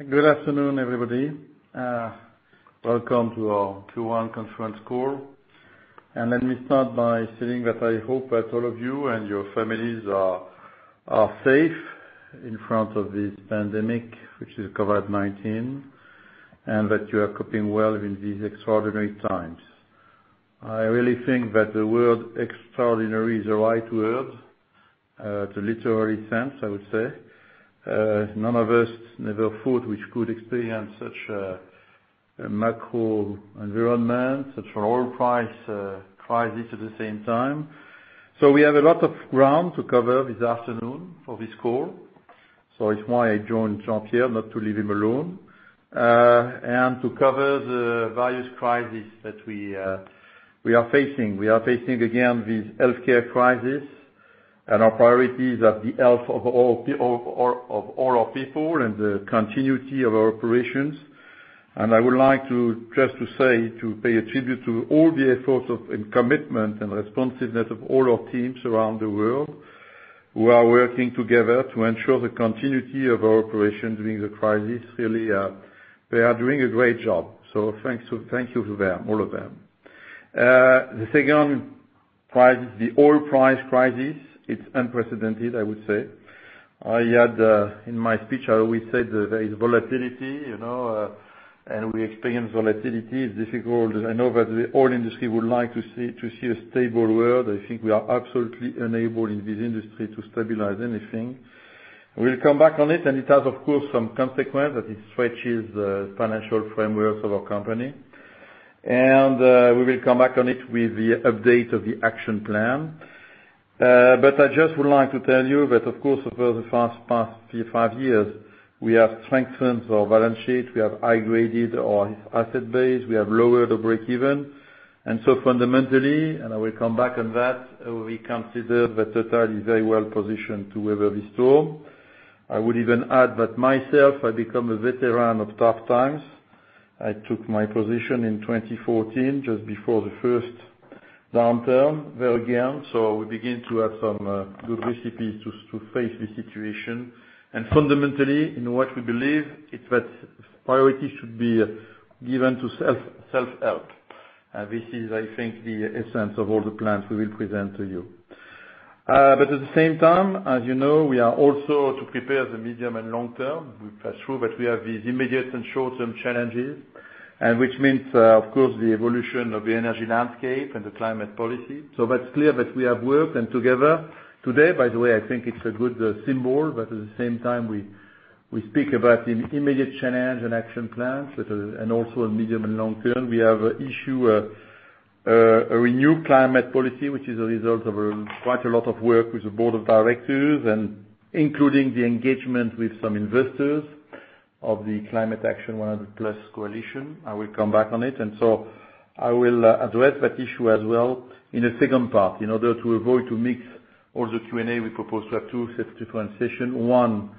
Good afternoon, everybody. Welcome to our Q1 conference call. Let me start by saying that I hope that all of you and your families are safe in front of this pandemic, which is COVID-19, and that you are coping well in these extraordinary times. I really think that the word extraordinary is the right word, the literary sense, I would say. None of us never thought we could experience such a macro environment, such an oil price crisis at the same time. We have a lot of ground to cover this afternoon for this call. It's why I joined Jean-Pierre, not to leave him alone. To cover the various crises that we are facing. We are facing, again, this healthcare crisis, and our priority is that the health of all our people and the continuity of our operations. I would like just to say, to pay a tribute to all the efforts and commitment and responsiveness of all our teams around the world, who are working together to ensure the continuity of our operation during the crisis. Really, they are doing a great job. Thank you to them, all of them. The second crisis, the oil price crisis, it's unprecedented, I would say. In my speech, I always said that there is volatility, and we experience volatility. It's difficult. I know that the oil industry would like to see a stable world. I think we are absolutely unable in this industry to stabilize anything. We'll come back on it, and it has, of course, some consequence, that it stretches the financial frameworks of our company. We will come back on it with the update of the action plan. I just would like to tell you that, of course, over the past five years, we have strengthened our balance sheet. We have high-graded our asset base. We have lowered the break-even. Fundamentally, and I will come back on that, we consider that Total is very well positioned to weather this storm. I would even add that myself, I've become a veteran of tough times. I took my position in 2014, just before the first downturn, very young, so we begin to have some good recipes to face the situation. Fundamentally, in what we believe, it's that priority should be given to self-help. This is, I think, the essence of all the plans we will present to you. At the same time, as you know, we are also to prepare the medium and long term. We are sure that we have these immediate and short-term challenges, which means, of course, the evolution of the energy landscape and the climate policy. That's clear that we have worked and together today, by the way, I think it's a good symbol that at the same time we speak about the immediate challenge and action plans, and also in medium and long term. We have issued a renewed climate policy, which is a result of quite a lot of work with the board of directors and including the engagement with some investors of the Climate Action 100+ coalition. I will come back on it. I will address that issue as well in a second part. In order to avoid to mix all the Q&A, we propose to have two separate different session.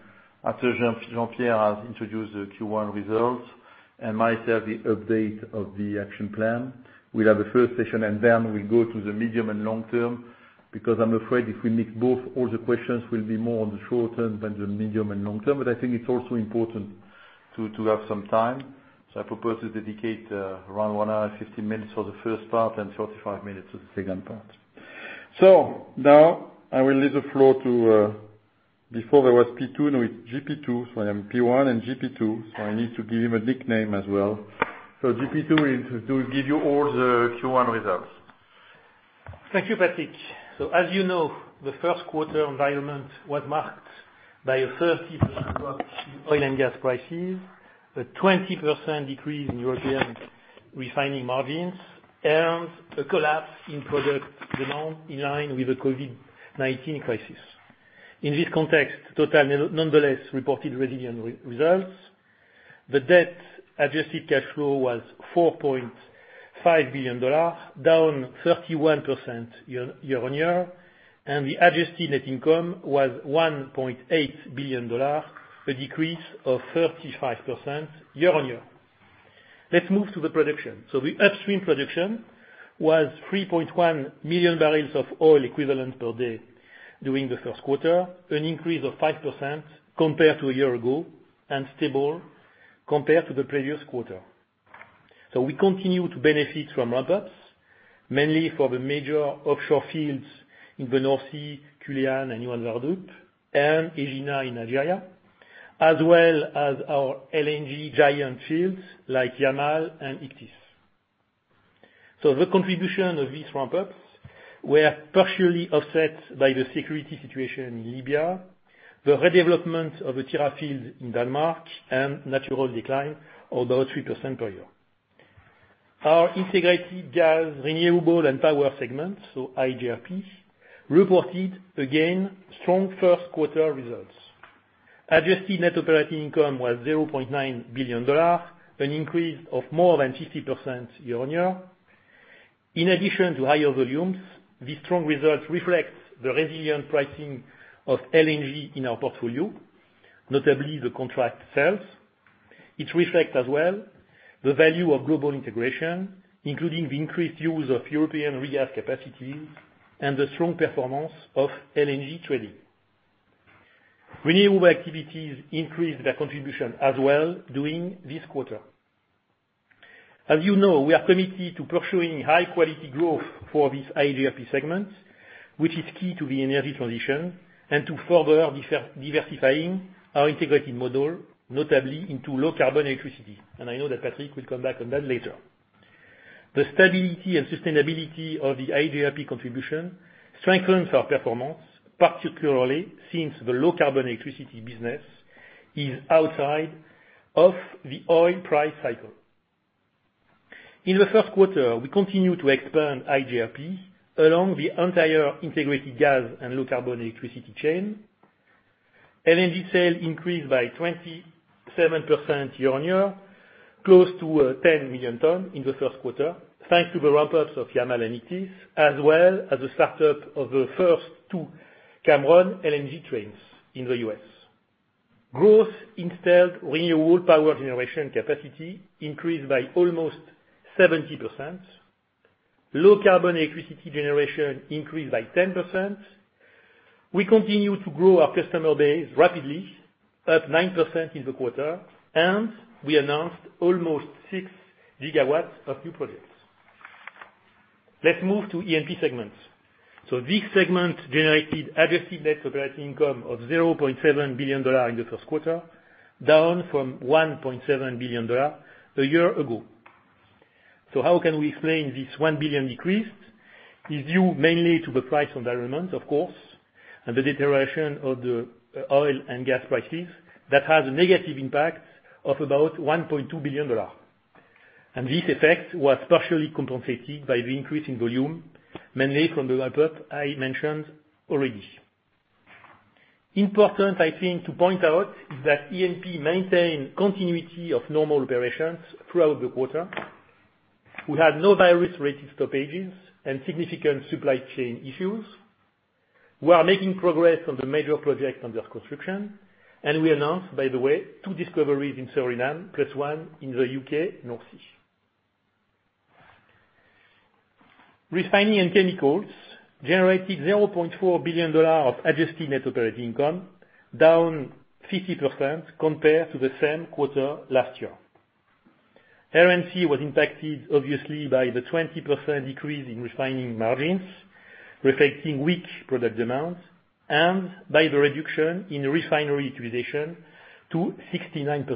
After Jean-Pierre has introduced the Q1 results, and myself, the update of the action plan. We'll have a first session, then we'll go to the medium and long term, because I'm afraid if we mix both, all the questions will be more on the short term than the medium and long term. I think it's also important to have some time. I propose to dedicate around one hour and 10 minutes for the first part and 45 minutes for the second part. Now I will leave the floor to, before there was P2 now it's JP2, I am P1 and JP2, I need to give him a nickname as well. JP2 is to give you all the Q1 results. Thank you, Patrick. As you know, the first quarter environment was marked by a 30% drop in oil and gas prices, a 20% decrease in European refining margins, and a collapse in product demand in line with the COVID-19 crisis. In this context, Total nonetheless reported resilient results. The debt adjusted cash flow was $4.5 billion, down 31% year-on-year, and the adjusted net income was $1.8 billion, a decrease of 35% year-on-year. Let's move to the production. The upstream production was 3.1 million barrels of oil equivalent per day during the first quarter, an increase of 5% compared to a year ago, and stable compared to the previous quarter. We continue to benefit from ramp-ups, mainly for the major offshore fields in the North Sea, Culzean and Johan Sverdrup, and Egina in Nigeria, as well as our LNG giant fields like Yamal and Ichthys. The contribution of these ramp-ups were partially offset by the security situation in Libya, the redevelopment of the Tyra field in Denmark, and natural decline of about 3% per year. Our Integrated Gas, Renewables & Power segment, so iGRP, reported again strong first quarter results. Adjusted net operating income was $0.9 billion, an increase of more than 50% year-on-year. In addition to higher volumes, these strong results reflect the resilient pricing of LNG in our portfolio, notably the contract sales. It reflects as well the value of global integration, including the increased use of European regas capacities and the strong performance of LNG trading. Renewable activities increased their contribution as well during this quarter. As you know, we are committed to pursuing high quality growth for this iGRP segment, which is key to the energy transition and to further diversifying our integrated model, notably into low carbon electricity. I know that Patrick will come back on that later. The stability and sustainability of the iGRP contribution strengthens our performance, particularly since the low carbon electricity business is outside of the oil price cycle. In the first quarter, we continued to expand iGRP along the entire integrated gas and low carbon electricity chain. LNG sales increased by 27% year-on-year, close to 10 million tons in the first quarter, thanks to the ramp-ups of Yamal and Ichthys, as well as the start-up of the first two Cameron LNG trains in the U.S. Growth in installed renewable power generation capacity increased by almost 70%. Low-carbon electricity generation increased by 10%. We continue to grow our customer base rapidly, up 9% in the quarter, and we announced almost 6 GW of new projects. Let's move to E&P segments. This segment generated adjusted net operating income of $0.7 billion in the first quarter, down from $1.7 billion a year ago. How can we explain this 1 billion decrease? It's due mainly to the price environment, of course, and the deterioration of the oil and gas prices that has a negative impact of about $1.2 billion. This effect was partially compensated by the increase in volume, mainly from the output I mentioned already. Important, I think, to point out is that E&P maintained continuity of normal operations throughout the quarter. We had no virus-related stoppages and significant supply chain issues. We are making progress on the major projects under construction, and we announced, by the way, two discoveries in Suriname, plus one in the U.K. North Sea. Refining & Chemicals generated $0.4 billion of adjusted net operating income, down 50% compared to the same quarter last year. R&C was impacted obviously by the 20% decrease in refining margins, reflecting weak product demand and by the reduction in refinery utilization to 69%.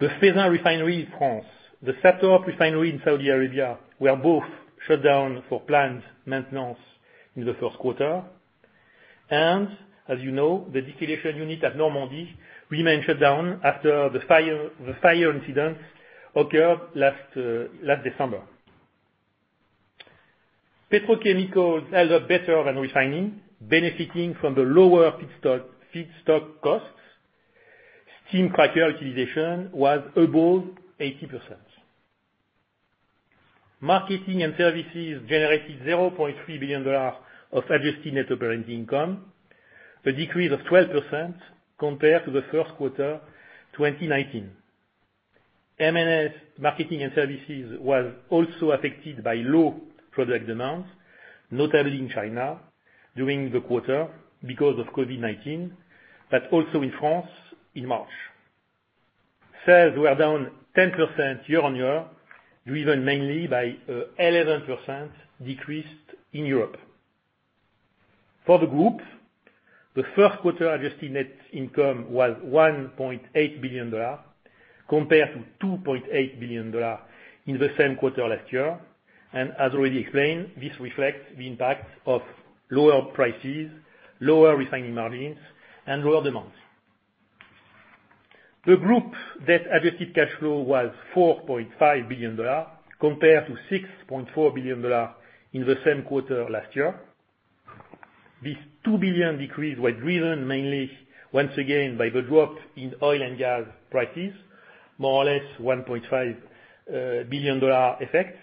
The Feyzin refinery in France, the SATORP refinery in Saudi Arabia, were both shut down for planned maintenance in the first quarter. As you know, the distillation unit at Normandy remains shut down after the fire incident occurred last December. Petrochemicals held up better than refining, benefiting from the lower feedstock costs. Steam cracker utilization was above 80%. Marketing & Services generated $0.3 billion of adjusted net operating income, a decrease of 12% compared to the first quarter 2019. M&S, Marketing & Services, was also affected by low product demand, notably in China during the quarter because of COVID-19, but also in France in March. Sales were down 10% year-on-year, driven mainly by 11% decrease in Europe. For the group, the first quarter adjusted net income was $1.8 billion compared to $2.8 billion in the same quarter last year. As already explained, this reflects the impact of lower prices, lower refining margins, and lower demand. The group net adjusted cash flow was $4.5 billion compared to $6.4 billion in the same quarter last year. This 2 billion decrease was driven mainly, once again, by the drop in oil and gas prices, more or less $1.5 billion effect,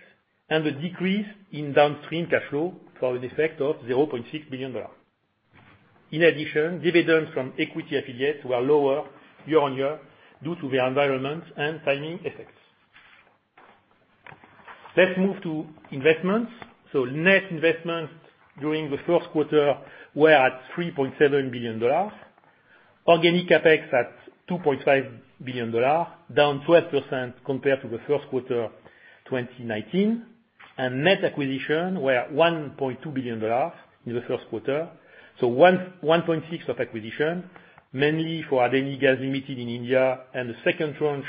and a decrease in downstream cash flow for an effect of $0.6 billion. In addition, dividends from equity affiliates were lower year-on-year due to the environment and timing effects. Let's move to investments. Net investments during the first quarter were at $3.7 billion. Organic CapEx at $2.5 billion, down 12% compared to the first quarter 2019. Net acquisition were $1.2 billion in the first quarter. $1.6 of acquisition, mainly for Adani Total Gas Limited in India and the second tranche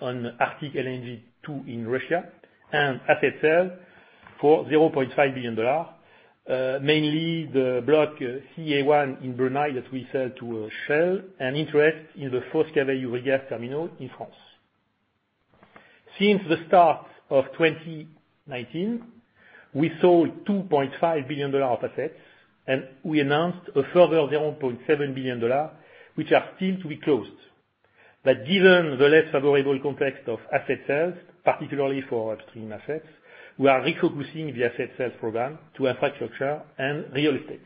on Arctic LNG 2 in Russia, and asset sale for $0.5 billion. Mainly the Block CA1 in Brunei that we sell to Shell, and interest in the Fos-Cavaou regas terminal in France. Since the start of 2019, we sold $2.5 billion of assets and we announced a further $0.7 billion, which are still to be closed. Given the less favorable context of asset sales, particularly for upstream assets. We are refocusing the asset sales program to infrastructure and real estate.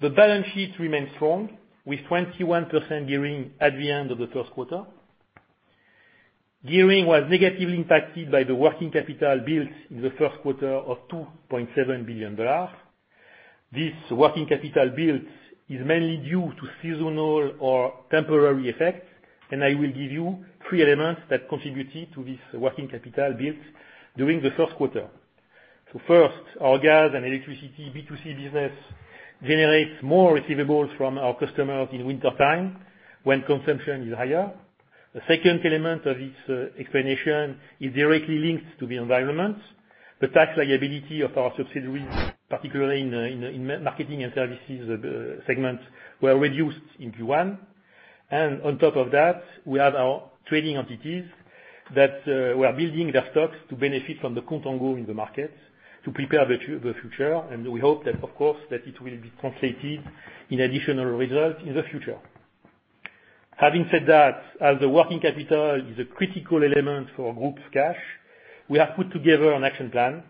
The balance sheet remains strong, with 21% gearing at the end of the first quarter. Gearing was negatively impacted by the working capital built in the first quarter of $2.7 billion. This working capital build is mainly due to seasonal or temporary effects. I will give you three elements that contributed to this working capital build during the first quarter. First, our gas and electricity B2C business generates more receivables from our customers in wintertime when consumption is higher. The second element of its explanation is directly linked to the environment. The tax liability of our subsidiaries, particularly in Marketing & Services segments, were reduced in Q1. On top of that, we have our trading entities that were building their stocks to benefit from the contango in the market to prepare the future. We hope that, of course, that it will be translated in additional results in the future. Having said that, as the working capital is a critical element for group cash, we have put together an action plan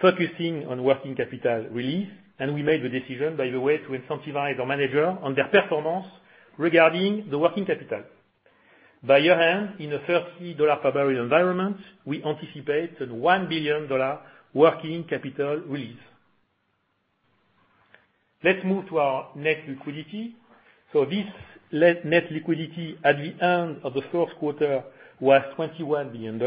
focusing on working capital release, and we made the decision, by the way, to incentivize our manager on their performance regarding the working capital. By year-end, in a $30 per barrel environment, we anticipate $1 billion working capital release. Let's move to our net liquidity. This net liquidity at the end of the first quarter was $21 billion.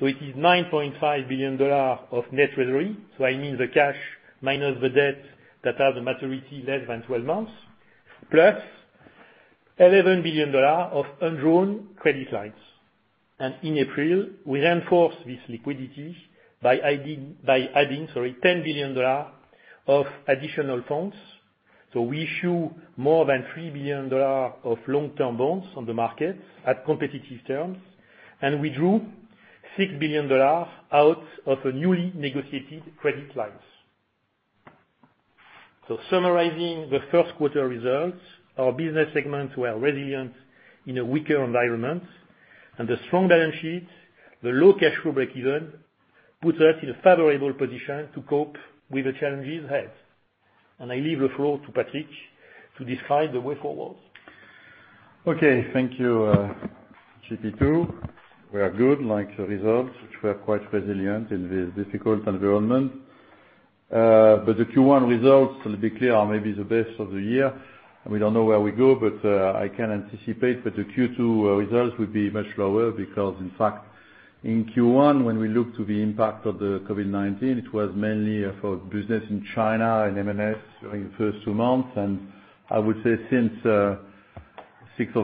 It is $9.5 billion of net treasury. I mean, the cash minus the debt that has a maturity less than 12 months, +$11 billion of undrawn credit lines. In April, we reinforced this liquidity by adding sorry, $10 billion of additional funds. We issue more than $3 billion of long-term bonds on the market at competitive terms, and we drew $6 billion out of newly negotiated credit lines. Summarizing the first quarter results, our business segments were resilient in a weaker environment and the strong balance sheet, the low cash flow breakeven, puts us in a favorable position to cope with the challenges ahead. I leave the floor to Patrick to describe the way forward. Okay. Thank you, JP2. We are good. Like the results, which were quite resilient in this difficult environment. The Q1 results, to be clear, are maybe the best of the year. We don't know where we go, but I can anticipate that the Q2 results will be much lower because in fact, in Q1, when we look to the impact of the COVID-19, it was mainly for business in China and M&S during the two months. I would say since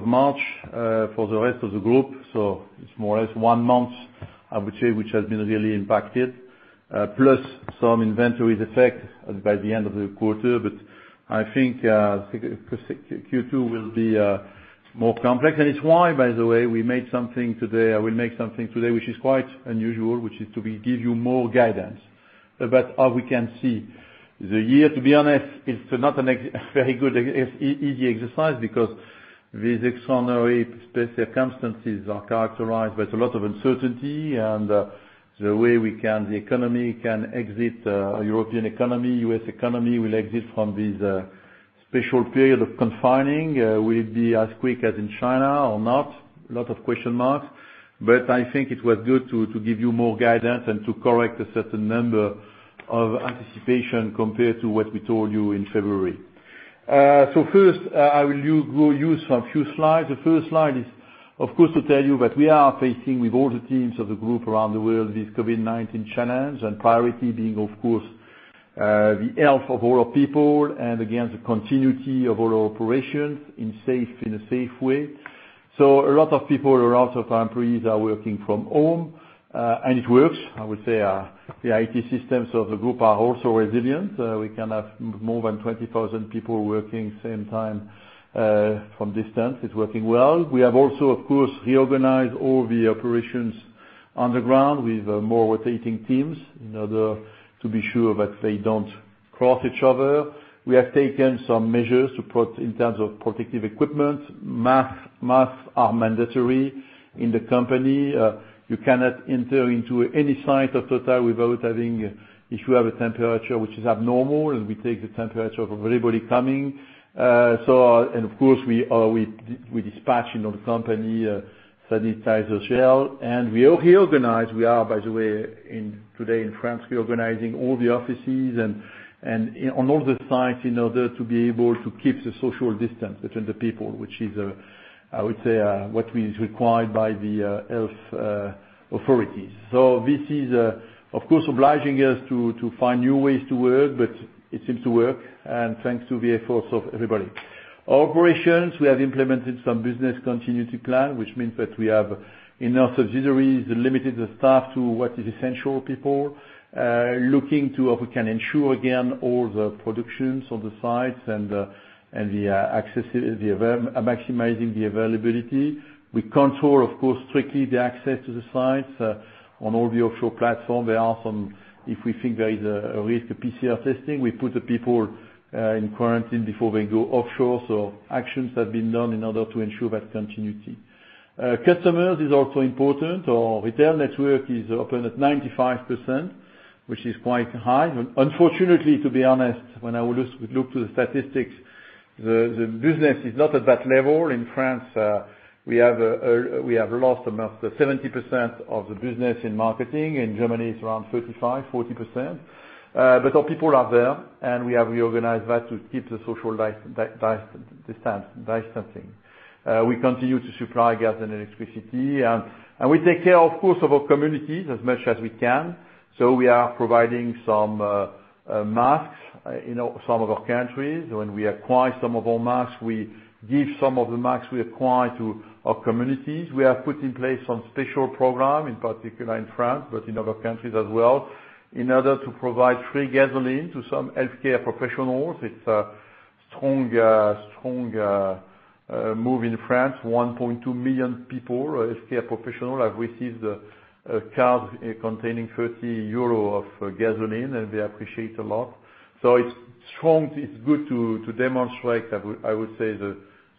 March 6th, for the rest of the group, so it's more or less one month, I would say, which has been really impacted, plus some inventories effect by the end of the quarter. I think Q2 will be more complex. It's why, by the way, we made something today. I will make something today, which is quite unusual, which is to give you more guidance about how we can see the year. To be honest, it's not a very good, easy exercise because these extraordinary circumstances are characterized by a lot of uncertainty. The way the economy can exit, European economy, U.S. economy will exit from this special period of confining will be as quick as in China or not. Lot of question marks, but I think it was good to give you more guidance and to correct a certain number of anticipation compared to what we told you in February. First, I will use a few slides. The first slide is, of course, to tell you that we are facing, with all the teams of the group around the world, this COVID-19 challenge and priority being, of course, the health of all our people and again, the continuity of all our operations in a safe way. A lot of people or lots of our employees are working from home and it works. I would say the IT systems of the group are also resilient. We can have more than 20,000 people working same time from distance. It's working well. We have also, of course, reorganized all the operations on the ground with more rotating teams in order to be sure that they don't cross each other. We have taken some measures in terms of protective equipment. Masks are mandatory in the company. You cannot enter into any site of Total without having, if you have a temperature which is abnormal, we take the temperature of everybody coming. Of course, we dispatch in all the company sanitizer gel. We reorganize. We are, by the way today in France, reorganizing all the offices and on all the sites in order to be able to keep the social distance between the people, which is I would say, what is required by the health authorities. This is of course obliging us to find new ways to work, but it seems to work, thanks to the efforts of everybody. Our operations, we have implemented some business continuity plan, which means that we have, in our subsidiaries, limited the staff to what is essential people, looking to how we can ensure, again, all the productions on the sites and maximizing the availability. We control, of course, strictly the access to the sites on all the offshore platforms. There are some, if we think there is a risk of PCR testing, we put the people in quarantine before they go offshore. Actions have been done in order to ensure that continuity. Customers is also important. Our retail network is open at 95%, which is quite high. Unfortunately, to be honest, when I would look to the statistics. The business is not at that level in France. We have lost about 70% of the business in marketing. In Germany, it's around 35%-40%. Our people are there, and we have reorganized that to keep the social distancing. We continue to supply gas and electricity, and we take care, of course, of our communities as much as we can. We are providing some masks in some of our countries. When we acquire some of our masks, we give some of the masks we acquire to our communities. We have put in place some special program, in particular in France, but in other countries as well, in order to provide free gasoline to some healthcare professionals. It's a strong move in France. 1.2 million people, healthcare professionals, have received cards containing 30 euro of gasoline, and they appreciate a lot. It's strong. It's good to demonstrate, I would say, the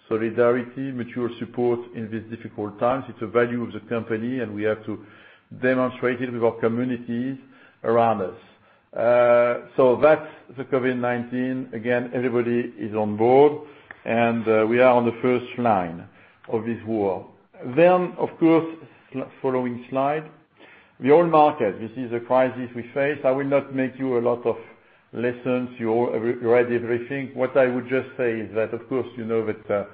solidarity, mutual support in these difficult times. It's a value of the company, and we have to demonstrate it with our communities around us. That's the COVID-19. Again, everybody is on board, and we are on the first line of this war. Of course, following slide. The oil market. This is a crisis we face. I will not make you a lot of lessons. You read everything. What I would just say is that, of course, you know that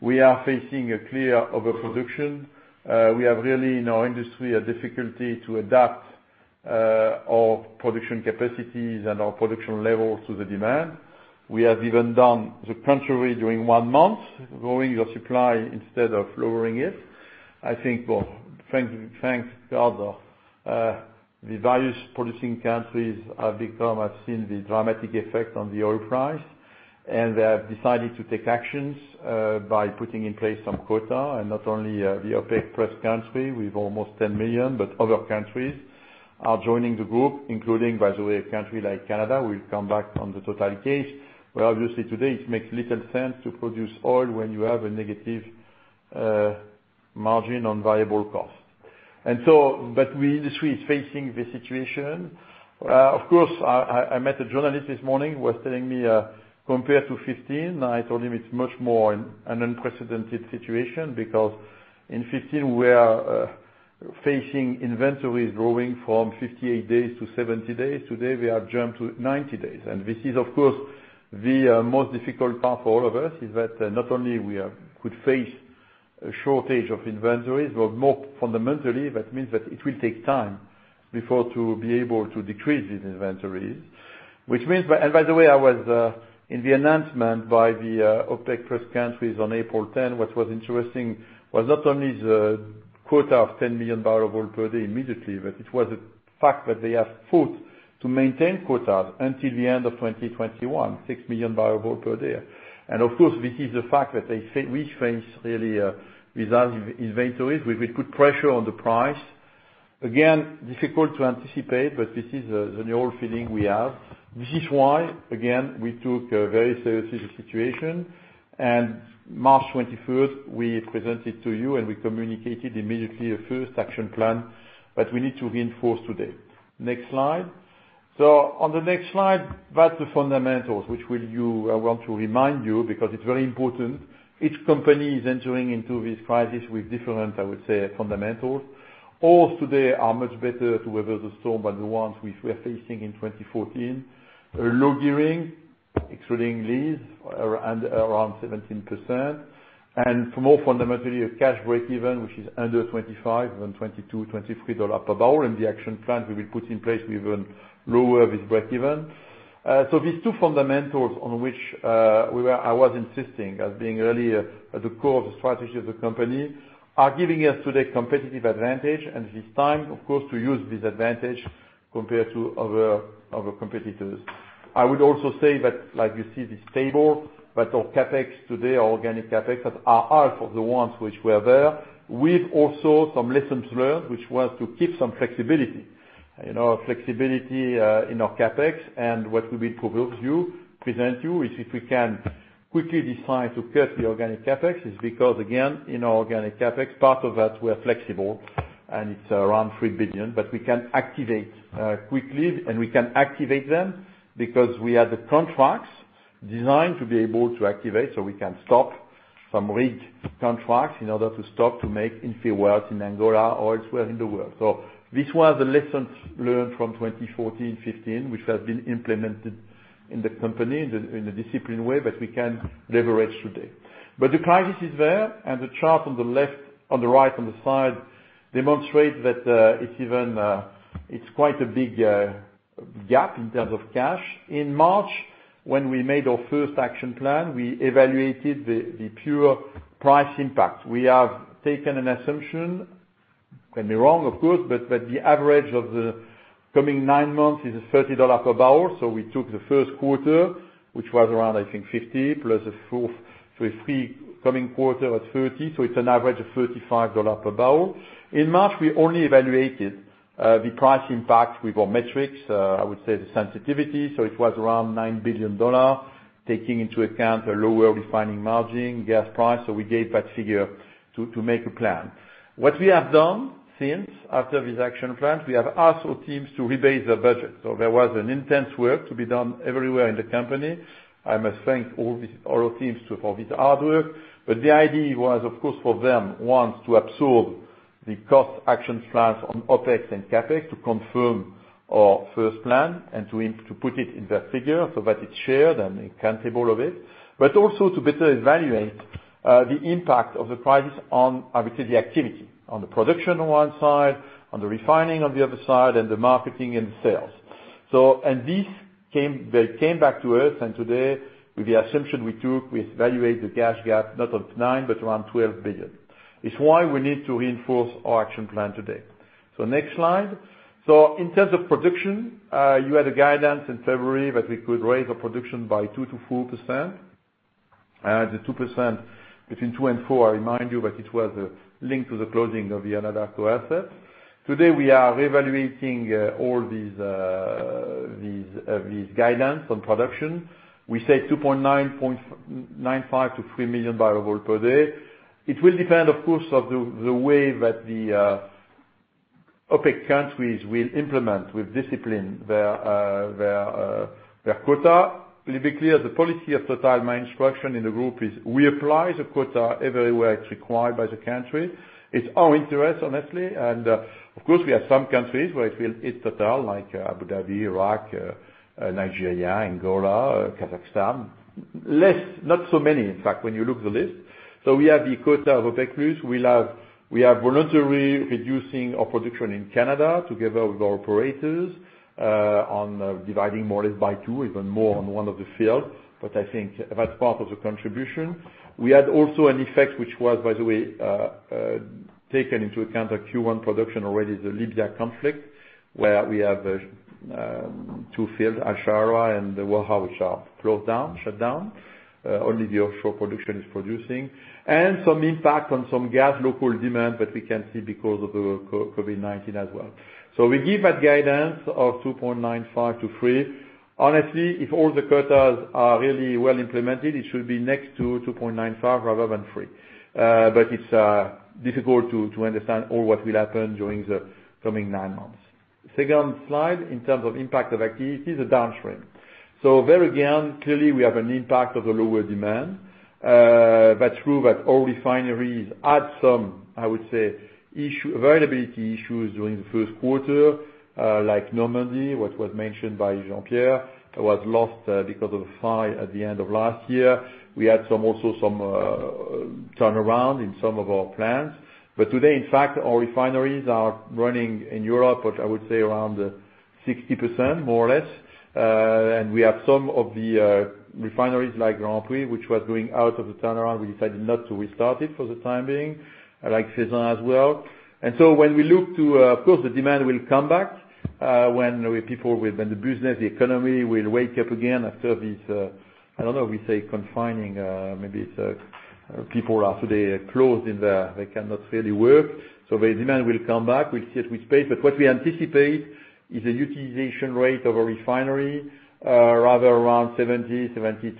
we are facing a clear overproduction. We have really, in our industry, a difficulty to adapt our production capacities and our production levels to the demand. We have even done the contrary during one month, growing our supply instead of lowering it. I think, well, thank God, the various producing countries have seen the dramatic effect on the oil price, and they have decided to take actions by putting in place some quota. Not only the OPEC+ country, with almost 10 million, but other countries are joining the group, including, by the way, a country like Canada. We'll come back on the Total case, where obviously today it makes little sense to produce oil when you have a negative margin on variable cost. The industry is facing the situation. I met a journalist this morning who was telling me, compared to 2015, I told him it's much more an unprecedented situation, because in 2015, we are facing inventories growing from 58-70 days. Today, we have jumped to 90 days. This is, of course, the most difficult part for all of us, is that not only we could face a shortage of inventories, but more fundamentally, that means that it will take time before to be able to decrease these inventories. By the way, I was in the announcement by the OPEC+ countries on April 10. What was interesting was not only the quota of 10 MMbpd immediately, but it was the fact that they have fought to maintain quotas until the end of 2021, 6 MMbpd. Of course, this is the fact that we face really these inventories, which will put pressure on the price. Again, difficult to anticipate, but this is the natural feeling we have. This is why, again, we took very seriously the situation. March 21st, we presented to you and we communicated immediately a first action plan that we need to reinforce today. Next slide. On the next slide, that's the fundamentals, which I want to remind you because it's very important. Each company is entering into this crisis with different, I would say, fundamentals. Ours today are much better to weather the storm than the ones which we are facing in 2014. Low gearing, excluding lease, around 17%. More fundamentally, a cash breakeven, which is under $25, even $22, $23 per barrel. In the action plan we will put in place, we even lower this breakeven. These two fundamentals on which I was insisting as being really at the core of the strategy of the company are giving us today competitive advantage. It is time, of course, to use this advantage compared to other competitors. I would also say that, like you see this table, that our CapEx today, organic CapEx, are half of the ones which were there. We've also some lessons learned, which was to keep some flexibility. Flexibility in our CapEx. What we will present you is if we can quickly decide to cut the organic CapEx is because, again, in organic CapEx, part of that, we're flexible, and it's around $3 billion. We can activate quickly, and we can activate them because we have the contracts designed to be able to activate, so we can stop some rig contracts in order to stop to make infill wells, in Angola, or elsewhere in the world. This was the lessons learned from 2014/2015, which has been implemented in the company in a disciplined way that we can leverage today. The crisis is there, and the chart on the right, on the side, demonstrate that it's quite a big gap in terms of cash. In March, when we made our first action plan, we evaluated the pure price impact. We have taken an assumption, can be wrong, of course, but the average of the coming nine months is a $30 per barrel. We took the first quarter, which was around, I think, $50 plus the three coming quarter at $30. It's an average of $35 per barrel. In March, we only evaluated the price impact with our metrics, I would say the sensitivity. It was around $9 billion, taking into account a lower refining margin, gas price. We gave that figure to make a plan. What we have done since, after this action plan, we have asked our teams to rebase their budget. There was an intense work to be done everywhere in the company. I must thank all our teams for this hard work. The idea was, of course, for them, one, to absorb the cost action plans on OpEx and CapEx to confirm our first plan and to put it in the figure so that it's shared and accountable of it, also to better evaluate the impact of the crisis on, I would say, the activity. On the production on one side, on the refining on the other side, and the marketing and sales. They came back to us, and today, with the assumption we took, we evaluate the cash gap, not of $9, but around $12 billion. It is why we need to reinforce our action plan today. Next slide. In terms of production, you had a guidance in February that we could raise our production by 2%-4%. The 2%, between 2% and 4%, I remind you that it was linked to the closing of the Anadarko asset. Today, we are reevaluating all these guidance on production. We say 2.95 MMbpd-3 MMbpd. It will depend, of course, on the way that the OPEC countries will implement with discipline their quota. Let me be clear, the policy of Total my instruction in the group is we apply the quota everywhere it is required by the country. It is our interest, honestly. Of course, we have some countries where it will hit Total, like Abu Dhabi, Iraq, Nigeria, Angola, Kazakhstan. Less, not so many, in fact, when you look at the list. We have the quota of OPEC+. We have voluntary reducing our production in Canada together with our operators, on dividing more or less by two, even more on one of the fields. I think that is part of the contribution. We had also an effect which was, by the way, taken into account at Q1 production already, the Libya conflict, where we have two fields, El Sharara and Waha, which are closed down, shut down. Only the offshore production is producing. Some impact on some gas local demand that we can see because of the COVID-19 as well. We give that guidance of 2.95-3. Honestly, if all the quotas are really well implemented, it should be next to 2.95 rather than 3. It's difficult to understand all what will happen during the coming nine months. Second slide, in terms of impact of activities, the downstream. There again, clearly we have an impact of the lower demand. That's true that all refineries had some, I would say, availability issues during the first quarter. Like Normandy, what was mentioned by Jean-Pierre, was lost because of a fire at the end of last year. We had also some turnaround in some of our plants. Today, in fact, our refineries are running in Europe at, I would say, around 60%, more or less. We have some of the refineries, like Grandpuits, which was going out of the turnaround. We decided not to restart it for the time being. Feyzin as well. The demand will come back, when the business, the economy, will wake up again after this, we say confining. People are today closed. They cannot really work. The demand will come back. We will see with pace. What we anticipate is a utilization rate of a refinery, rather around 70%, 72%,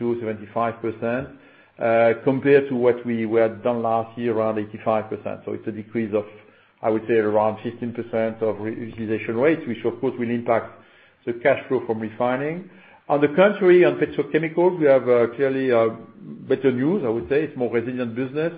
75%, compared to what we had done last year around 85%. It is a decrease of, I would say, around 15% of utilization rate, which of course will impact the cash flow from refining. On the contrary, on petrochemicals, we have clearly better news, I would say. It is more resilient business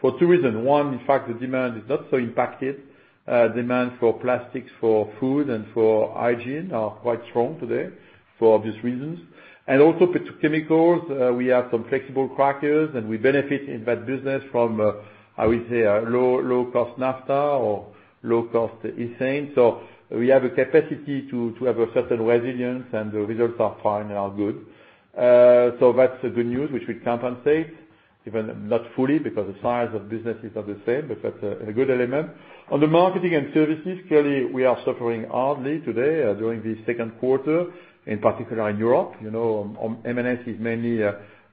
for two reasons. In fact, the demand is not so impacted. Demand for plastics, for food, and for hygiene are quite strong today for obvious reasons. Also petrochemicals, we have some flexible crackers, and we benefit in that business from low cost naphtha or low cost ethane. We have a capacity to have a certain resilience, and the results are fine and are good. That's the good news, which we compensate, even not fully because the size of business is not the same, but that's a good element. On the M&S, clearly, we are suffering hardly today during this second quarter, in particular in Europe. M&S is mainly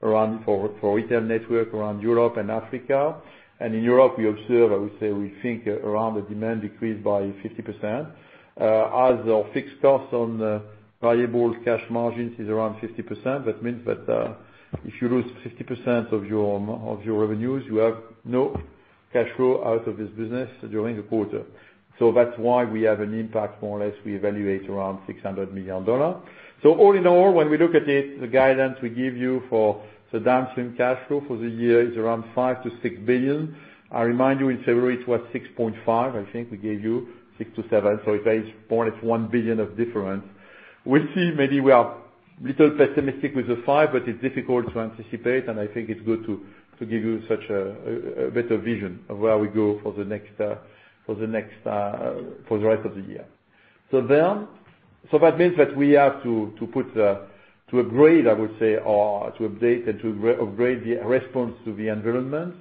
run for retail network around Europe and Africa. In Europe, we observe, we think around the demand decreased by 50%. As our fixed cost on variable cash margins is around 50%, that means that if you lose 50% of your revenues, you have no cash flow out of this business during the quarter. That's why we have an impact, more or less, we evaluate around $600 million. All in all, when we look at it, the guidance we give you for the downstream cash flow for the year is around $5 billion-$6 billion. I remind you, in February, it was $6.5 billion. I think we gave you $6 billion-$7 billion. It's $1 billion of difference. We see maybe we are a little pessimistic with the $5 billion, but it's difficult to anticipate, and I think it's good to give you such a better vision of where we go for the right of the year. That means that we have to upgrade, I would say, or to update and to upgrade the response to the environment.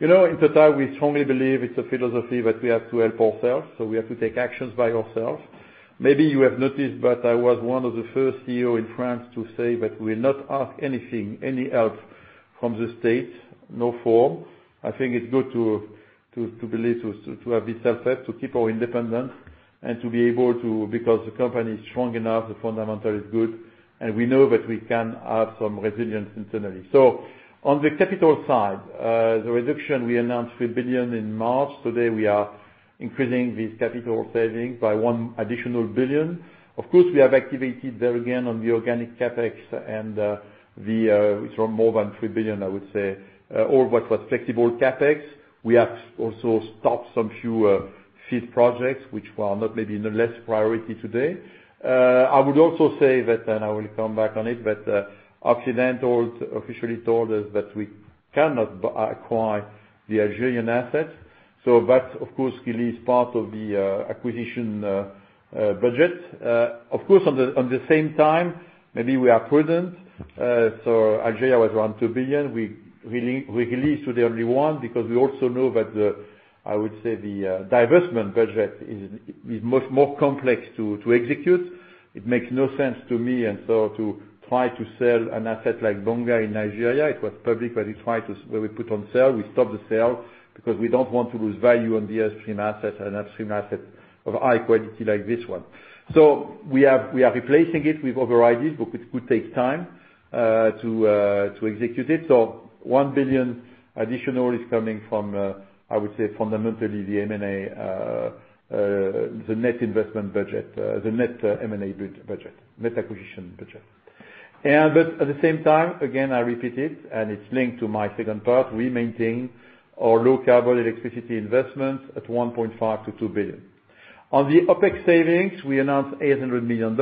In Total, we strongly believe it's a philosophy that we have to help ourselves, we have to take actions by ourselves. Maybe you have noticed, I was one of the first CEO in France to say that we will not ask anything, any help from the state. I think it's good to have this self-set, to keep our independence and to be able to, because the company is strong enough, the fundamental is good, and we know that we can have some resilience internally. On the capital side, the reduction, we announced $3 billion in March. Today, we are increasing this capital savings by $1 additional billion. We have activated there again, on the organic CapEx, it's more than $3 billion, I would say, or what was flexible CapEx. We have also stopped some few FID projects, which are not maybe in the least priority today. I would also say that, and I will come back on it, Occidental officially told us that we cannot acquire the Algerian assets. That, of course, release part of the acquisition budget. On the same time, maybe we are prudent. Algeria was around $2 billion. We release today only $1 billion because we also know that the, I would say the divestment budget is much more complex to execute. It makes no sense to me to try to sell an asset like Bonga in Nigeria, it was public when we put on sale. We stopped the sale because we don't want to lose value on the upstream asset, an upstream asset of high quality like this one. We are replacing it with other ideas, but it could take time to execute it. $1 billion additional is coming from, I would say fundamentally the M&A, the net investment budget, the net M&A budget, net acquisition budget. At the same time, again, I repeat it, and it's linked to my second part, we maintain our low-carbon electricity investments at $1.5 billion-$2 billion. On the OpEx savings, we announced $800 million.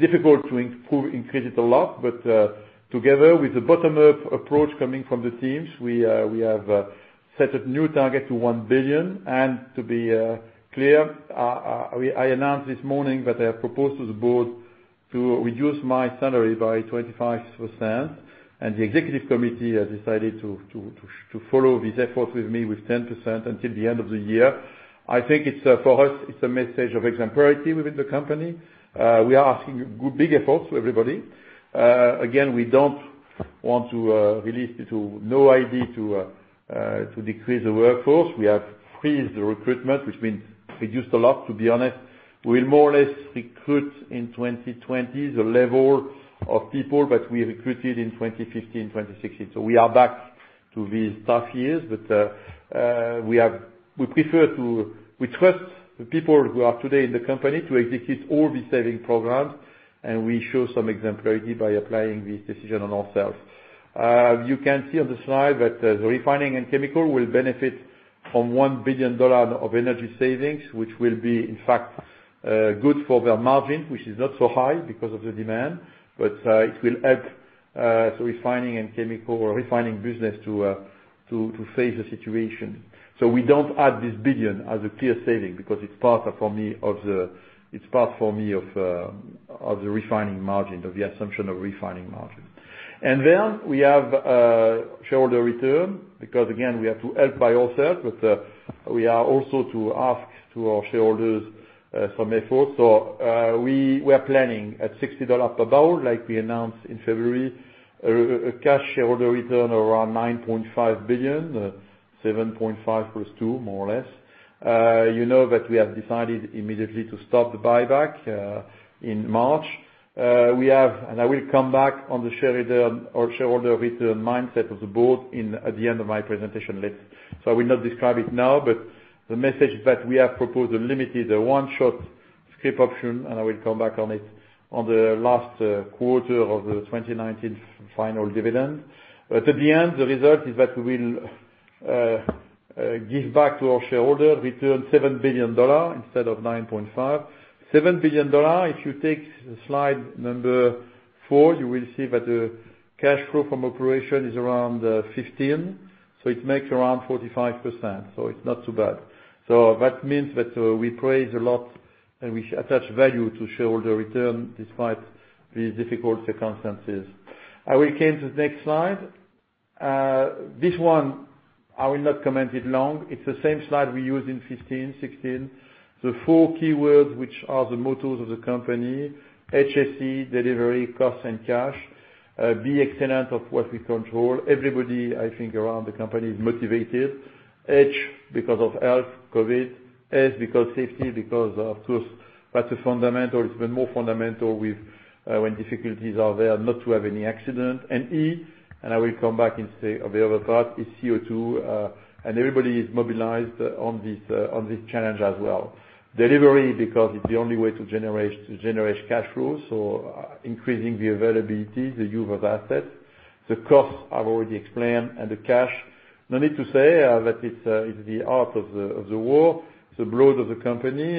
Difficult to increase it a lot, but together with the bottom-up approach coming from the teams, we have set a new target to $1 billion. To be clear, I announced this morning that I have proposed to the Board to reduce my salary by 25%, and the Executive Committee has decided to follow this effort with me with 10% until the end of the year. I think for us, it's a message of exemplary within the company. We are asking big efforts to everybody. We don't want to release to no idea to decrease the workforce. We have freeze the recruitment, which means reduced a lot, to be honest. We'll more or less recruit in 2020 the level of people that we recruited in 2015/2016. We are back to these tough years, but we trust the people who are today in the company to execute all the saving programs, and we show some exemplary by applying this decision on ourselves. You can see on the slide that the Refining & Chemicals will benefit from $1 billion of energy savings, which will be, in fact, good for their margin, which is not so high because of the demand. It will help Refining & Chemicals or refining business to face the situation. We don't add this $1 billion as a clear saving because it's part for me of the refining margin, of the assumption of refining margin. We have shareholder return because, again, we have to help by ourselves, but we are also to ask to our shareholders some effort. We are planning at $60 per barrel, like we announced in February, a cash shareholder return around $9.5 billion, $7.5 billion+$2 billion, more or less. You know that we have decided immediately to stop the buyback in March. I will come back on the shareholder return mindset of the board at the end of my presentation list. I will not describe it now, but the message that we have proposed a limited, a one-shot scrip option, and I will come back on it on the last quarter of the 2019 final dividend. At the end, the result is that we will give back to our shareholder return $7 billion instead of $9.5 billion. $7 billion, if you take slide number four, you will see that the cash flow from operation is around $15 billion, so it makes around 45%, so it is not so bad. That means that we praise a lot and we attach value to shareholder return despite these difficult circumstances. I will came to the next slide. This one, I will not comment it long. It is the same slide we used in 2015/2016. The four keywords, which are the mottos of the company, HSE, delivery, cost, and cash. Be excellent of what we control. Everybody, I think around the company is motivated. H because of health, COVID-19. S because safety, of course, that's a fundamental. It's been more fundamental when difficulties are there not to have any accident. E, and I will come back and say on the other part, is CO2. Everybody is mobilized on this challenge as well. Delivery because it's the only way to generate cash flows, increasing the availability, the use of assets. The cost I've already explained. The cash, no need to say that it's the heart of the work, the blood of the company.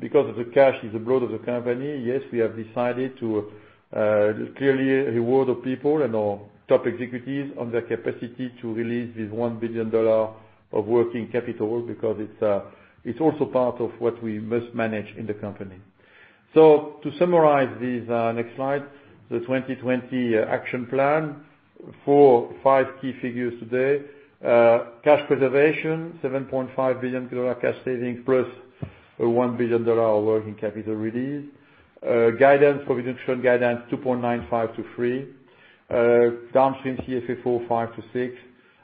Because the cash is the blood of the company, yes, we have decided to clearly reward the people and our top executives on their capacity to release this $1 billion of working capital because it's also part of what we must manage in the company. To summarize this next slide, the 2020 action plan. Four or five key figures today. Cash preservation, $7.5 billion cash savings plus a $1 billion of working capital release. Guidance, production guidance 2.95-3. Downstream CFFO $5 billion-$6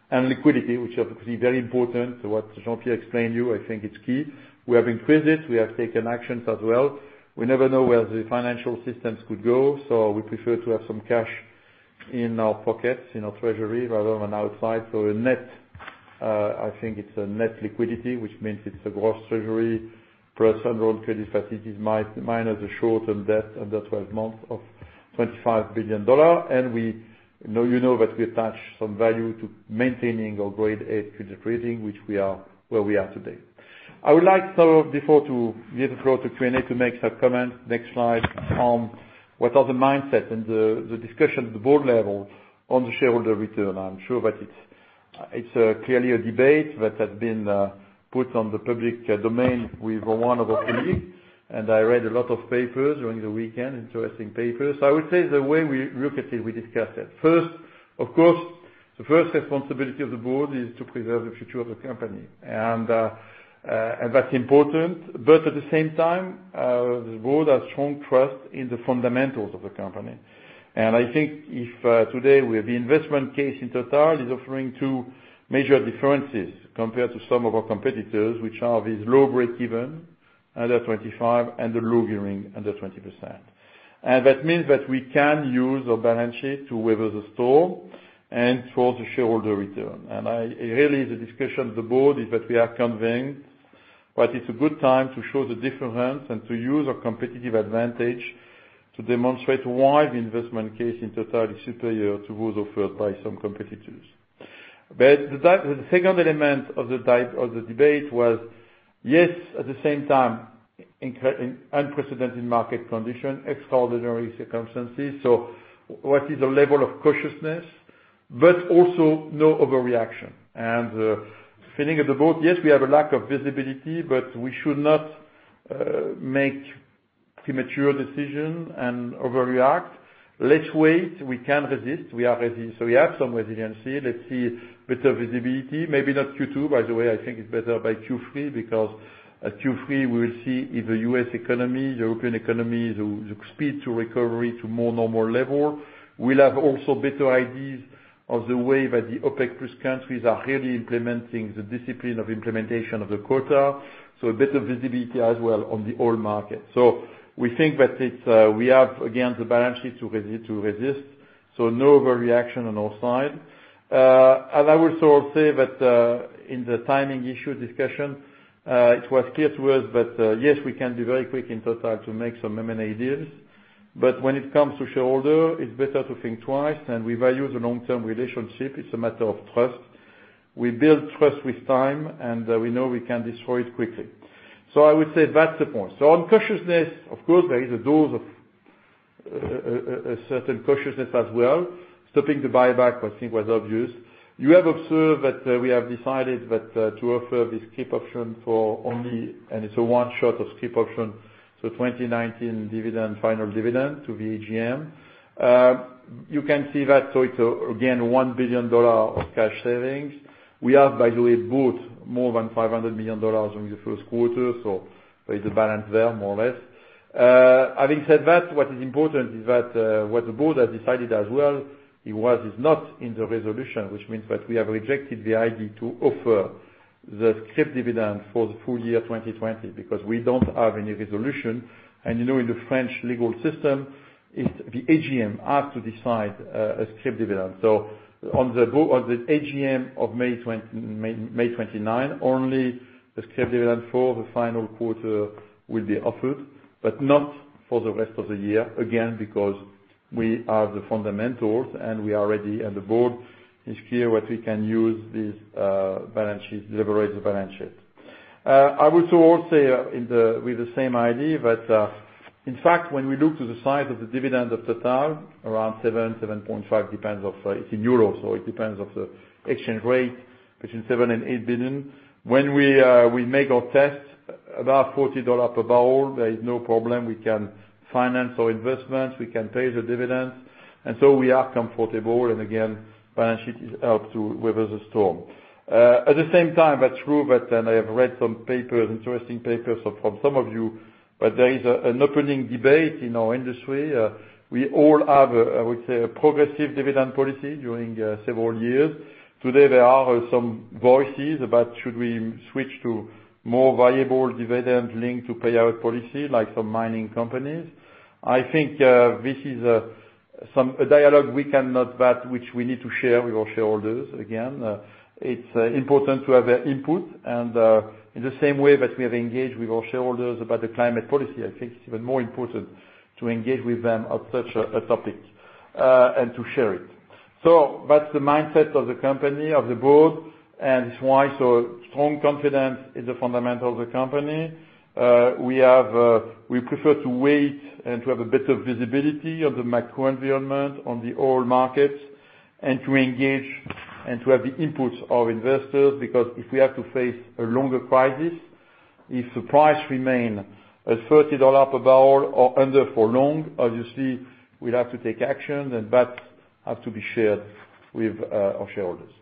billion. Liquidity, which is obviously very important to what Jean-Pierre explained to you, I think it's key. We have increased it. We have taken actions as well. We never know where the financial systems could go. We prefer to have some cash in our pockets, in our treasury rather than outside. I think it's a net liquidity, which means it's a gross treasury plus overall credit facilities, minus the short-term debt under 12 months of $25 billion. And you know that we attach some value to maintaining our Grade A credit rating, which where we are today. I would like some, before to give the floor to Q&A, to make some comments. Next slide. On what are the mindset and the discussion at the Board level on the shareholder return. I'm sure that it's clearly a debate that has been, put on the public domain with one of our colleagues, and I read a lot of papers during the weekend, interesting papers. I would say the way we look at it, we discussed it. Of course, the first responsibility of the Board is to preserve the future of the company. That's important. At the same time, the Board has strong trust in the fundamentals of the company. I think if today, the investment case in Total is offering two major differences compared to some of our competitors, which are these low break-even under 25, and the low gearing under 20%. That means that we can use our balance sheet to weather the storm and towards the shareholder return. Really, the discussion of the Board is that we are conveying that it's a good time to show the difference and to use our competitive advantage to demonstrate why the investment case in Total is superior to those offered by some competitors. The second element of the debate was, yes, at the same time, unprecedented market condition, extraordinary circumstances. What is the level of cautiousness, but also no overreaction. The feeling of the Board, yes, we have a lack of visibility, but we should not make premature decision and overreact. Let's wait. We can resist. We are resilient. We have some resiliency. Let's see better visibility. Maybe not Q2, by the way, I think it's better by Q3, because at Q3, we will see if the U.S. economy, the European economy, the speed to recovery to more normal level. We'll have also better ideas of the way that the OPEC+ countries are really implementing the discipline of implementation of the quota, so a better visibility as well on the oil market. We think that we have, again, the balance sheet to resist, so no overreaction on our side. I would also say that, in the timing issue discussion, it was clear to us that, yes, we can be very quick in Total to make some M&A deals. When it comes to shareholder, it's better to think twice, and we value the long-term relationship. It's a matter of trust. We build trust with time, and we know we can destroy it quickly. I would say that's the point. On cautiousness, of course, there is a dose of a certain cautiousness as well. Stopping the buyback, I think, was obvious. You have observed that we have decided that to offer the scrip option for only, and it's a one shot of scrip option, so 2019 final dividend to the AGM. You can see that. It's, again, $1 billion of cash savings. We have, by the way, bought more than $500 million during the first quarter, so there is a balance there, more or less. Having said that, what is important is that, what the Board has decided as well, is not in the resolution, which means that we have rejected the idea to offer the scrip dividend for the full year 2020, because we don't have any resolution. You know, in the French legal system, it's the AGM have to decide a scrip dividend. On the AGM of May 29, only the scrip dividend for the final quarter will be offered, but not for the rest of the year, again, because we have the fundamentals and we are ready, and the Board is clear that we can use this leverage balance sheet. I would also say with the same idea that, in fact, when we look to the size of the dividend of Total, around 7 billion-7.5 billion depends. It's in euros, it depends on the exchange rate between $7 billion and $8 billion. When we make our test, about $40 per barrel, there is no problem. We can finance our investments, we can pay the dividends, we are comfortable, again, balance sheet is up to weather the storm. At the same time, it's true that, I have read some interesting papers from some of you, there is an opening debate in our industry. We all have, I would say, a progressive dividend policy during several years. Today, there are some voices about should we switch to more variable dividend linked to payout policy like some mining companies. I think, this is a dialogue we cannot debate, which we need to share with our shareholders. Again, it's important to have their input. In the same way that we have engaged with our shareholders about the climate policy, I think it's even more important to engage with them on such a topic, and to share it. That's the mindset of the company, of the Board, and that's why strong confidence is the fundamental of the company. We prefer to wait and to have a better visibility of the macro environment on the oil markets and to engage and to have the inputs of investors, because if we have to face a longer crisis, if the price remain at $30 per barrel or under for long, obviously we'll have to take action, and that has to be shared with our shareholders.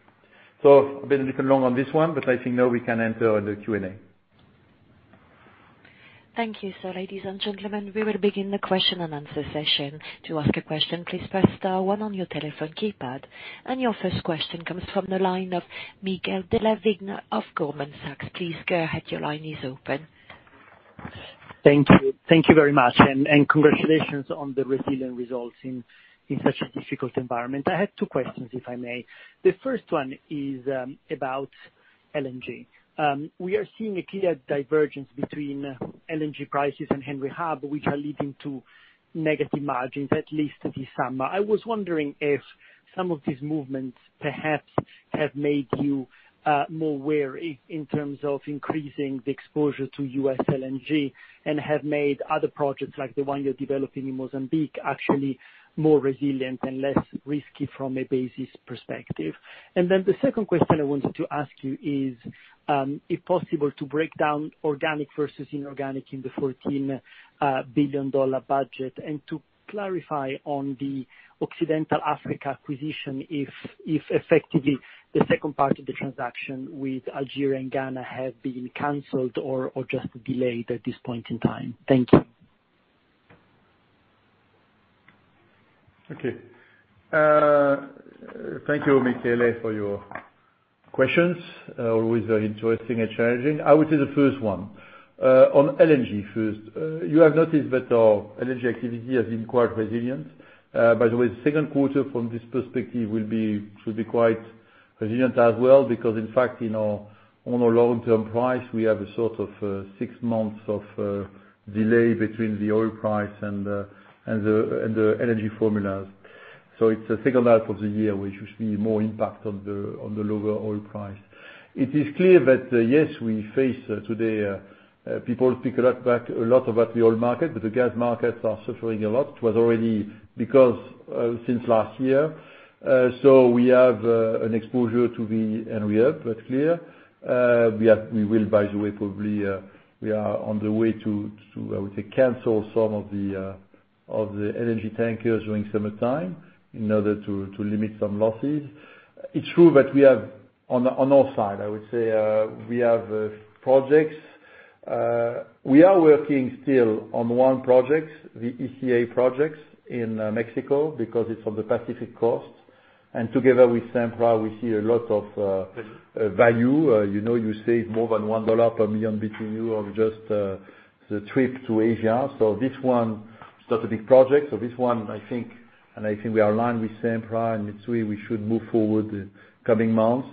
I've been a little long on this one, but I think now we can enter on the Q&A. Thank you, sir. Ladies and gentlemen, we will begin the question and answer session. To ask a question, please press star one on your telephone keypad. Your first question comes from the line of Michele Della Vigna of Goldman Sachs. Please go ahead. Your line is open. Thank you. Thank you very much. Congratulations on the resilient results in such a difficult environment. I have two questions, if I may. The first one is about LNG. We are seeing a clear divergence between LNG prices and Henry Hub, which are leading to negative margins, at least this summer. I was wondering if some of these movements perhaps have made you more wary in terms of increasing the exposure to U.S. LNG and have made other projects like the one you're developing in Mozambique actually more resilient and less risky from a basis perspective. The second question I wanted to ask you is, if possible, to break down organic versus inorganic in the $14 billion budget. To clarify on the Occidental Africa acquisition, if effectively the second part of the transaction with Nigeria and Ghana has been canceled or just delayed at this point in time. Thank you. Okay. Thank you, Michele, for your questions. Always very interesting and challenging. I will take the first one. On LNG first. You have noticed that our LNG activity has been quite resilient. By the way, the second quarter from this perspective should be quite resilient as well because, in fact, on our long-term price, we have a sort of six months of delay between the oil price and the energy formulas. It's the second half of the year, we should see more impact on the lower oil price. It is clear that, yes, we face today, people speak a lot about the oil market, but the gas markets are suffering a lot. It was already because since last year. We have an exposure to the Henry Hub, that's clear. We are on the way to, I would say, cancel some of the LNG tankers during summertime in order to limit some losses. It's true that we have, on all sides, I would say, we have projects. We are working still on one project, the ECA projects in Mexico, because it's on the Pacific Coast. Together with Sempra, we see a lot of value. You save more than $1 per million BTU of just the trip to Asia. This one is not a big project. This one, I think we are aligned with Sempra, and Mitsui, we should move forward in coming months.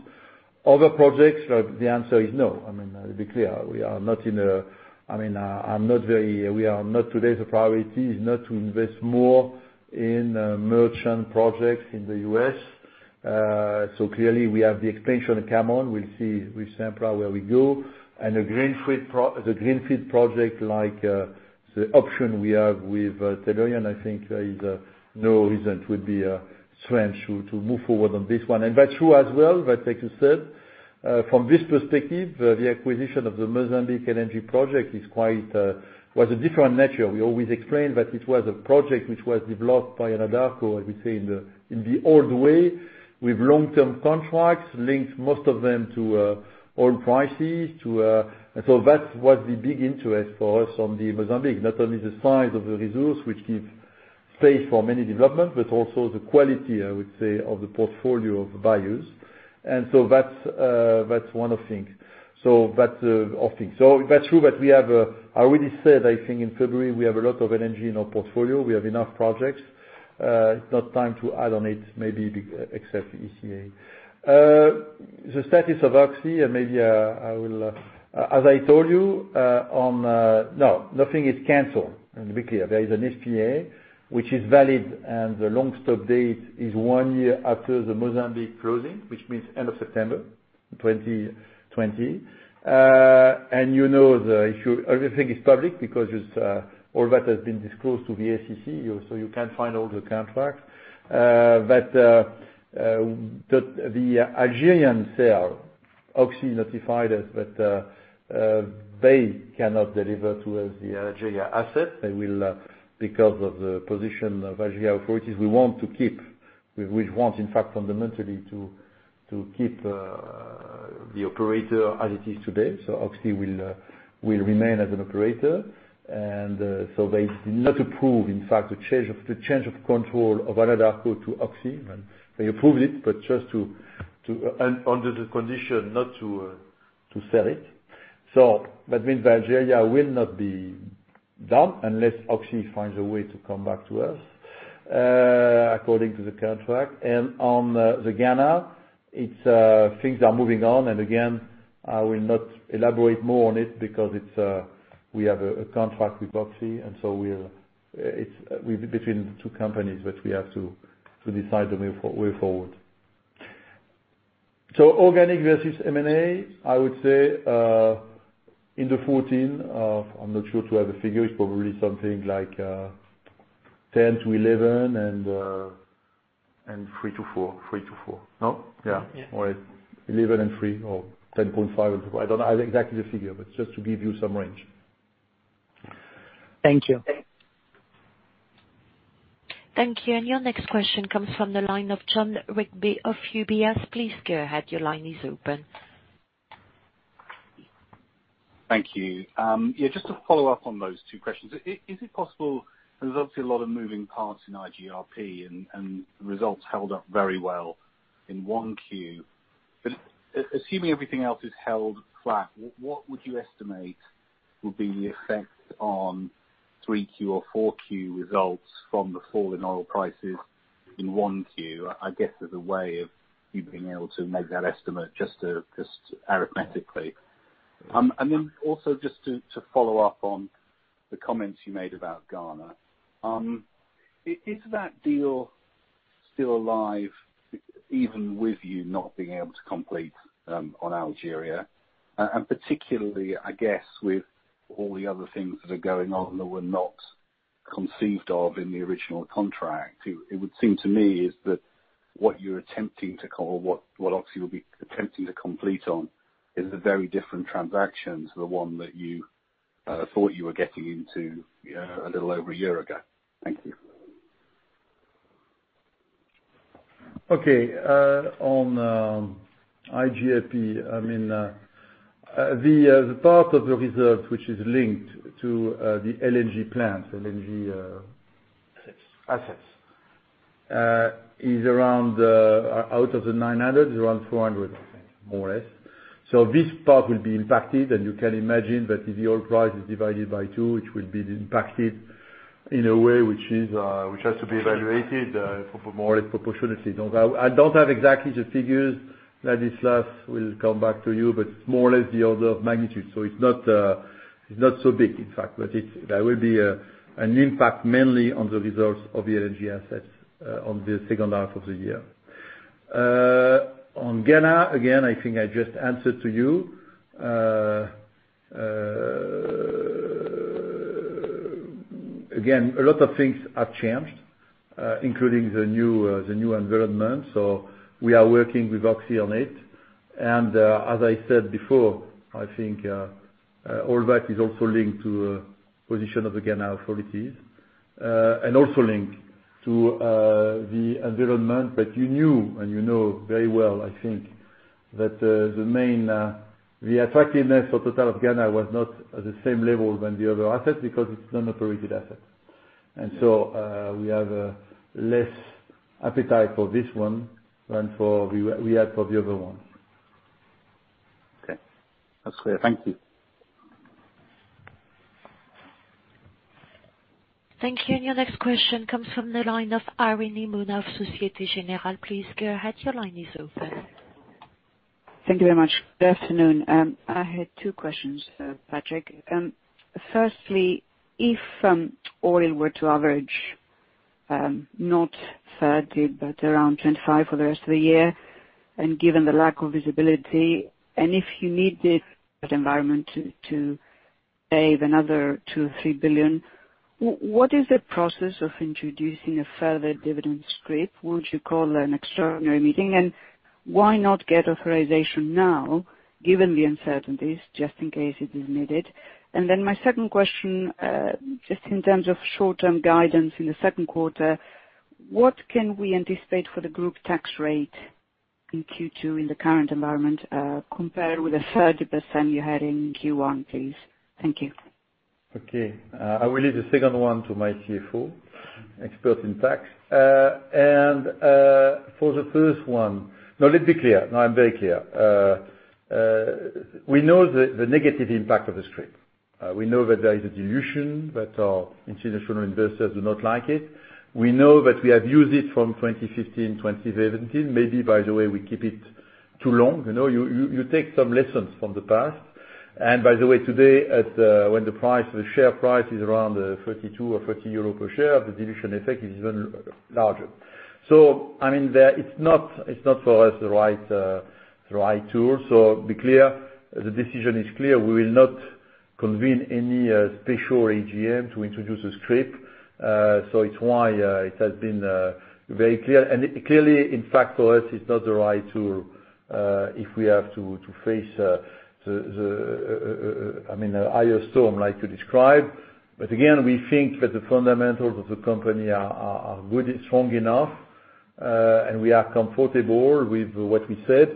Other projects, the answer is no. I mean, to be clear, today the priority is not to invest more in merchant projects in the U.S. Clearly, we have the expansion at Cameron. We'll see with Sempra where we go. The greenfield project, like the option we have with Tellurian, I think there is no reason to be a strength to move forward on this one. That's true as well, like you said, from this perspective, the acquisition of the Mozambique LNG project was a different nature. We always explained that it was a project which was developed by Anadarko, I would say, in the old way, with long-term contracts, linked most of them to oil prices. That was the big interest for us on the Mozambique, not only the size of the resource, which give space for many developments, but also the quality, I would say, of the portfolio of values. That's one of things. That's true that we have, I already said, I think in February, we have a lot of LNG in our portfolio. We have enough projects. It's not time to add on it, maybe except the ECA. The status of Occidental, as I told you, no, nothing is canceled. To be clear, there is an SPA which is valid, and the long stop date is one year after the Mozambique closing, which means end of September 2020. You know the issue, everything is public because all that has been disclosed to the SEC, so you can find all the contracts. The Algerian sale, Occidental notified us that they cannot deliver to us the Algeria asset because of the position of Algeria authorities. We want, in fact, fundamentally to keep the operator as it is today. Occidental will remain as an operator. They did not approve, in fact, the change of control of Anadarko to Occidental. They approved it, but just under the condition not to sell it. That means that Algeria will not be done unless Occidental finds a way to come back to us, according to the contract. On the Ghana, things are moving on. Again, I will not elaborate more on it because we have a contract with Occidental, it's between the two companies, but we have to decide the way forward. Organic versus M&A, I would say, in the 14, I'm not sure to have a figure. It's probably something like 10 to 11, and three to four. No? Yeah. Yeah. All right. 11 and three or 10.5. I don't know exactly the figure, just to give you some range. Thank you. Thank you. Your next question comes from the line of Jon Rigby of UBS. Please go ahead. Your line is open. Thank you. Yeah, just to follow up on those two questions. Is it possible, there's obviously a lot of moving parts in iGRP, and results held up very well in 1Q. Assuming everything else is held flat, what would you estimate would be the effect on 3Q or 4Q results from the fall in oil prices in 1Q? I guess as a way of you being able to make that estimate, just arithmetically. Then also, just to follow up on the comments you made about Ghana. Is that deal still alive, even with you not being able to complete, on Algeria? Particularly, I guess, with all the other things that are going on that were not conceived of in the original contract. It would seem to me is that what you're attempting to call, what Occidental will be attempting to complete on, is a very different transaction to the one that you thought you were getting into a little over a year ago. Thank you. Okay. On, iGRP, the part of the reserve which is linked to the LNG plant, LNG- Assets assets, is around, out of the 900, around 400, I think, more or less. This part will be impacted, and you can imagine that if the oil price is divided by two, it will be impacted in a way which has to be evaluated more or less proportionately. I don't have exactly the figures, Ladislas will come back to you, but it's more or less the order of magnitude. It's not so big in fact, but there will be an impact mainly on the results of the LNG assets, on the second half of the year. On Ghana, again, I think I just answered to you. Again, a lot of things have changed, including the new environment. We are working with Occidental on it. As I said before, I think, all that is also linked to position of the Ghana authorities, and also linked to the environment that you knew and you know very well, I think, that the attractiveness of Total of Ghana was not at the same level than the other assets because it's non-operated asset. We have less appetite for this one than we had for the other one. Okay. That's clear. Thank you. Thank you. Your next question comes from the line of Irene Himona, Société Générale. Please go ahead. Your line is open. Thank you very much. Good afternoon. I had two questions, Patrick. Firstly, if oil were to average, not 30, but around 25 for the rest of the year, and given the lack of visibility, and if you need this environment to save another $2 billion or $3 billion, what is the process of introducing a further dividend scrip? Would you call an extraordinary meeting? Why not get authorization now, given the uncertainties, just in case it is needed? My second question, just in terms of short-term guidance in the second quarter, what can we anticipate for the group tax rate in Q2 in the current environment, compared with the 30% you had in Q1, please? Thank you. Okay. I will leave the second one to my CFO, expert in tax. For the first one. Let's be clear. I am very clear. We know the negative impact of the scrip. We know that there is a dilution, that our institutional investors do not like it. We know that we have used it from 2015 to 2017. Maybe by the way, we keep it too long. You take some lessons from the past. By the way, today when the share price is around $32 or $30 per share, the dilution effect is even larger. It is not for us the right tool. Be clear, the decision is clear. We will not convene any special AGM to introduce a scrip. It is why it has been very clear. Clearly, in fact, for us, it's not the right tool, if we have to face the higher storm, like you describe. Again, we think that the fundamentals of the company are strong enough, and we are comfortable with what we said.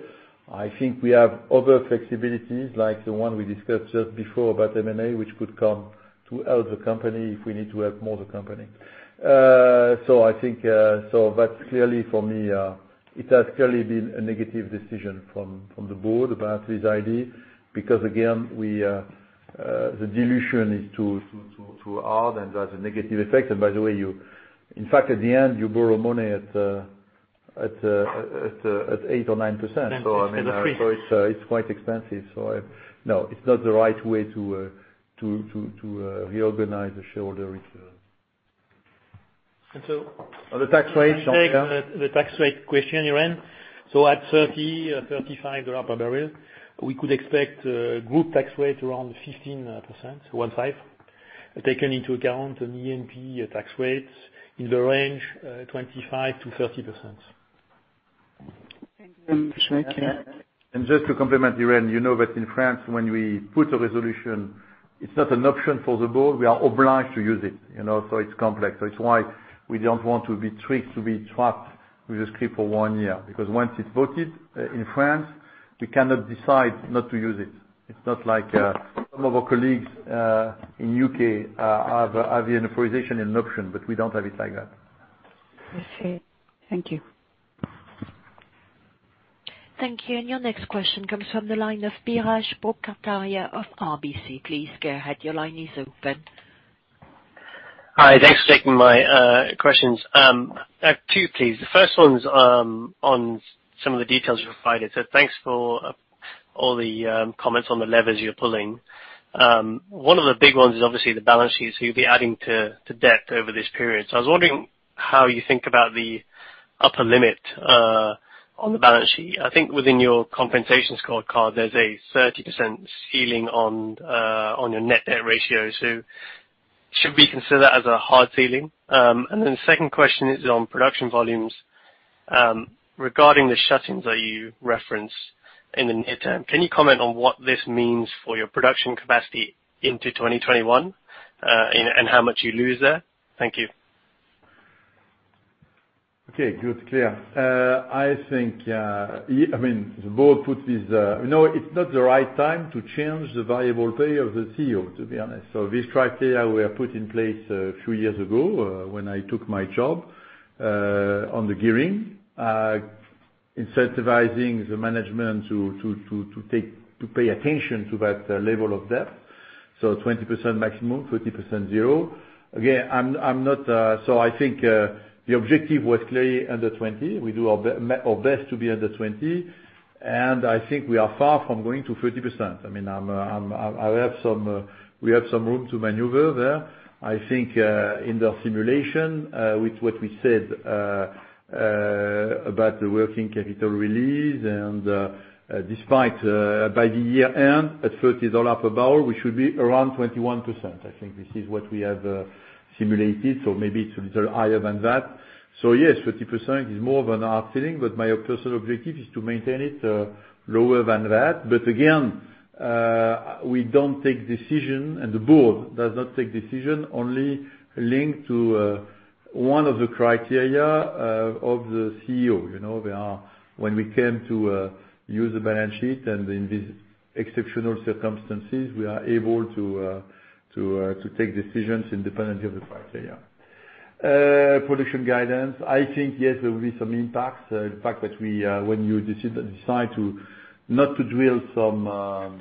I think we have other flexibilities, like the one we discussed just before about M&A, which could come to help the company if we need to help more the company. That's clearly for me, it has clearly been a negative decision from the Board about this idea because again, the dilution is too hard and has a negative effect. By the way, in fact, at the end, you borrow money at 8% or 9%. It's quite expensive. No, it's not the right way to reorganize the shareholder return. And so- On the tax rate, Jean-Pierre I can take the tax rate question, Irene. At $30-$35 per barrel, we could expect group tax rate around 15%, one five taken into account an E&P tax rates in the range 25%-30%. Thank you. Just to complement Irene, you know that in France when we put a resolution, it's not an option for the Board, we are obliged to use it. It's complex. That's why we don't want to be tricked to be trapped with the scrip for one year, because once it's voted in France, we cannot decide not to use it. It's not like some of our colleagues, in U.K., have an authorization and an option, but we don't have it like that. I see. Thank you. Thank you. Your next question comes from the line of Biraj Borkhataria of RBC. Please go ahead. Your line is open. Hi. Thanks for taking my questions. I have two, please. The first one's on some of the details you provided. Thanks for all the comments on the levers you're pulling. One of the big ones is obviously the balance sheet. You'll be adding to debt over this period. I was wondering how you think about the upper limit on the balance sheet. I think within your compensation scorecard, there's a 30% ceiling on your net debt ratio. Should we consider that as a hard ceiling? Second question is on production volumes. Regarding the shut-ins that you referenced in the near term, can you comment on what this means for your production capacity into 2021, and how much you lose there? Thank you. Okay. Good, clear. It's not the right time to change the variable pay of the CEO, to be honest. These criteria were put in place a few years ago, when I took my job, on the gearing, incentivizing the management to pay attention to that level of debt. 20% maximum, 30% zero. I think, the objective was clearly under 20%. We do our best to be under 20%, and I think we are far from going to 30%. We have some room to maneuver there. I think, in the simulation, with what we said about the working capital release and, despite, by the year-end, at $30 per barrel, we should be around 21%. I think this is what we have simulated. Maybe it's a little higher than that. Yes, 30% is more of an hard feeling, but my personal objective is to maintain it lower than that. Again, we don't take decision and the Board does not take decision only linked to one of the criteria of the CEO. When we came to use the balance sheet and in these exceptional circumstances, we are able to take decisions independently of the criteria. Production guidance, I think yes, there will be some impacts, the fact that when you decide to not to drill some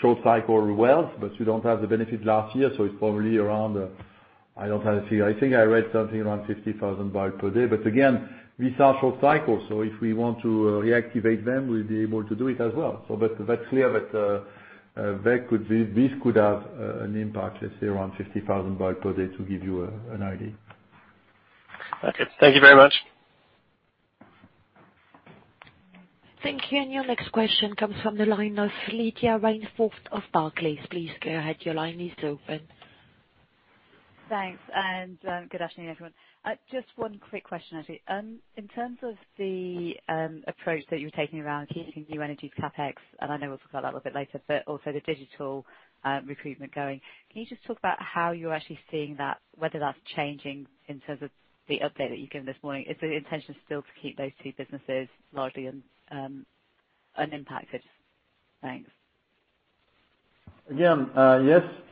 short cycle wells, but you don't have the benefit last year, so it's probably around I don't have a figure. I think I read something around 50,000 bpd. Again, these are short cycles, so if we want to reactivate them, we'll be able to do it as well. That's clear that this could have an impact, let's say around 50,000 bpd to give you an idea. Okay. Thank you very much. Thank you. Your next question comes from the line of Lydia Rainforth of Barclays. Please go ahead. Your line is open. Thanks. Good afternoon, everyone. Just one quick question, actually. In terms of the approach that you're taking around keeping New Energies' CapEx, and I know we'll talk about that a little bit later, but also the digital recruitment going, can you just talk about how you're actually seeing that, whether that's changing in terms of the update that you've given this morning? Is the intention still to keep those two businesses largely unimpacted? Thanks. Yes,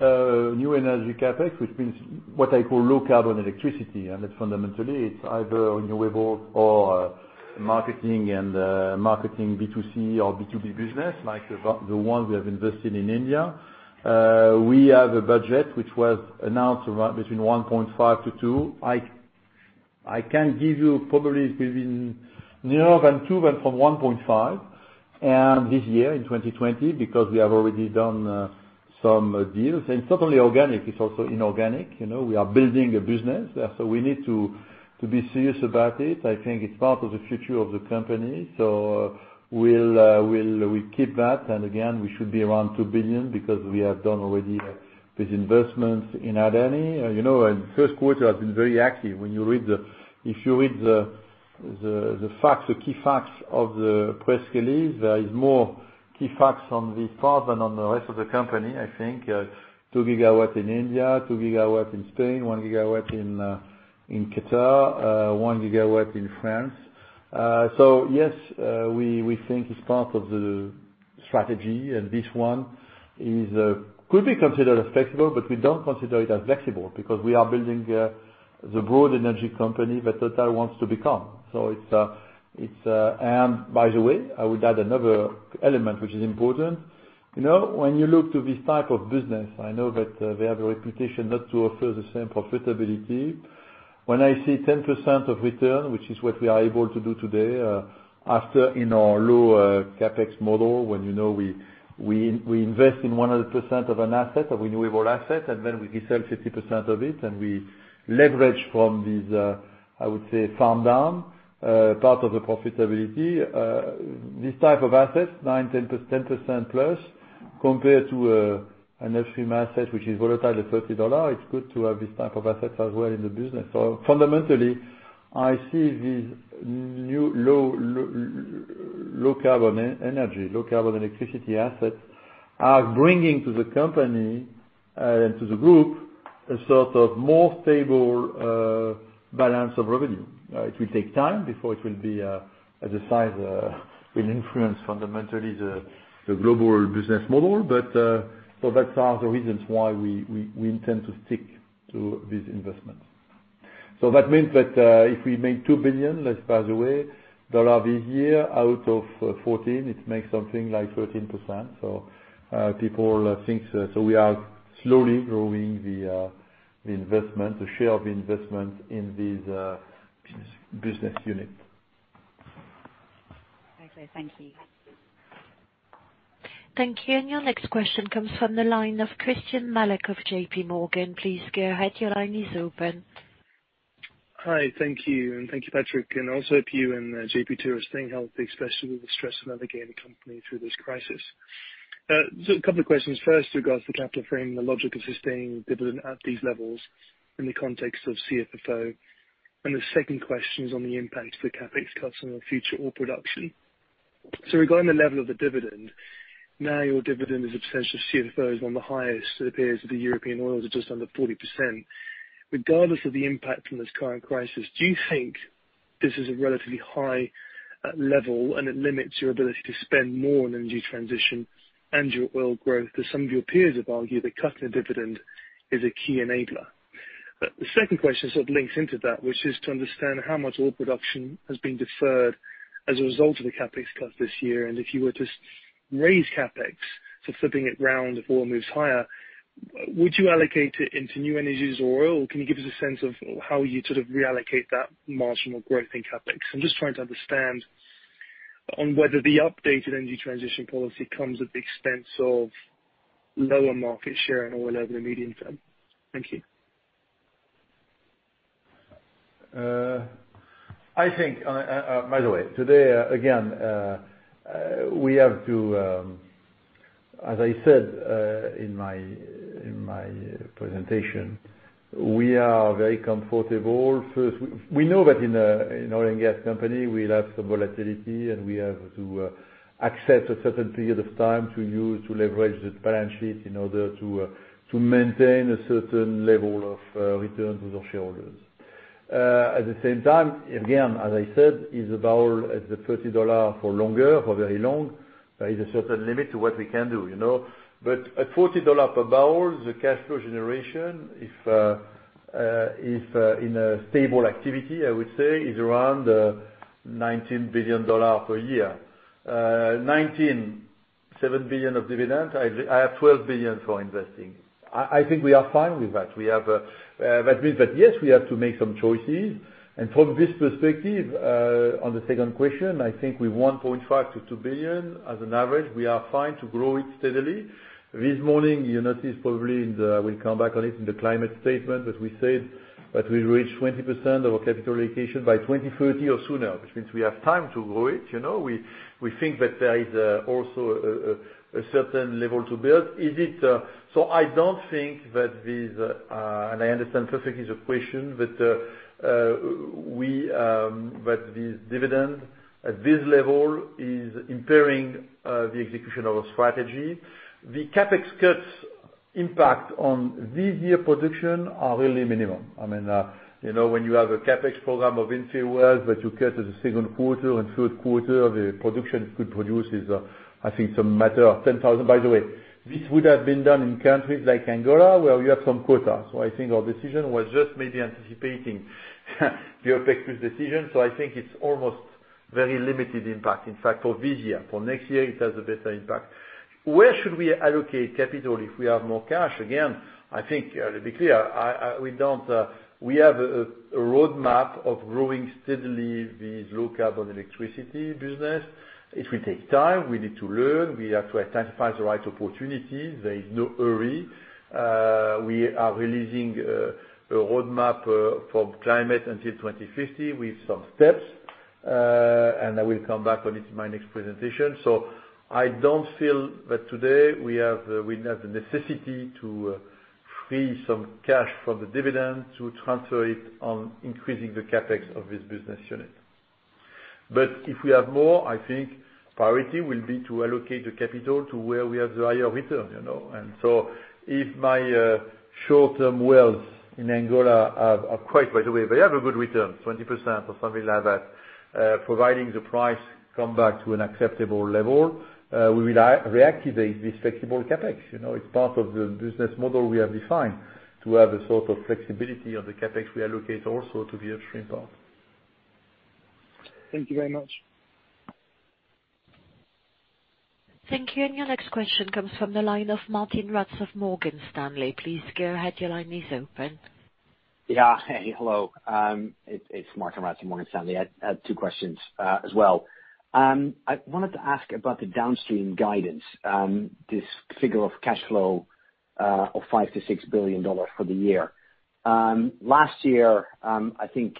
New Energy CapEx, which means what I call low carbon electricity, and it's fundamentally it's either renewable or marketing B2C or B2B business, like the one we have invested in India. We have a budget which was announced between $1.5 billion-$2 billion. I can give you probably between nearer than $2 billion than from $1.5 billion. This year in 2020, because we have already done some deals. It's not only organic, it's also inorganic. We are building a business, we need to be serious about it. I think it's part of the future of the company. We keep that, and again, we should be around $2 billion because we have done already these investments in Adani. First quarter has been very active. If you read the key facts of the press release, there is more key facts on this part than on the rest of the company, I think. 2 GW in India, 2 GW in Spain, 1 GW in Qatar, 1 GW in France. Yes, we think it's part of the strategy and this one could be considered as flexible, but we don't consider it as flexible because we are building the broad energy company that Total wants to become. By the way, I would add another element which is important. When you look to this type of business, I know that they have a reputation not to offer the same profitability. When I see 10% of return, which is what we are able to do today, after in our low CapEx model, when we invest in 100% of an asset, a renewable asset, and then we resell 50% of it and we leverage from these, I would say, farm down, part of the profitability. This type of assets, 9%, 10%+. Compared to an upstream asset, which is volatile at $30, it's good to have this type of asset as well in the business. Fundamentally, I see these new low carbon energy, low carbon electricity assets are bringing to the company, and to the group, a sort of more stable balance of revenue. It will take time before it will be at a size, will influence fundamentally the global business model. That are the reasons why we intend to stick to this investment. That means that, if we make $2 billion, let's by the way, this year, out of $14 billion, it makes something like 13%. We are slowly growing the investment, the share of investment in this business unit. Okay. Thank you. Thank you. Your next question comes from the line of Christyan Malek of JPMorgan. Please go ahead. Your line is open. Hi. Thank you, and thank you, Patrick, and also hope you and JP2 too are staying healthy, especially with the stress of navigating the company through this crisis. A couple of questions. First, regards to capital frame, the logic of sustaining dividend at these levels in the context of CFFO. The second question is on the impact of the CapEx cuts on the future oil production. Regarding the level of the dividend, now your dividend as a percentage of CFFO is one of the highest of the peers of the European oils at just under 40%. Regardless of the impact from this current crisis, do you think this is a relatively high level and it limits your ability to spend more on energy transition and your oil growth, as some of your peers have argued that cutting the dividend is a key enabler? The second question sort of links into that, which is to understand how much oil production has been deferred as a result of the CapEx cut this year. If you were to raise CapEx, so flipping it around, if oil moves higher, would you allocate it into New Energies or oil? Can you give us a sense of how you sort of reallocate that marginal growth in CapEx? I'm just trying to understand on whether the updated energy transition policy comes at the expense of lower market share and oil over the medium term. Thank you. Today, again, as I said, in my presentation, we are very comfortable. We know that in oil and gas company, we'll have some volatility, and we have to access a certain period of time to use, to leverage the balance sheet in order to maintain a certain level of returns to the shareholders. Again, as I said, is a barrel at $30 for longer, for very long, there is a certain limit to what we can do. At $40 per barrel, the cash flow generation, if in a stable activity, I would say, is around $19 billion per year. $7 billion of dividends. I have $12 billion for investing. I think we are fine with that. That means that, yes, we have to make some choices. From this perspective, on the second question, I think with $1.5 billion-$2 billion as an average, we are fine to grow it steadily. This morning, you notice probably in the, we'll come back on it in the climate statement that we said that we reach 20% of our capital allocation by 2030 or sooner, which means we have time to grow it. We think that there is also a certain level to build. I don't think that this, and I understand perfectly the question, that this dividend at this level is impairing the execution of our strategy. The CapEx cuts impact on this year production are really minimum. When you have a CapEx program of inferior, but you cut as a second quarter and third quarter, the production it could produce is, I think some matter of 10,000. By the way, this would have been done in countries like Angola, where we have some quota. I think our decision was just maybe anticipating the OPEC+ decision. I think it's almost very limited impact, in fact, for this year. For next year, it has a better impact. Where should we allocate capital if we have more cash? Again, I think to be clear, we have a roadmap of growing steadily this low carbon electricity business. It will take time. We need to learn. We have to identify the right opportunities. There is no hurry. We are releasing a roadmap for climate until 2050 with some steps. I will come back on it in my next presentation. I don't feel that today we have the necessity to free some cash from the dividend to transfer it on increasing the CapEx of this business unit. If we have more, I think priority will be to allocate the capital to where we have the higher return. If my short-term wells in Angola are quite by the way, they have a good return, 20% or something like that, providing the price come back to an acceptable level, we will reactivate this flexible CapEx. It's part of the business model we have defined to have a sort of flexibility of the CapEx we allocate also to the upstream part. Thank you very much. Thank you. Your next question comes from the line of Martijn Rats of Morgan Stanley. Please go ahead. Your line is open. Yeah. Hey. Hello. It's Martijn Rats, Morgan Stanley. I had two questions as well. I wanted to ask about the downstream guidance, this figure of cash flow of $5 billion-$6 billion for the year. Last year, I think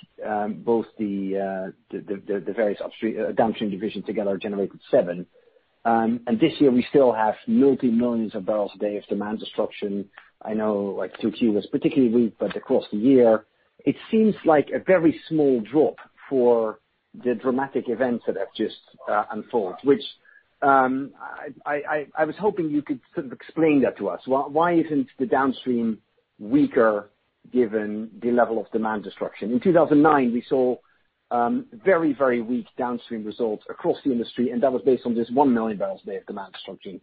both the various downstream divisions together generated $7 billion. This year we still have multi-millions of barrels a day of demand destruction. I know Q2 was particularly weak, but across the year, it seems like a very small drop for the dramatic events that have just unfolded. Which I was hoping you could sort of explain that to us. Why isn't the downstream weaker given the level of demand destruction? In 2009, we saw very weak downstream results across the industry, that was based on just 1 MMbpd of demand destruction.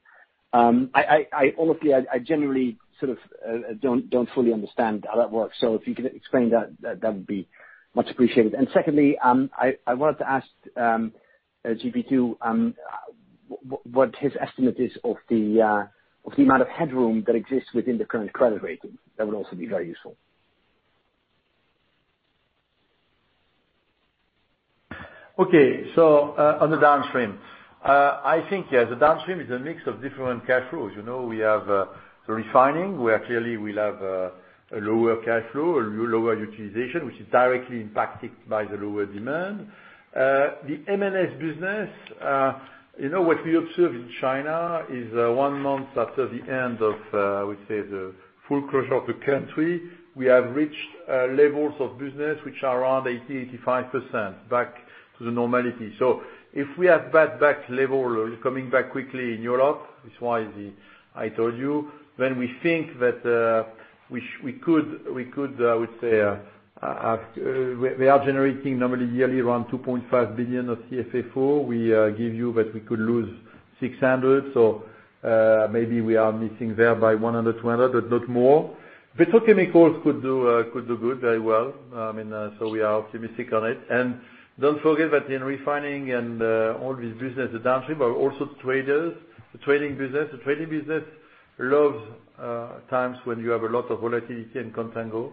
Honestly, I generally sort of don't fully understand how that works. If you could explain that would be much appreciated. Secondly, I wanted to ask JP2, what his estimate is of the amount of headroom that exists within the current credit rating. That would also be very useful. Okay. On the downstream, the downstream is a mix of different cash flows. We have the refining, where clearly we'll have a lower cash flow, a lower utilization, which is directly impacted by the lower demand. The M&S business, what we observe in China is one month after the end of, I would say, the full closure of the country, we have reached levels of business which are around 80%, 85% back to the normality. If we have that back level coming back quickly in Europe, which is why I told you, we think that we could. We are generating normally yearly around $2.5 billion of CFO. We give you that we could lose $600 million, maybe we are missing there by $100 million, $200 million, but not more. Petrochemicals could do good, very well. We are optimistic on it. Don't forget that in refining and all this business, the downstream are also traders. The trading business loves times when you have a lot of volatility and contango.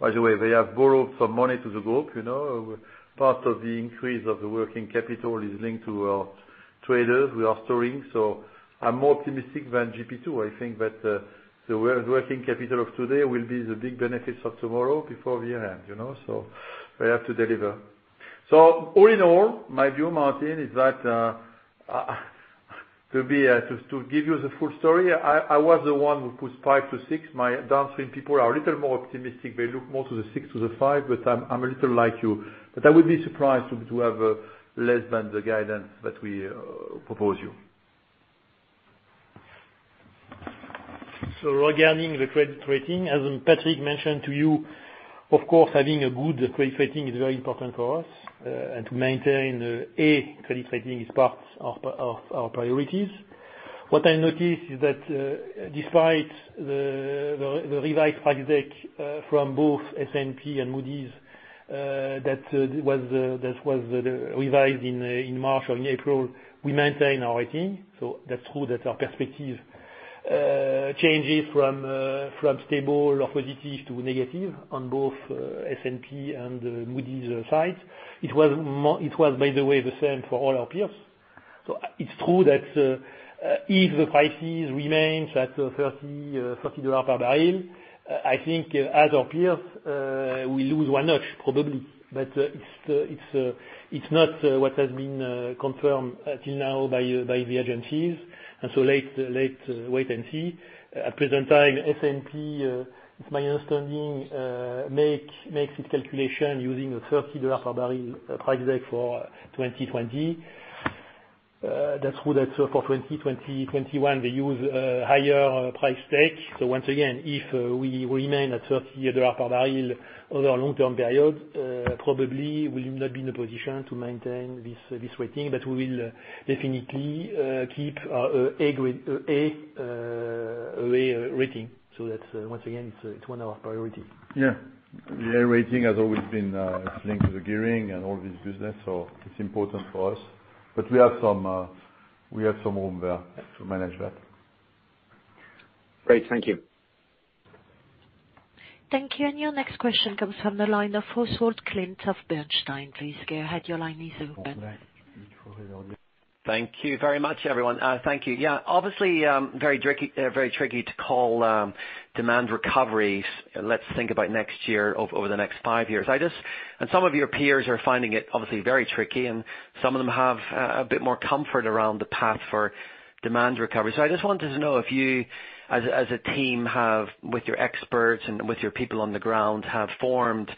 By the way, they have borrowed some money to the group. Part of the increase of the working capital is linked to our traders who are storing. I'm more optimistic than JP2. I think that the working capital of today will be the big benefits of tomorrow before the year end. They have to deliver. All in all, my view, Martijn, is that to give you the full story, I was the one who put $5 billion-$6 billion. My downstream people are a little more optimistic. They look more to the $6 billion-$5 billion, but I'm a little like you. I would be surprised to have less than the guidance that we propose you. Regarding the credit rating, as Patrick mentioned to you, of course, having a good credit rating is very important for us. To maintain A credit rating is part of our priorities. What I noticed is that, despite the revised price deck from both S&P and Moody's that was revised in March or in April, we maintain our rating. That's true that our perspective changes from stable or positive to negative on both S&P and Moody's side. It was, by the way, the same for all our peers. It's true that if the prices remains at $30 per barrel, I think as our peers, we lose one notch probably. It's not what has been confirmed until now by the agencies, and so let's wait and see. At present time, S&P, it's my understanding, makes its calculation using a $30 per barrel price deck for 2020. That's good. For 2020/2021, they use a higher price deck. Once again, if we remain at $30 per barrel over a long-term period, probably we'll not be in a position to maintain this rating, but we will definitely keep Grade A rating. That, once again, it's one of our priorities. Yeah. The A rating has always been linked to the gearing and all this business. It's important for us. We have some room there to manage that. Great. Thank you. Thank you. Your next question comes from the line of Oswald Clint of Bernstein. Please go ahead. Your line is open. Obviously, very tricky to call demand recoveries. Let's think about next year, over the next five years. Some of your peers are finding it obviously very tricky, and some of them have a bit more comfort around the path for demand recovery. I just wanted to know if you, as a team, have, with your experts and with your people on the ground, have formed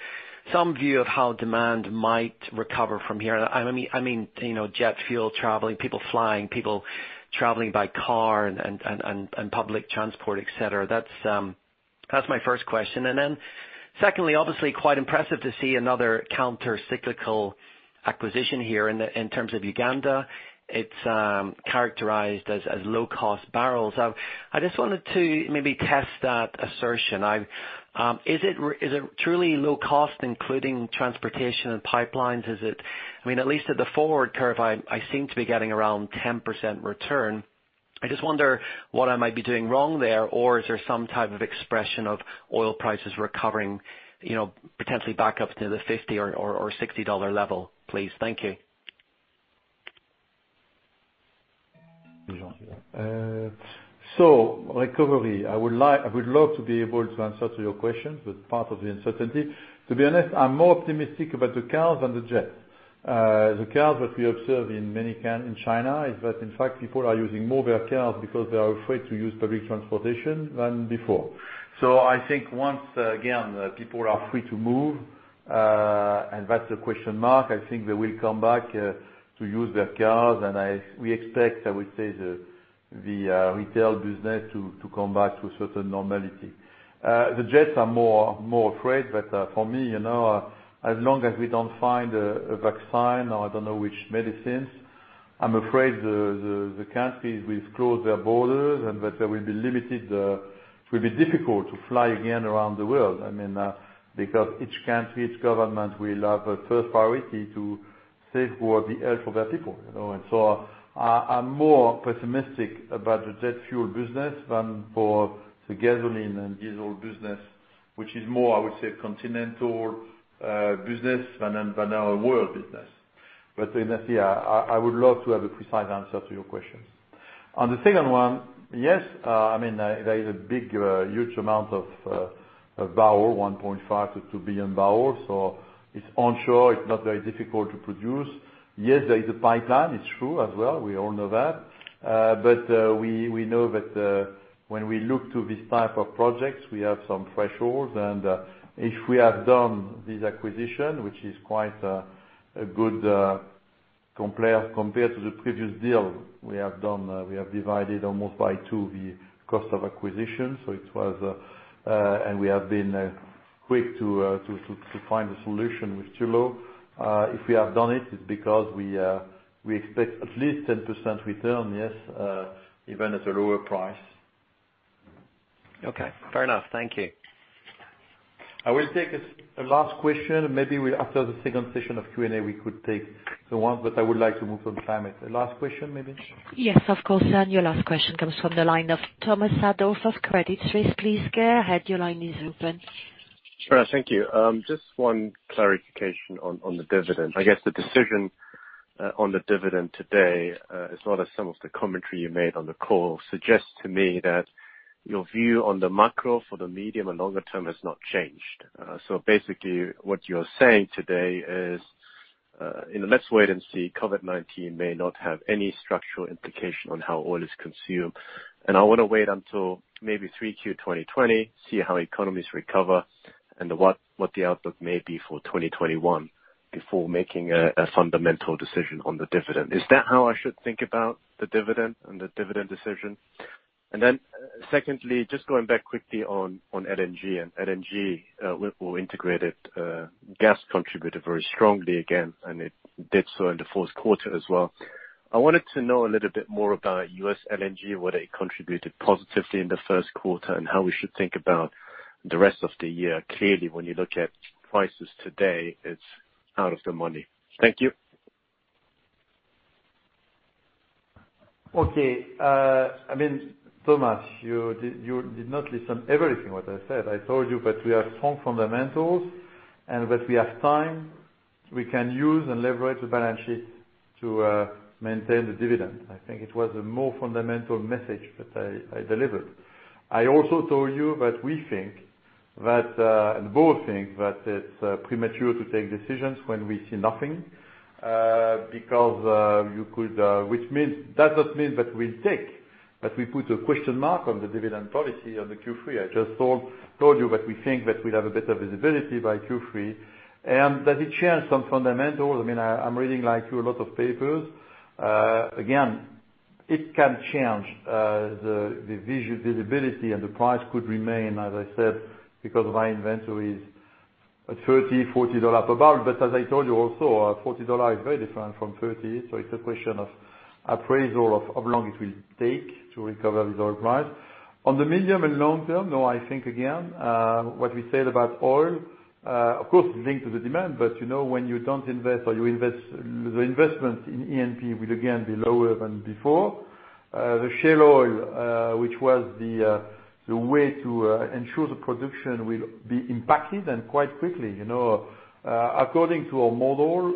some view of how demand might recover from here. I mean, jet fuel, traveling, people flying, people traveling by car and public transport, et cetera. That's my first question. Secondly, obviously quite impressive to see another counter-cyclical acquisition here in terms of Uganda. It's characterized as low-cost barrels. I just wanted to maybe test that assertion. Is it truly low cost, including transportation and pipelines? I mean, at least at the forward curve, I seem to be getting around 10% return. I just wonder what I might be doing wrong there, or is there some type of expression of oil prices recovering, potentially back up to the $50 or $60 level, please? Thank you. Recovery, I would love to be able to answer to your questions with part of the uncertainty. To be honest, I'm more optimistic about the cars than the jet. The cars that we observe in China is that, in fact, people are using more their cars because they are afraid to use public transportation than before. I think once, again, people are free to move, and that's a question mark, I think they will come back, to use their cars. We expect, I would say, the retail business to come back to a certain normality. The jets are more afraid. For me, as long as we don't find a vaccine, or I don't know which medicines, I'm afraid the countries will close their borders, and that there will be It will be difficult to fly again around the world. Because each country, each government, will have a first priority to safeguard the health of their people. I'm more pessimistic about the jet fuel business than for the gasoline and diesel business, which is more, I would say, continental business than a world business. Honestly, I would love to have a precise answer to your questions. On the second one. Yes, there is a huge amount of barrel, 1.5 billion to 2 billion barrels, so it's onshore. It's not very difficult to produce. Yes, there is a pipeline, it's true as well. We all know that. We know that when we look to this type of projects, we have some thresholds. If we have done this acquisition, which is quite a good compare to the previous deal we have done, we have divided almost by two the cost of acquisition. We have been quick to find a solution with Tullow. If we have done it's because we expect at least 10% return, yes, even at a lower price. Okay, fair enough. Thank you. I will take a last question. Maybe after the second session of Q&A, we could take the one, but I would like to move on time. Last question maybe. Yes, of course. Your last question comes from the line of Thomas Adolff of Credit Suisse. Please go ahead. Your line is open. Sure. Thank you. Just one clarification on the dividend. I guess the decision on the dividend today, as well as some of the commentary you made on the call, suggests to me that your view on the macro for the medium and longer term has not changed. Basically what you're saying today is, in the let's wait and see, COVID-19 may not have any structural implication on how oil is consumed. I want to wait until maybe 3Q 2020, see how economies recover, and what the outlook may be for 2021 before making a fundamental decision on the dividend. Is that how I should think about the dividend and the dividend decision? Secondly, just going back quickly on LNG. LNG, or integrated gas, contributed very strongly again, and it did so in the fourth quarter as well. I wanted to know a little bit more about U.S. LNG, whether it contributed positively in the first quarter, and how we should think about the rest of the year. Clearly, when you look at prices today, it's out of the money. Thank you. Okay. Thomas, you did not listen everything what I said. I told you that we have strong fundamentals and that we have time we can use and leverage the balance sheet to maintain the dividend. I think it was a more fundamental message that I delivered. I also told you that we think that, and the board think, that it's premature to take decisions when we see nothing. Which doesn't mean that we'll take, but we put a question mark on the dividend policy on the Q3. I just told you that we think that we'll have a better visibility by Q3, and that it changed some fundamentals. I'm reading, like you, a lot of papers. It can change, the visibility and the price could remain, as I said, because my inventory is at $30, $40 per barrel. As I told you also, $40 is very different from $30. It's a question of appraisal, of how long it will take to recover the oil price. On the medium and long term, no, I think, again, what we said about oil, of course, linked to the demand, but when you don't invest or you invest, the investment in E&P will again be lower than before. The shale oil, which was the way to ensure the production, will be impacted and quite quickly. According to our model,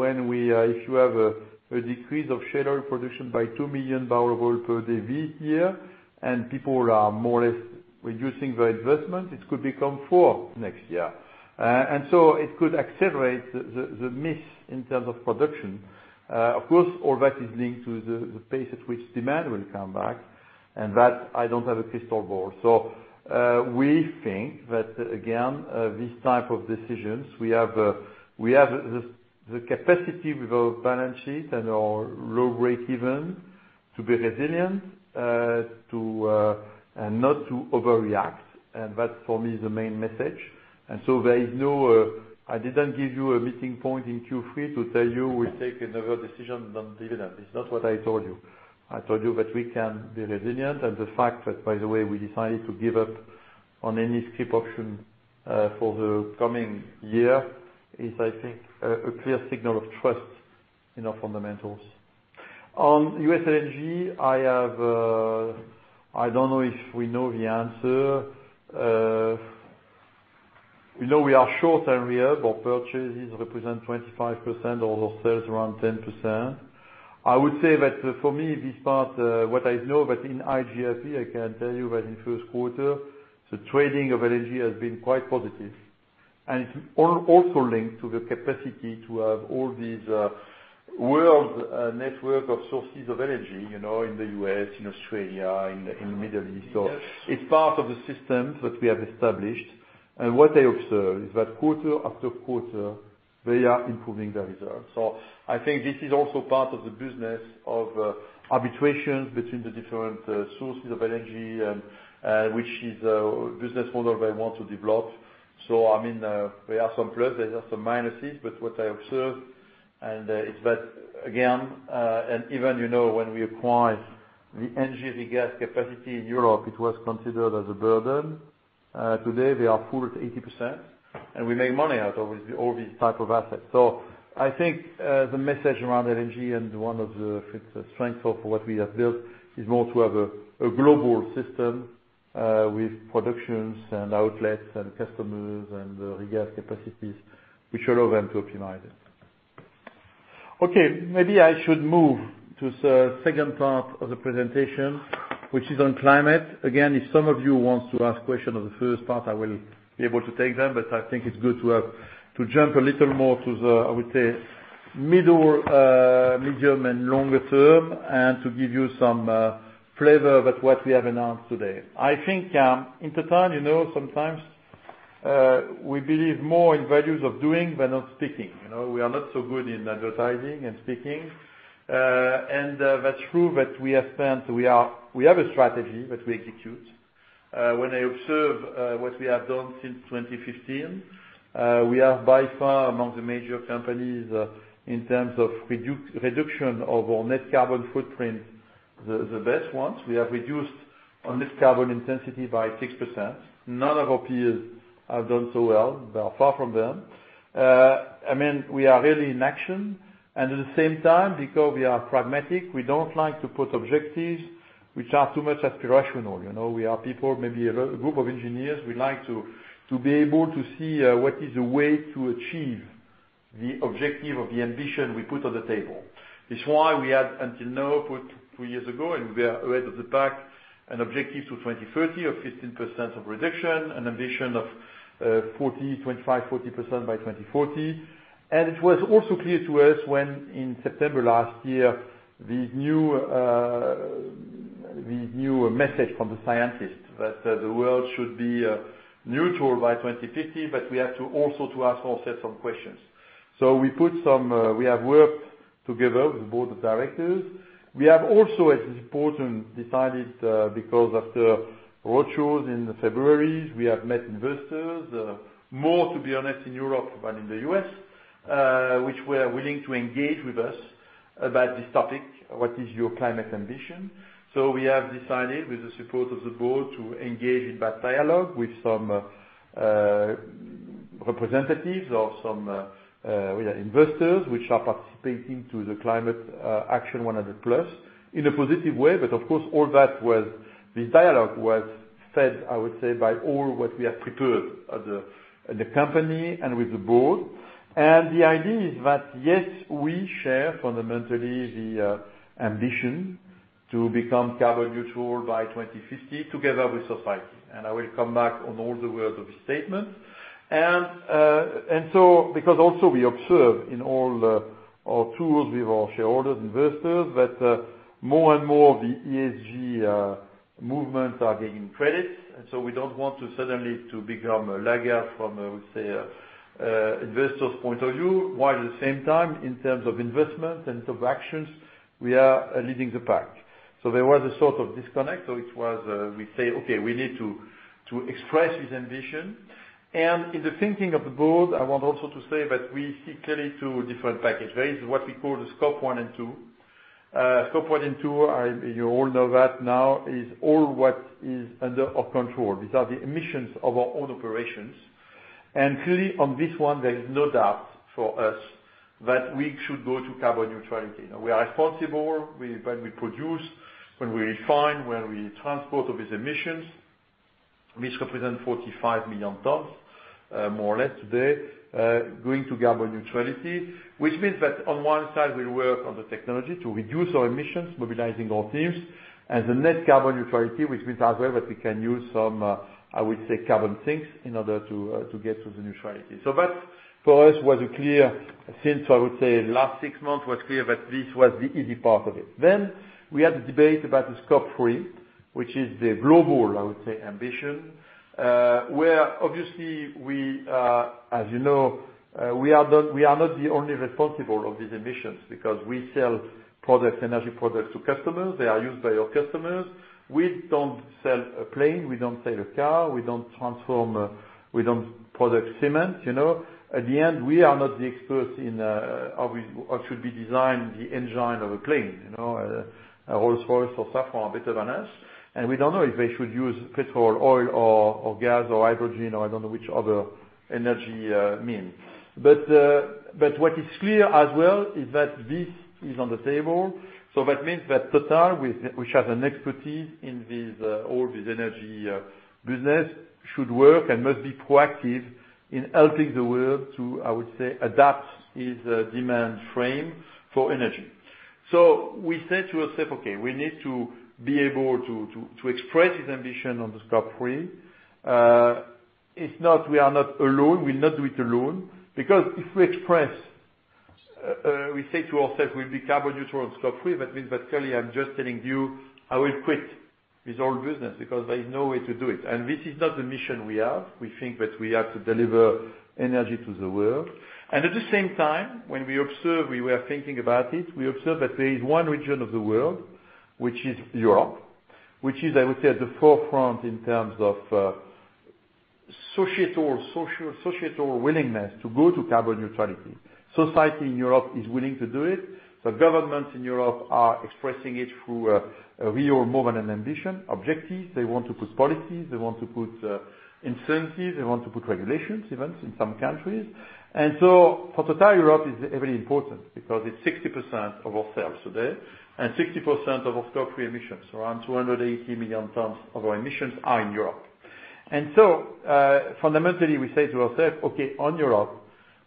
if you have a decrease of shale oil production by 2MMbpd this year, and people are more or less reducing their investment, it could become four next year. It could accelerate the miss in terms of production. All that is linked to the pace at which demand will come back. That I don't have a crystal ball. We think that, again, these type of decisions, we have the capacity with our balance sheet and our low break-even to be resilient, and not to overreact. That, for me, is the main message. I didn't give you a meeting point in Q3 to tell you we take another decision on dividend. It's not what I told you. I told you that we can be resilient. The fact that, by the way, we decided to give up on any scrip option for the coming year is, I think, a clear signal of trust in our fundamentals. On U.S. LNG, I don't know if we know the answer. We know we are short.. on our purchases represent 25% of our sales, around 10%. I would say that for me, this part, what I know, that in iGRP, I can tell you that in first quarter, the trading of energy has been quite positive. It's also linked to the capacity to have all these world network of sources of energy, in the U.S., in Australia, in the Middle East. It's part of the system that we have established. What I observe is that quarter after quarter, they are improving the results. I think this is also part of the business of arbitration between the different sources of energy, and which is a business model they want to develop. There are some pluses, there are some minuses, but what I observe, and it's that, again, and even when we acquired the LNG capacity in Europe, it was considered as a burden. Today they are full at 80%, and we make money out of all these type of assets. I think, the message around LNG and one of the strength of what we have built is more to have a global system with productions and outlets and customers and regas capacities which allow them to optimize it. Okay, maybe I should move to the second part of the presentation, which is on climate. Again, if some of you want to ask questions on the first part, I will be able to take them, but I think it's good to jump a little more to the, I would say, medium and longer term, and to give you some flavor about what we have announced today. I think, in Total, sometimes, we believe more in values of doing than of speaking. We are not so good in advertising and speaking. That's true that we have a strategy that we execute. When I observe what we have done since 2015, we are by far among the major companies in terms of reduction of our net carbon intensity, the best ones. We have reduced on this carbon intensity by 6%. None of our peers have done so well. They are far from them. We are really in action. At the same time, because we are pragmatic, we don't like to put objectives which are too much aspirational. We are people, maybe a group of engineers. We like to be able to see what is the way to achieve the objective or the ambition we put on the table. It's why we had until now, put two years ago, and we are ahead of the pack, an objective to 2030 of 15% of reduction, an ambition of 40%, 25%, 40% by 2040. It was also clear to us when in September last year, the new message from the scientists that the world should be neutral by 2050, we have to also to ask ourselves some questions. We have worked together with the Board of Directors. We have also, as is important, decided, because after roadshows in February, we have met investors, more, to be honest, in Europe than in the U.S., which were willing to engage with us about this topic, what is your climate ambition? We have decided, with the support of the Board, to engage in that dialogue with some representatives of some investors which are participating to the Climate Action 100+ in a positive way. Of course, the dialogue was fed, I would say, by all what we have prepared at the company and with the Board. The idea is that, yes, we share fundamentally the ambition to become carbon neutral by 2050 together with society. I will come back on all the words of the statement. Because also we observe in all our tools with our shareholders, investors, that more and more the ESG movements are gaining credits. We don't want to suddenly to become a laggard from, I would say, a investor's point of view, while at the same time, in terms of investment, in terms of actions, we are leading the pack. There was a sort of disconnect. It was, we say, okay, we need to express this ambition. In the thinking of the Board, I want also to say that we see clearly two different packages. There is what we call the Scope 1 and 2. Scope 1 and 2, you all know that now, is all what is under our control. These are the emissions of our own operations. Clearly on this one, there is no doubt for us that we should go to carbon neutrality. We are responsible when we produce, when we refine, when we transport of these emissions, which represent 45 million tons, more or less today, going to carbon neutrality, which means that on one side, we work on the technology to reduce our emissions, mobilizing our teams. The net carbon neutrality, which means as well that we can use some carbon sinks in order to get to the neutrality. That, for us, was a clear since last six months, was clear that this was the easy part of it. We had a debate about the Scope 3, which is the global, I would say, ambition, where obviously we are, as you know, we are not the only responsible of these emissions because we sell products, energy products to customers. They are used by our customers. We don't sell a plane, we don't sell a car, we don't product cement. At the end, we are not the experts in how should we design the engine of a plane. Rolls-Royce or Safran are better than us, and we don't know if they should use petrol or oil or gas or hydrogen or I don't know which other energy means. What is clear as well is that this is on the table. That means that Total, which has an expertise in all this energy business, should work and must be proactive in helping the world to, I would say, adapt its demand frame for energy. We said to ourselves, okay, we need to be able to express this ambition on the Scope 3. It's not we are not alone, we'll not do it alone. If we express, we say to ourselves, we'll be carbon neutral in Scope 3, that means that clearly I'm just telling you I will quit this whole business because there is no way to do it. This is not the mission we have. We think that we have to deliver energy to the world. At the same time, when we observed that there is one region of the world, which is Europe, which is, I would say, at the forefront in terms of societal willingness to go to carbon neutrality. Society in Europe is willing to do it. The governments in Europe are expressing it through a real movement and ambition, objectives. They want to put policies, they want to put incentives, they want to put regulations, even in some countries. For Total, Europe is very important because it's 60% of our sales today and 60% of our Scope 3 emissions. Around 280 million tons of our emissions are in Europe. Fundamentally, we say to ourselves, okay, on Europe,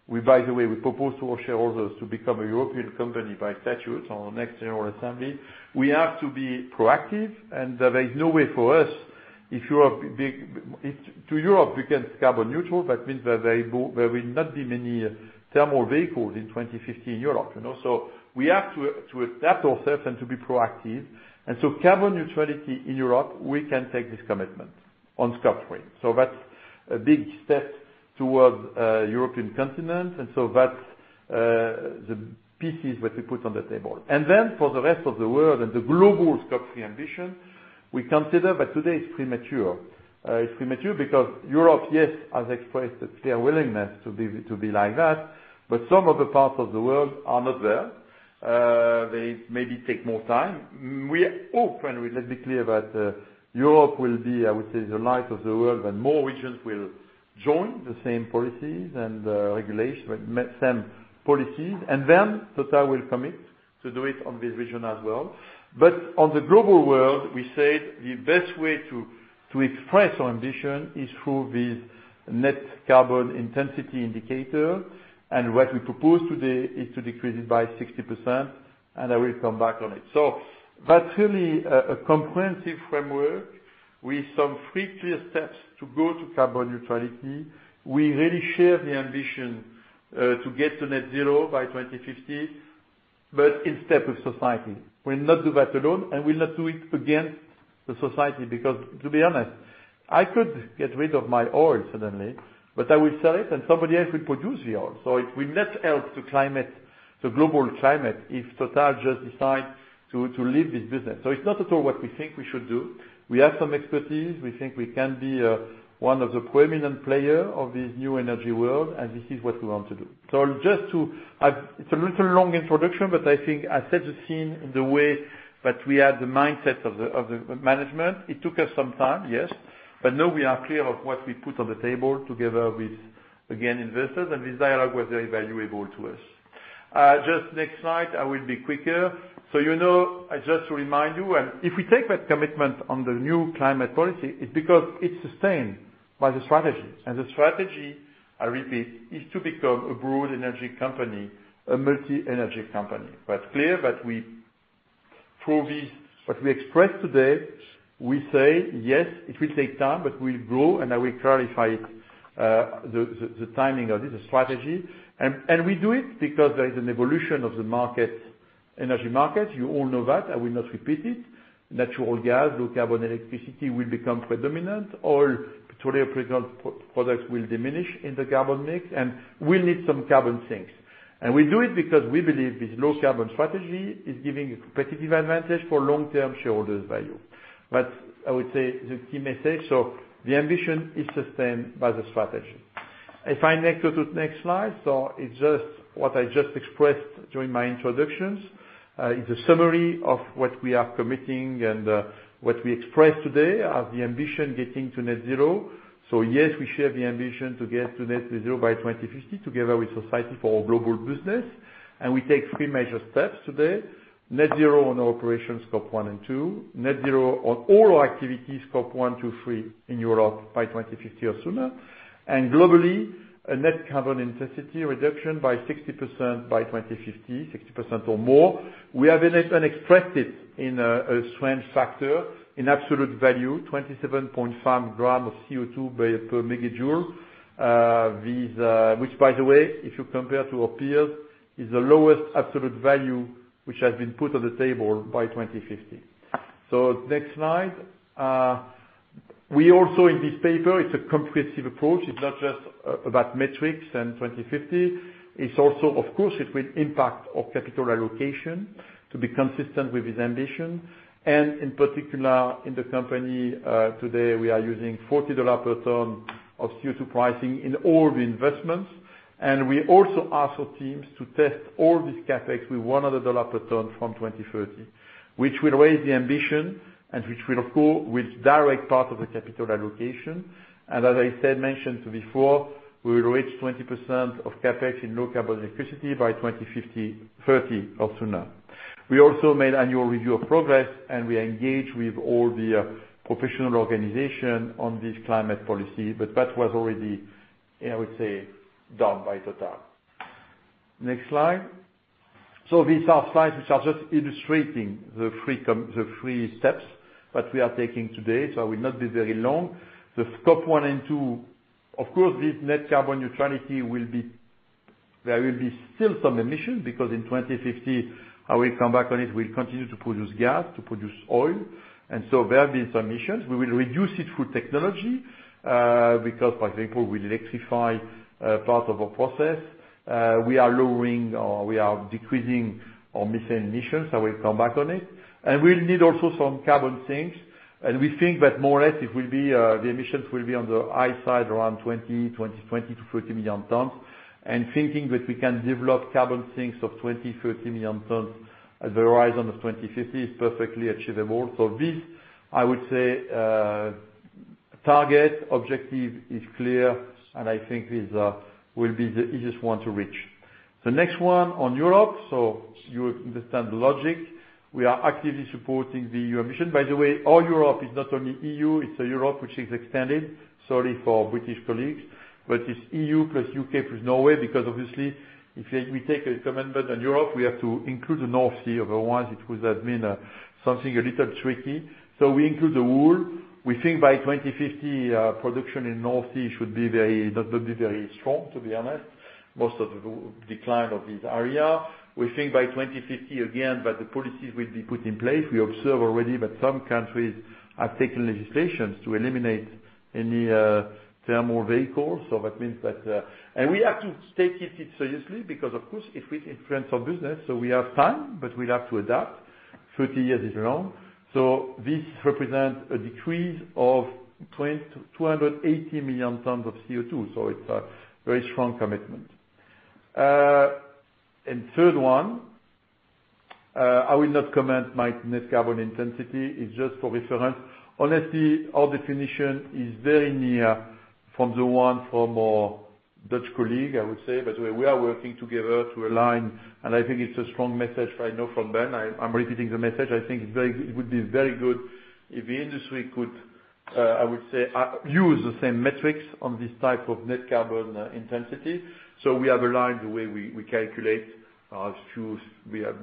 we propose to our shareholders to become a European company by statute on our next general assembly. We have to be proactive and there is no way for us, to Europe, we can't carbon neutral. That means there will not be many thermal vehicles in 2050 in Europe. We have to adapt ourselves and to be proactive. Carbon neutrality in Europe, we can take this commitment on Scope 3. That's a big step towards European continent. That's the pieces that we put on the table. For the rest of the world and the global Scope 3 ambition, we consider that today it's premature. It's premature because Europe, yes, has expressed a clear willingness to be like that, but some of the parts of the world are not there. They maybe take more time. We hope, let's be clear that Europe will be, I would say, the light of the world and more regions will join the same policies and regulations, and then Total will commit to do it on this region as well. On the global world, we said the best way to express our ambition is through this net carbon intensity indicator. What we propose today is to decrease it by 60%, and I will come back on it. That's really a comprehensive framework with some three clear steps to go to carbon neutrality. We really share the ambition to get to net zero by 2050, but in step with society. We'll not do that alone, and we'll not do it against the society, because, to be honest, I could get rid of my oil suddenly, but I will sell it and somebody else will produce the oil. It will not help the global climate if Total just decide to leave this business. It's not at all what we think we should do. We have some expertise. We think we can be one of the prominent player of this new energy world, and this is what we want to do. It's a little long introduction, but I think I set the scene in the way that we have the mindset of the management. It took us some time, yes, but now we are clear of what we put on the table together with, again, investors, and this dialogue was very valuable to us. Just next slide, I will be quicker. Just to remind you, and if we take that commitment on the new climate policy, it's because it's sustained by the strategy. The strategy, I repeat, is to become a broad energy company, a multi-energy company. Clear that we prove this, what we express today, we say, yes, it will take time, but we'll grow, and I will clarify the timing of this strategy. We do it because there is an evolution of the energy market. You all know that. I will not repeat it. Natural gas, low carbon electricity will become predominant. All petroleum products will diminish in the carbon mix, and we'll need some carbon sinks. We do it because we believe this low carbon strategy is giving a competitive advantage for long-term shareholders value. That's, I would say, the key message. The ambition is sustained by the strategy. If I go to next slide. It's just what I just expressed during my introductions. It's a summary of what we are committing and what we express today as the ambition getting to net zero. Yes, we share the ambition to get to net zero by 2050 together with society for our global business. We take three major steps today. Net zero on our operations Scope 1 and 2. Net zero on all our activities, Scope 1 to 3 in Europe by 2050 or sooner. Globally, a net carbon intensity reduction by 60% by 2050, 60% or more. We have expressed it in a swing factor in absolute value, 27.5 g of CO2 per megajoule. Which by the way, if you compare to our peers, is the lowest absolute value which has been put on the table by 2050. Next slide. We also in this paper, it's a comprehensive approach. It's not just about metrics and 2050. It's also, of course, it will impact our capital allocation to be consistent with this ambition. In particular, in the company today, we are using $40 per ton of CO2 pricing in all the investments. We also ask our teams to test all these CapEx with $100 per ton from 2030, which will raise the ambition and which will, of course, will direct part of the capital allocation. As I said, mentioned before, we will reach 20% of CapEx in low carbon electricity by 2030 or sooner. We also made annual review of progress, and we engaged with all the professional organization on this climate policy. That was already, I would say, done by Total. Next slide. These are slides which are just illustrating the three steps that we are taking today. I will not be very long. The Scope 1 and 2, of course, this net carbon neutrality, there will be still some emission because in 2050, I will come back on it, we'll continue to produce gas, to produce oil. There'll be some emissions. We will reduce it through technology, because, for example, we'll electrify part of our process. We are lowering or we are decreasing our methane emissions, I will come back on it. We'll need also some carbon sinks. We think that more or less, the emissions will be on the high side, around 20 million tons-30 million tons. Thinking that we can develop carbon sinks of 20, 30 million tons at the horizon of 2050 is perfectly achievable. This, I would say, target objective is clear, and I think this will be the easiest one to reach. The next one on Europe, so you understand the logic. We are actively supporting the EU emission. By the way, all Europe is not only EU, it's a Europe which is extended, sorry for British colleagues. It's EU plus U.K., plus Norway, because obviously, if we take a commitment on Europe, we have to include the North Sea, otherwise, it would have been something a little tricky. We include the whole. We think by 2050, production in North Sea should not be very strong, to be honest. Most of the decline of this area. We think by 2050, again, that the policies will be put in place. We observe already that some countries have taken legislations to eliminate any thermal vehicles. That means that we have to take it seriously because, of course, it will influence our business, so we have time, but we'll have to adapt. 30 years is long. This represents a decrease of 280 million tons of CO2, so it's a very strong commitment. Third one, I will not comment my net carbon intensity, it's just for reference. Honestly, our definition is very near from the one from our Dutch colleague, I would say. We are working together to align, and I think it's a strong message. I know from Ben, I'm repeating the message. I think it would be very good if the industry could, I would say, use the same metrics on this type of net carbon intensity. We have aligned the way we calculate our fuels. We have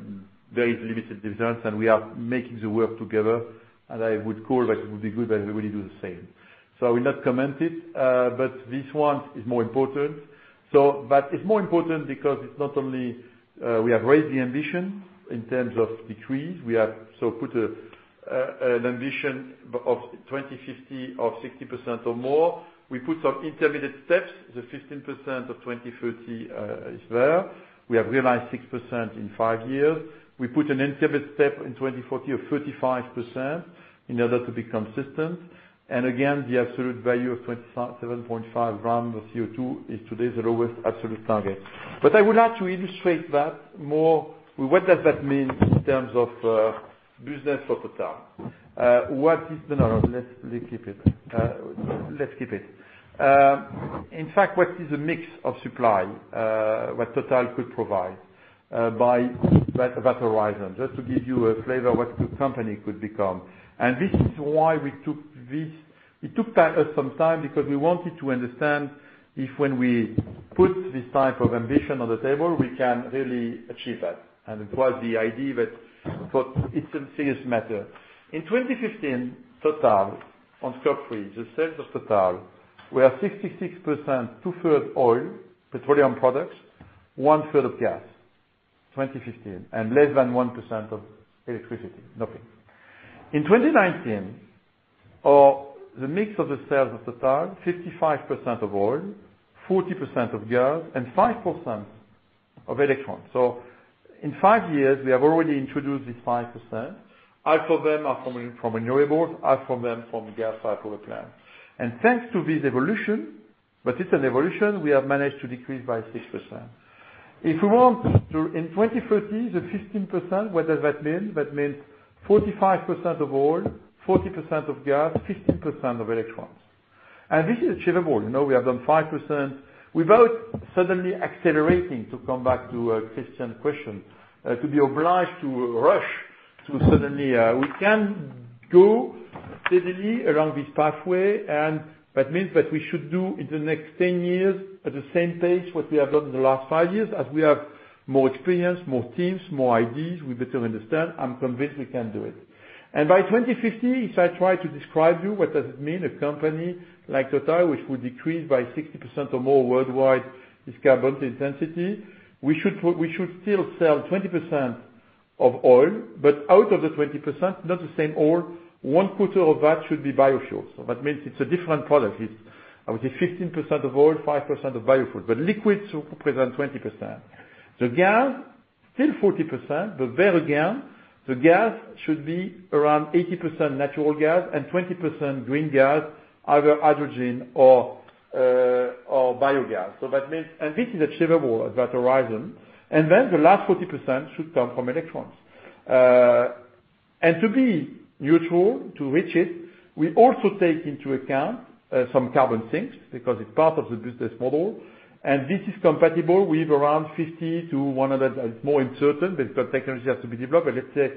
very limited difference, and we are making the work together. I would call that it would be good if everybody do the same. I will not comment it, but this one is more important. It's more important because it's not only we have raised the ambition in terms of decrease, we have so put an ambition of 2050 of 60% or more. We put some intermediate steps. The 15% of 2030, is there. We have realized 6% in five years. We put an intermediate step in 2040 of 35%, in order to be consistent. The absolute value of 27.5 g of CO2 is today the lowest absolute target. I would like to illustrate that more. What does that mean in terms of business for Total? No, let's keep it. In fact, what is a mix of supply, what Total could provide, by that horizon? Just to give you a flavor what the company could become. This is why it took us some time, because we wanted to understand if when we put this type of ambition on the table, we can really achieve that. It was the idea that it's a serious matter. In 2015, Total, on Scope 3, the sales of Total were 66%, two-third oil, petroleum products, one third of gas. 2015. Less than 1% of electricity. Nothing. In 2019, the mix of the sales of Total, 55% of oil, 40% of gas, and 5% of electrons. In five years, we have already introduced this 5%. Half of them are from renewables, half from them from gas firepower plant. Thanks to this evolution, but it's an evolution, we have managed to decrease by 6%. If we want to, in 2030, the 15%, what does that mean? That means 45% of oil, 40% of gas, 15% of electrons. This is achievable. We have done 5%. Without suddenly accelerating, to come back to Christyan's question, to be obliged to rush. We can go steadily along this pathway, that means that we should do in the next 10 years at the same pace what we have done in the last five years, as we have more experience, more teams, more ideas, we better understand. I'm convinced we can do it. By 2050, if I try to describe you what does it mean, a company like Total, which will decrease by 60% or more worldwide, its net carbon intensity, we should still sell 20% of oil, but out of the 20%, not the same oil. One quarter of that should be biofuel. That means it's a different product. It's, I would say, 15% of oil, 5% of biofuel, but liquids represent 20%. Gas, still 40%, but there again, the gas should be around 80% natural gas and 20% green gas, either hydrogen or biogas. This is achievable at that horizon. The last 40% should come from electrons. To be neutral, to reach it, we also take into account some carbon sinks, because it's part of the business model, and this is compatible. We have around 50 to 100. It's more uncertain. Technology has to be developed. Let's say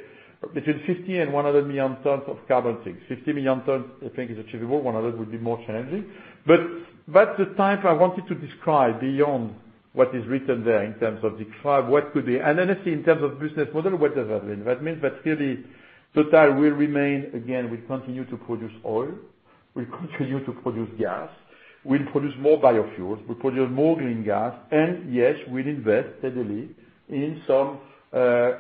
between 50 million tons and 100 million tons of carbon sinks. 50 million tons, I think is achievable. 100 would be more challenging. The type I wanted to describe beyond what is written there in terms of describe what could be. Honestly, in terms of business model, what does that mean? That means that really Total will remain. Again, we continue to produce oil, we continue to produce gas, we'll produce more biofuels, we produce more biogas. Yes, we'll invest steadily in some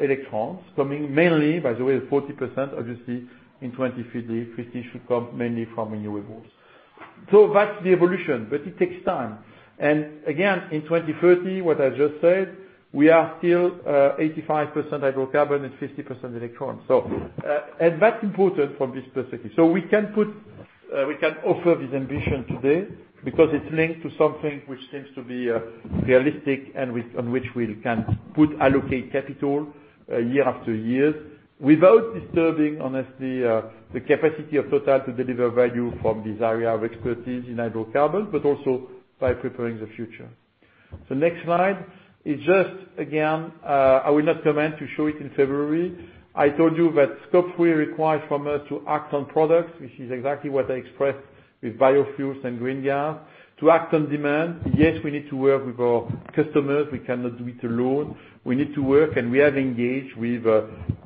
electrons coming mainly, by the way, 40%, obviously, in 2050 should come mainly from renewables. That's the evolution. It takes time. Again, in 2030, what I just said, we are still 85% hydrocarbon and 50% electron. That's important from this perspective. We can offer this ambition today because it's linked to something which seems to be realistic and on which we can allocate capital year after year without disturbing, honestly, the capacity of Total to deliver value from this area of expertise in hydrocarbon, but also by preparing the future. Next slide is just, again, I will not comment to show it in February. I told you that Scope 3 requires from us to act on products, which is exactly what I expressed with biofuels and green gas. To act on demand, yes, we need to work with our customers. We cannot do it alone. We need to work, we have engaged with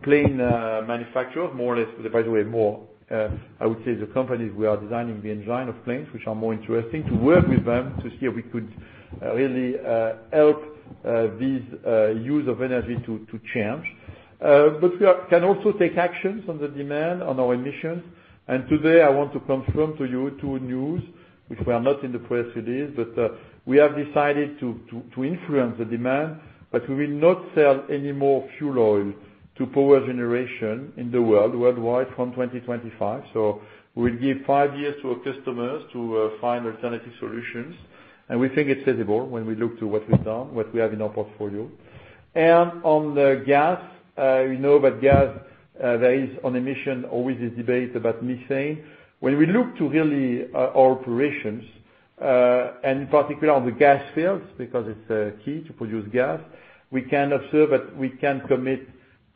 plane manufacturers, more or less, by the way, more, I would say the companies we are designing the engine of planes, which are more interesting, to work with them to see if we could really help this use of energy to change. We can also take actions on the demand on our emissions. Today, I want to confirm to you two news, which were not in the press release, but we have decided to influence the demand, but we will not sell any more fuel oil to power generation in the world worldwide from 2025. We'll give five years to our customers to find alternative solutions. We think it's feasible when we look to what we've done, what we have in our portfolio. On the gas, we know that gas, there is on emission, always a debate about methane. When we look to really our operations, and in particular on the gas fields, because it's key to produce gas, we can observe that we can commit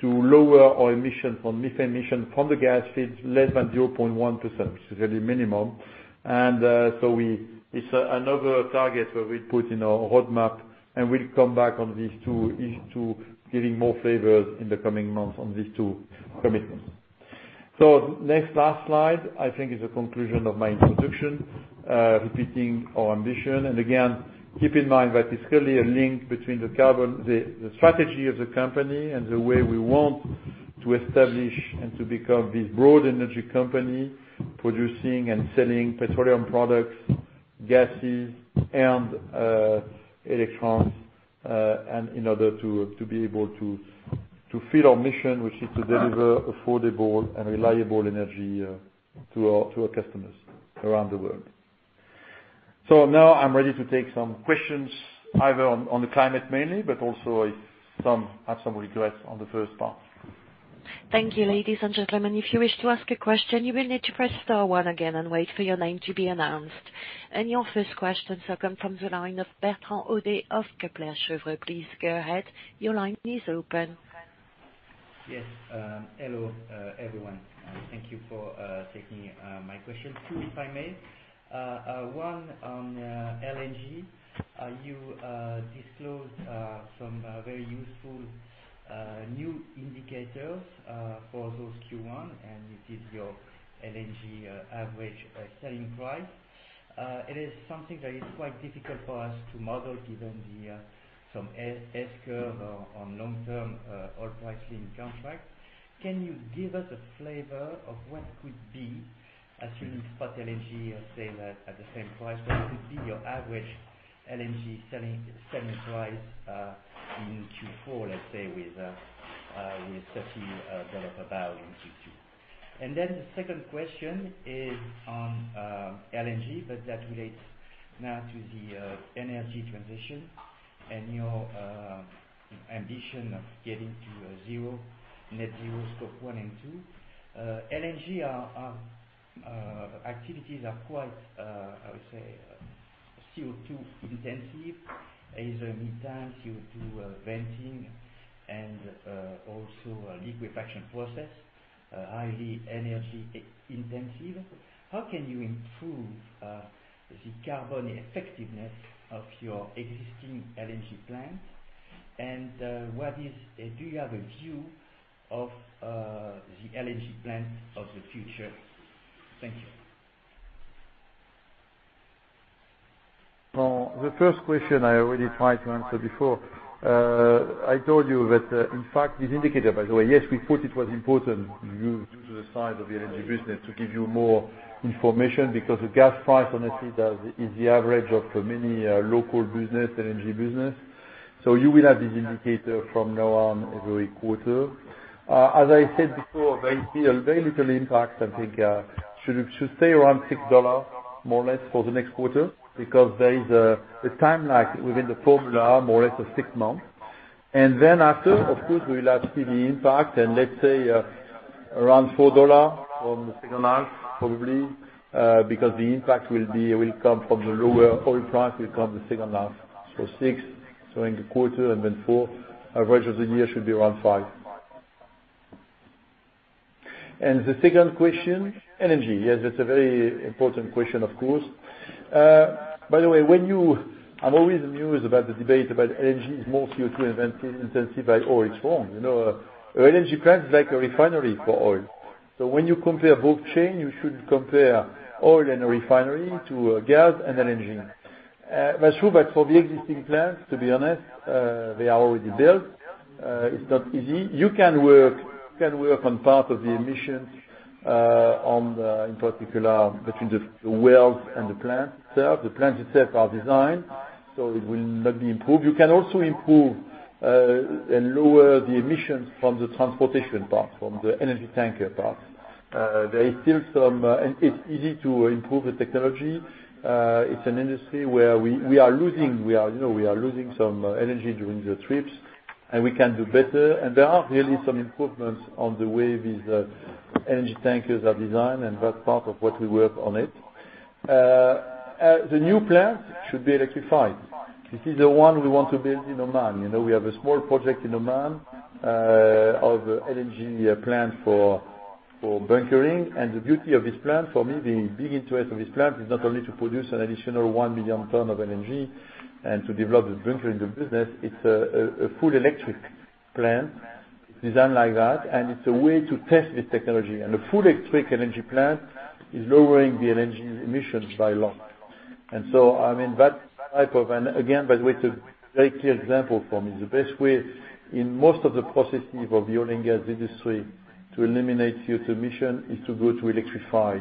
to lower our emission from methane emission from the gas fields less than 0.1%, which is really minimum. It's another target where we put in our roadmap, and we'll come back on these two, giving more flavors in the coming months on these two commitments. Next last slide, I think is a conclusion of my introduction, repeating our ambition. Again, keep in mind that it's clearly a link between the strategy of the company and the way we want to establish and to become this broad energy company producing and selling petroleum products, gases, and electrons, and in order to be able to fill our mission, which is to deliver affordable and reliable energy to our customers around the world. Now I'm ready to take some questions, either on the climate mainly, but also if some have some regrets on the first part. Thank you, ladies and gentlemen. If you wish to ask a question, you will need to press star one again and wait for your name to be announced. Your first question comes from the line of Bertrand Hodée of Kepler Cheuvreux. Please go ahead. Your line is open. Yes. Hello, everyone. Thank you for taking my question. Two, if I may. One on LNG. You disclosed some very useful new indicators for those Q1, and it is your LNG average selling price. It is something that is quite difficult for us to model given the some S-curve on long-term oil pricing contract. Can you give us a flavor of what could be, assuming spot LNG, say, at the same price point, could be your average LNG selling price, in Q4, let's say with $30 a barrel in Q2? The second question is on LNG, but that relates now to the energy transition and your ambition of getting to net zero Scope 1 and 2. LNG activities are quite, I would say, CO2 intensive. There is a methane, CO2 venting and also a liquefaction process, highly energy intensive. How can you improve the carbon effectiveness of your existing LNG plant? Do you have a view of the LNG plant of the future? Thank you. The first question I already tried to answer before. I told you that, in fact, this indicator, by the way, yes, we thought it was important due to the size of the LNG business, to give you more information, because the gas price, honestly, is the average of many local business, LNG business. You will have this indicator from now on every quarter. As I said before, very little impact. I think should stay around $6 more or less for the next quarter because there is a time lag within the formula, more or less of six months. Then after, of course, we will see the impact and let's say around $4 from the second half probably, because the impact will come from the lower oil price, will come the second half. $6 during the quarter and then $4, average of the year should be around $5. The second question, LNG. Yes, that's a very important question, of course. By the way, I'm always amused about the debate about LNG is more CO2 intensive by oil form. LNG plant is like a refinery for oil. When you compare both chain, you should compare oil and a refinery to gas and LNG. That's true, but for the existing plants, to be honest, they are already built. It's not easy. You can work on part of the emissions, in particular between the wells and the plant itself. The plants itself are designed, so it will not be improved. You can also improve, and lower the emissions from the transportation part, from the LNG tanker part. It's easy to improve the technology. It's an industry where we are losing some energy during the trips, and we can do better, and there are really some improvements on the way these LNG tankers are designed, and that's part of what we work on it. The new plant should be electrified. This is the one we want to build in Oman. We have a small project in Oman, of LNG plant for bunkering. The beauty of this plant, for me, the big interest of this plant is not only to produce an additional 1 million ton of LNG and to develop the bunkering, the business. It's a full electric plant. It's designed like that, and it's a way to test this technology. A full electric LNG plant is lowering the LNG emissions by a lot. That type of, and again, by the way, it's a very clear example for me. The best way in most of the processes of the oil and gas industry to eliminate CO2 emission is to go to electrify.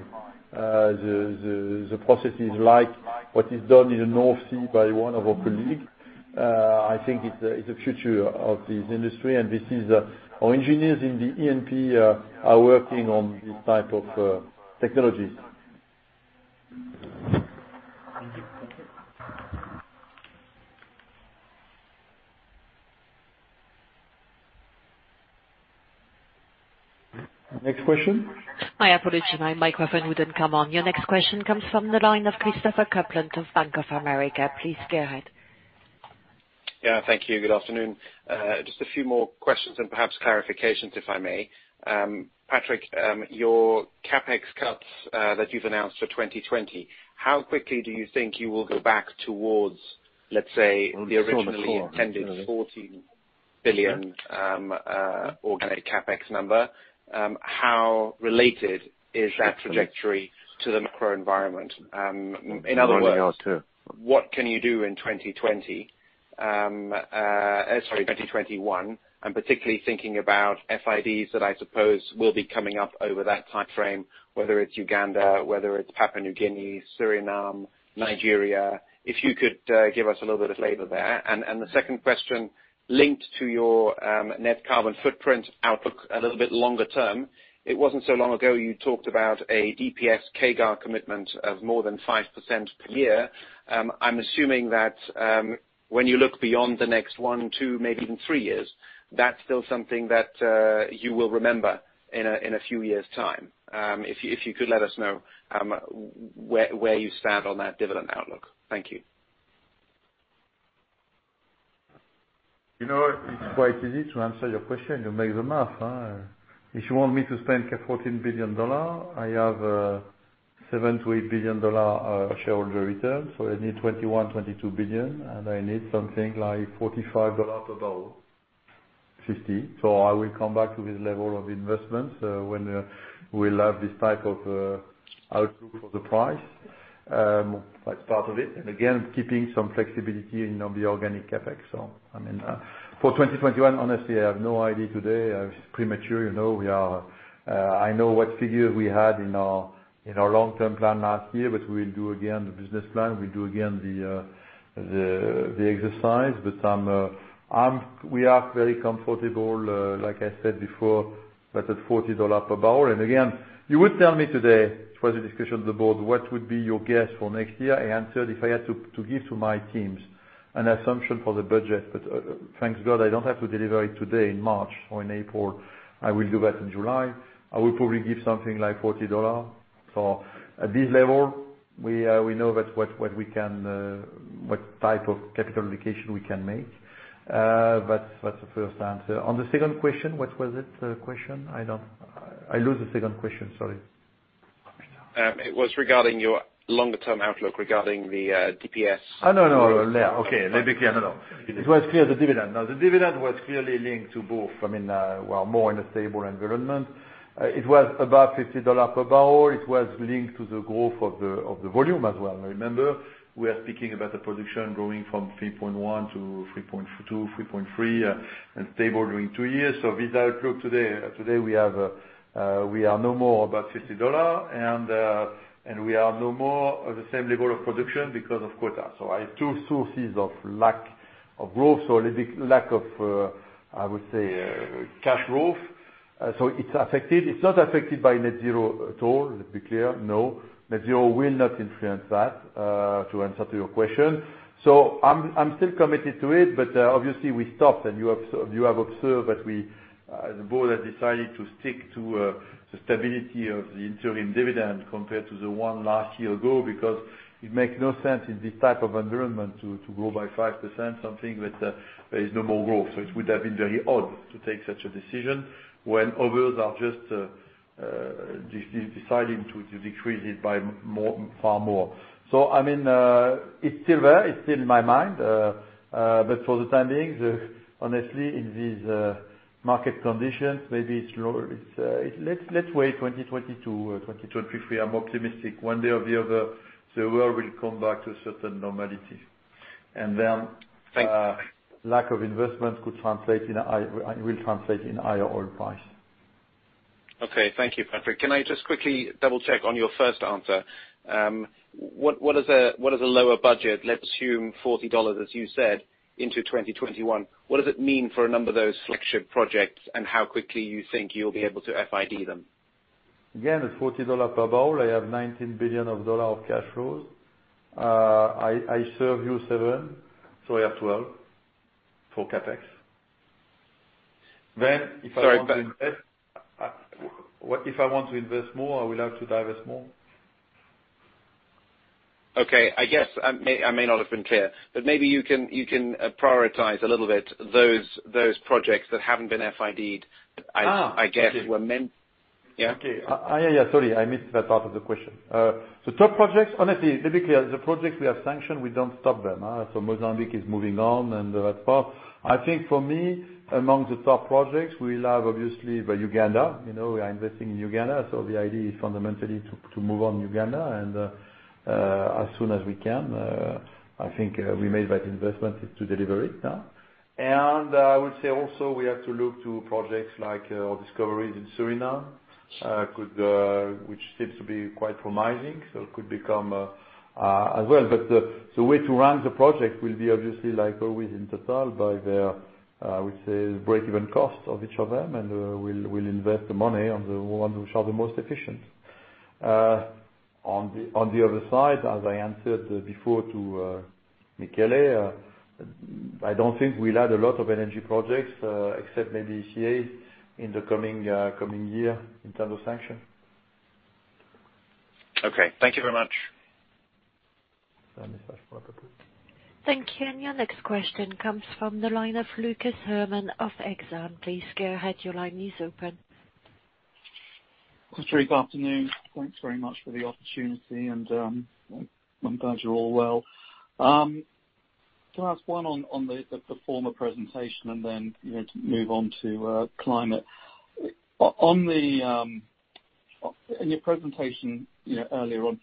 The process is like what is done in the North Sea by one of our colleagues. I think it's the future of this industry, and this is our engineers in the E&P are working on this type of technologies. Thank you. Next question. My apologies, my microphone wouldn't come on. Your next question comes from the line of Christopher Kuplent of Bank of America. Please go ahead. Yeah. Thank you. Good afternoon. Just a few more questions and perhaps clarifications, if I may. Patrick, your CapEx cuts that you've announced for 2020, how quickly do you think you will go back towards, let's say, the originally intended $14 billion organic CapEx number? How related is that trajectory to the macro environment? In other words, what can you do in 2020? Sorry, 2021. I'm particularly thinking about FIDs that I suppose will be coming up over that timeframe, whether it's Uganda, whether it's Papua New Guinea, Suriname, Nigeria. If you could give us a little bit of flavor there. The second question linked to your net carbon footprint outlook a little bit longer term. It wasn't so long ago, you talked about a DPS CAGR commitment of more than 5% per year. I'm assuming that, when you look beyond the next one, two, maybe even three years, that's still something that you will remember in a few years' time. If you could let us know where you stand on that dividend outlook. Thank you. It's quite easy to answer your question. You make the math. If you want me to spend $14 billion, I have $7 billion-$8 billion shareholder return. I need $21 billion-$22 billion, and I need something like $45 per barrel, $50. I will come back to this level of investment, when we'll have this type of, outlook for the price. That's part of it. Again, keeping some flexibility in the organic CapEx. For 2021, honestly, I have no idea today. It's premature. I know what figures we had in our long-term plan last year, we'll do again the business plan. We'll do again the exercise. We are very comfortable, like I said before, that at $40 per barrel. Again, you would tell me today, it was a discussion of the Board, what would be your guess for next year? I answered, if I had to give to my teams an assumption for the budget. Thanks God, I don't have to deliver it today in March or in April. I will do that in July. I will probably give something like $40. At this level, we know what type of capital allocation we can make. That's the first answer. On the second question, what was it? The question? I lose the second question, sorry. It was regarding your longer-term outlook regarding the DPS. No. Okay. Let me come. No. It was clear, the dividend. The dividend was clearly linked to both. We are more in a stable environment. It was above $50 per barrel. It was linked to the growth of the volume as well. Remember, we are speaking about a production growing from 3.1 to 3.2, 3.3, and stable during two years. With that outlook today, we are no more above $50 and we are no more at the same level of production because of quota. I have two sources of lack of growth. A little lack of, I would say, cash flow. It's affected. It's not affected by net zero at all. Let's be clear, no. Net zero will not influence that, to answer to your question. I'm still committed to it, but obviously, we stopped and you have observed that the Board has decided to stick to the stability of the interim dividend compared to the one last year ago, because it makes no sense in this type of environment to go by 5%, something that there is no more growth. It would have been very odd to take such a decision when others are just deciding to decrease it by far more. It's still there, it's still in my mind. For the time being, honestly, in these market conditions, maybe let's wait 2022, 2023. I'm optimistic one day or the other, the world will come back to a certain normality. Thank you. Lack of investment will translate in higher oil price. Okay. Thank you, Patrick. Can I just quickly double-check on your first answer? What is a lower budget? Let's assume $40, as you said, into 2021. What does it mean for a number of those flagship projects and how quickly you think you'll be able to FID them? At $40 per barrel, I have $19 billion of cash flows. I serve you $7, so I have $12 for CapEx. If I want to invest Sorry, Patrick. if I want to invest more, I will have to divest more. Okay. I guess, I may not have been clear. Maybe you can prioritize a little bit those projects that haven't been FIDed, I guess. Okay. Yeah, sorry. I missed that part of the question. The top projects, honestly, typically, the projects we have sanctioned, we don't stop them. Mozambique is moving on and that part. I think for me, among the top projects, we'll have, obviously, Uganda. We are investing in Uganda, the idea is fundamentally to move on Uganda and, as soon as we can, I think we made that investment is to deliver it now. I would say also, we have to look to projects like our discoveries in Suriname, which seems to be quite promising, it could become as well. The way to run the project will be obviously like always in Total by their, I would say, break-even cost of each of them, we'll invest the money on the ones which are the most efficient. On the other side, as I answered before to Michele, I don't think we'll add a lot of energy projects, except maybe ECA, in the coming year in terms of sanction. Okay. Thank you very much. Thank you. Your next question comes from the line of Lucas Herrmann of Exane. Please go ahead. Your line is open. Patrick, afternoon. Thanks very much for the opportunity, and, I'm glad you're all well. Can I ask one on the former presentation and then to move on to climate? In your presentation earlier on,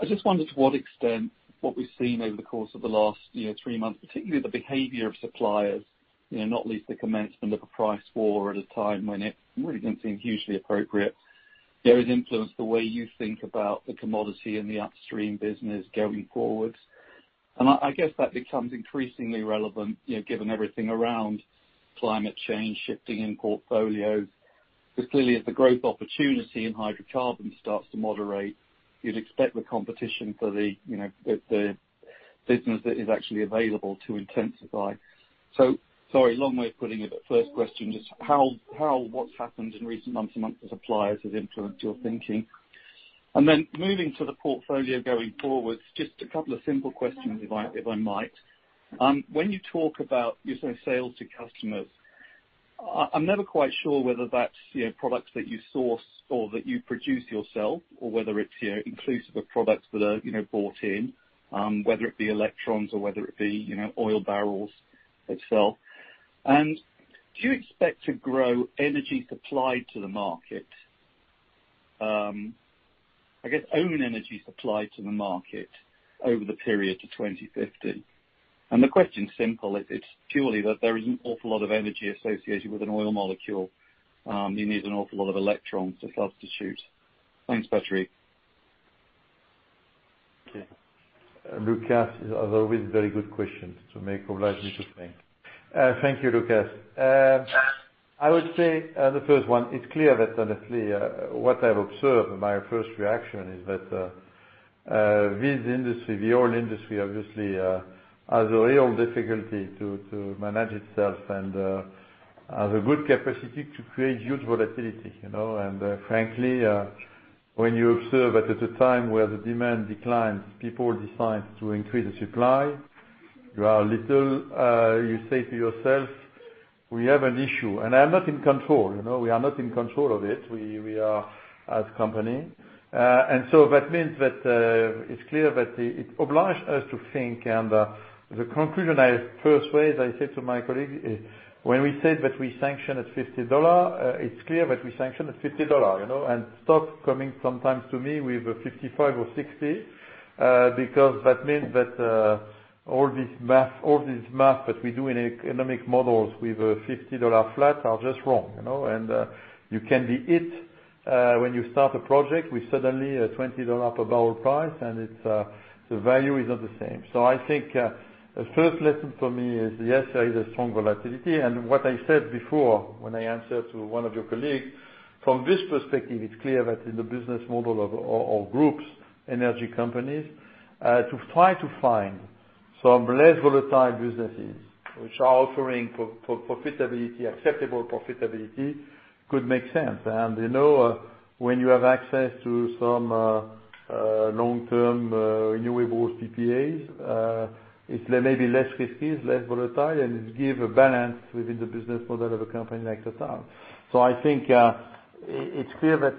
I just wondered to what extent what we've seen over the course of the last year, three months, particularly the behavior of suppliers, not least the commencement of a price war at a time when it really didn't seem hugely appropriate. There is influence the way you think about the commodity and the upstream business going forward. I guess that becomes increasingly relevant, given everything around climate change, shifting in portfolios, because clearly as the growth opportunity in hydrocarbons starts to moderate, you'd expect the competition for the business that is actually available to intensify. Sorry, long way of putting it, first question, just how, what's happened in recent months among the suppliers has influenced your thinking. Moving to the portfolio going forward, just a couple of simple questions, if I might. When you talk about your sort of sales to customers, I'm never quite sure whether that's products that you source or that you produce yourself or whether it's inclusive of products that are bought in, whether it be electrons or whether it be oil barrels itself. Do you expect to grow energy supplied to the market? I guess, own energy supplied to the market over the period to 2050. The question's simple, it's purely that there is an awful lot of energy associated with an oil molecule. You need an awful lot of electrons to substitute. Thanks, Patrick. Okay. Lucas, as always, very good questions to make oblige me to think. Thank you, Lucas. I would say, the first one, it's clear that honestly, what I've observed and my first reaction is that this industry, the oil industry obviously, has a real difficulty to manage itself and has a good capacity to create huge volatility. Frankly, when you observe that at a time where the demand declines, people decide to increase the supply, you are a little, you say to yourself, "We have an issue." I'm not in control. We are not in control of it. We are as a company. That means that it's clear that it oblige us to think and the conclusion I first raised, I said to my colleague, when we said that we sanction at $50, it's clear that we sanction at $50. Stop coming sometimes to me with a $55 or $60, because that means that all this math that we do in economic models with a $50 flat are just wrong. You can be hit when you start a project with suddenly a $20 per barrel price, and the value is not the same. I think the first lesson for me is, yes, there is a strong volatility and what I said before, when I answered to one of your colleagues, from this perspective, it's clear that in the business model of groups, energy companies, to try to find some less volatile businesses which are offering acceptable profitability could make sense. When you have access to some long-term renewable PPAs, it may be less risky, less volatile, and it give a balance within the business model of a company like Total. I think it's clear that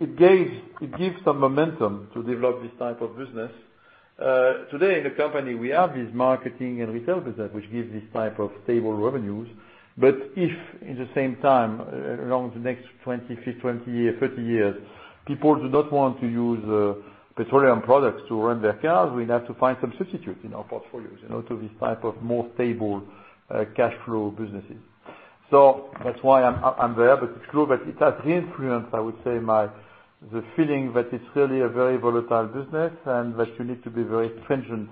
it gives some momentum to develop this type of business. Today, in the company, we have this marketing and retail business, which gives this type of stable revenues. If at the same time, around the next 20 years, 30 years, people do not want to use petroleum products to run their cars, we have to find some substitute in our portfolios, to these type of more stable cash flow businesses. That's why I'm there. It's true that it has influenced, I would say, the feeling that it's really a very volatile business and that you need to be very stringent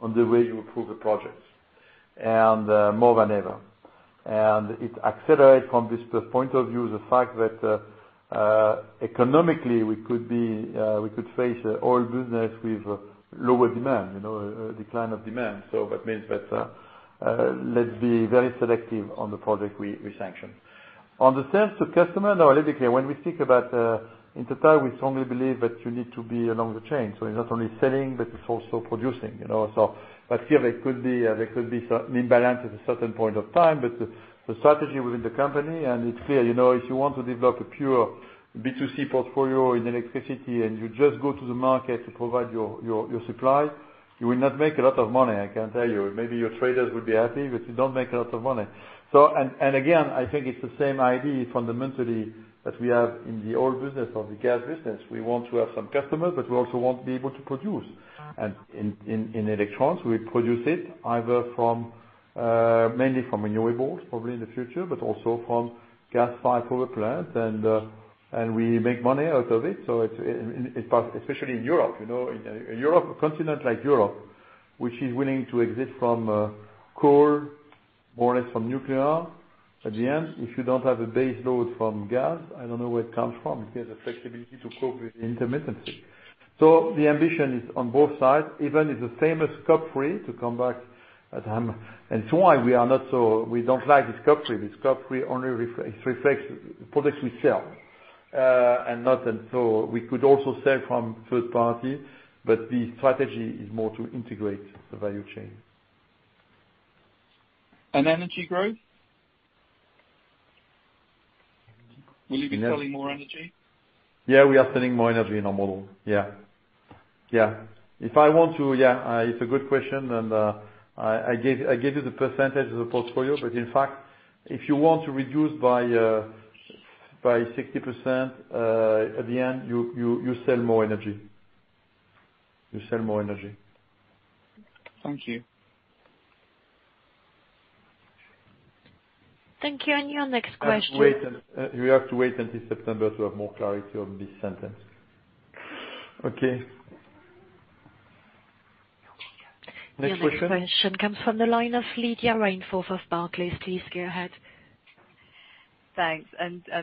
on the way you approve a project, more than ever. It accelerates from this point of view, the fact that economically we could face oil business with lower demand, a decline of demand. That means that let's be very selective on the project we sanction. On the sales to customer, now a little bit clear. We think about in Total, we strongly believe that you need to be along the chain. It's not only selling, but it's also producing. Still there could be some imbalance at a certain point of time. The strategy within the company, and it's clear, if you want to develop a pure B2C portfolio in electricity and you just go to the market to provide your supply, you will not make a lot of money, I can tell you. Maybe your traders will be happy, but you don't make a lot of money. Again, I think it's the same idea fundamentally that we have in the oil business or the gas business. We want to have some customers, but we also want to be able to produce. In electrons, we produce it either mainly from renewables probably in the future, but also from gas-fired power plants, and we make money out of it. Especially in Europe. A continent like Europe, which is willing to exit from coal, more or less from nuclear, at the end, if you don't have a base load from gas, I don't know where it comes from. It has a flexibility to cope with the intermittency. The ambition is on both sides, even if the famous Scope 3, to come back at hand. It's why we don't like the Scope 3. The Scope 3 only reflects products we sell. We could also sell from third party, but the strategy is more to integrate the value chain. Energy growth? Will you be selling more energy? Yeah, we are selling more energy in our model. Yeah. I gave you the percentage of the portfolio. In fact, if you want to reduce by 60%, at the end you sell more energy. Thank you. Thank you. Your next question. We have to wait until September to have more clarity on this sentence. Okay. Next question. Your next question comes from the line of Lydia Rainforth of Barclays. Please go ahead. Thanks.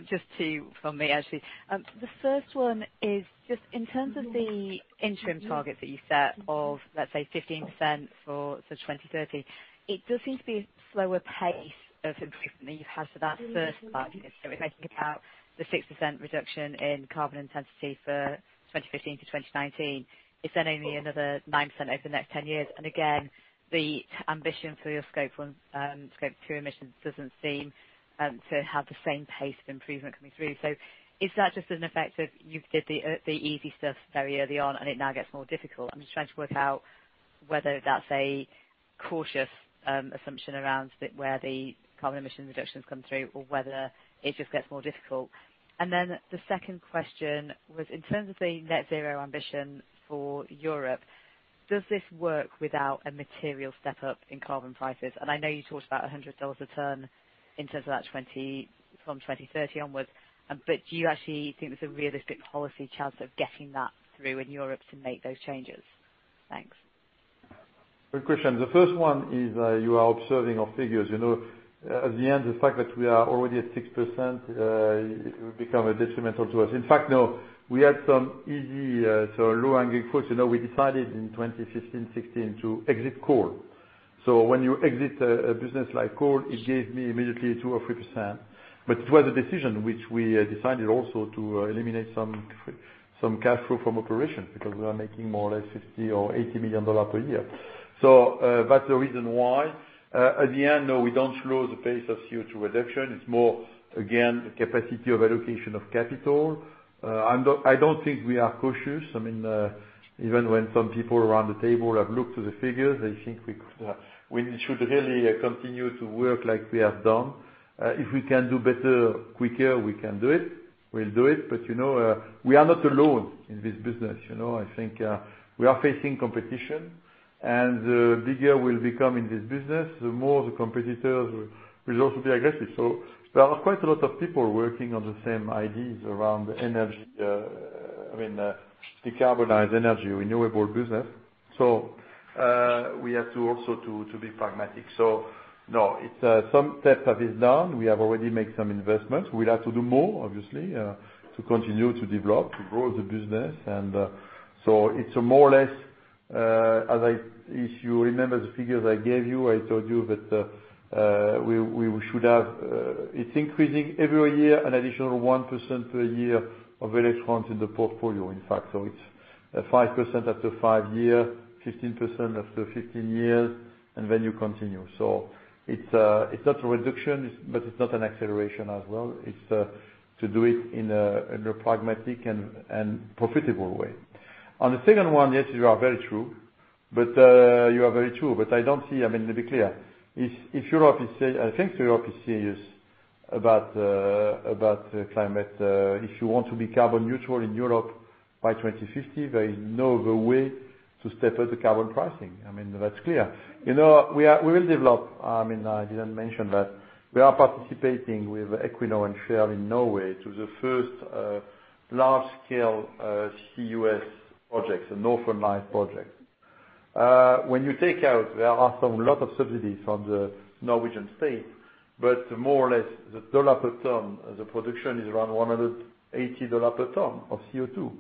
Just two from me, actually. The first one is just in terms of the interim targets that you set of, let's say, 15% for 2030. It does seem to be a slower pace of improvement than you've had for that first five years. If I think about the 6% reduction in carbon intensity for 2015- 2019, it's then only another 9% over the next 10 years. Again, the ambition for your Scope 2 emissions doesn't seem to have the same pace of improvement coming through. Is that just an effect of you did the easy stuff very early on and it now gets more difficult? I'm just trying to work out whether that's a cautious assumption around where the carbon emission reductions come through or whether it just gets more difficult. The second question was, in terms of the net zero ambition for Europe, does this work without a material step up in carbon prices? I know you talked about $100 a ton in terms of that from 2030 onwards, but do you actually think there's a realistic policy chance of getting that through in Europe to make those changes? Thanks. Good question. The first one is you are observing our figures. At the end, the fact that we are already at 6% will become detrimental to us. In fact, no. We had some easy, so low-hanging fruits. We decided in 2015/2016 to exit coal. When you exit a business like coal, it gave me immediately 2% or 3%. It was a decision which we decided also to eliminate some cash flow from operations because we are making more or less $50 million or $80 million per year. That's the reason why. At the end, no, we don't slow the pace of CO2 reduction. It's more, again, the capacity of allocation of capital. I don't think we are cautious. Even when some people around the table have looked to the figures, they think we should really continue to work like we have done. If we can do better quicker, we can do it, we'll do it. We are not alone in this business. I think we are facing competition, and the bigger we'll become in this business, the more the competitors will also be aggressive. There are quite a lot of people working on the same ideas around decarbonized energy, renewable business. So we have to also be pragmatic. No, some steps have been done. We have already made some investments. We'll have to do more, obviously, to continue to develop, to grow the business. It's more or less, if you remember the figures I gave you, I told you that it's increasing every year an additional 1% per year of electrons in the portfolio, in fact. It's 5% after five years, 15% after 15 years, and then you continue. It's not a reduction, but it's not an acceleration as well. It's to do it in a pragmatic and profitable way. On the second one, yes, you are very true. I don't see, let me be clear. I think Europe is serious about climate. If you want to be carbon neutral in Europe by 2050, there is no other way to step up the carbon pricing. That's clear. We will develop, I didn't mention, but we are participating with Equinor and Shell in Norway to the first large-scale CCUS projects, the Northern Lights project. When you take out, there are some lot of subsidies from the Norwegian state, but more or less, the dollar per ton, the production is around $180 per ton of CO2.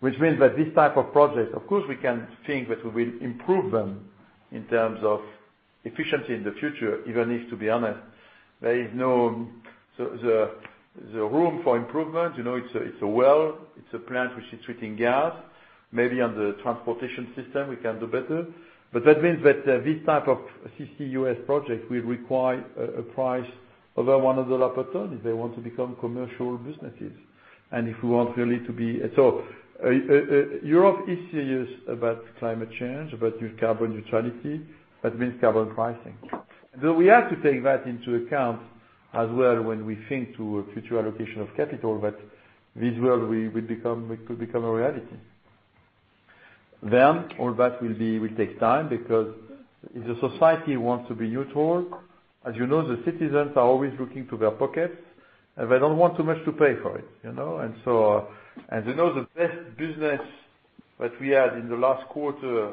Which means that this type of project, of course, we can think that we will improve them in terms of efficiency in the future, even if, to be honest, there is no room for improvement. It's a plant which is treating gas. Maybe on the transportation system, we can do better. That means that this type of CCUS project will require a price of $100 per ton if they want to become commercial businesses. Europe is serious about climate change, about carbon neutrality, that means carbon pricing. We have to take that into account as well when we think to a future allocation of capital that this will become a reality. All that will take time because if the society wants to be neutral, as you know, the citizens are always looking to their pockets, and they don't want too much to pay for it. They know the best business that we had in the last quarter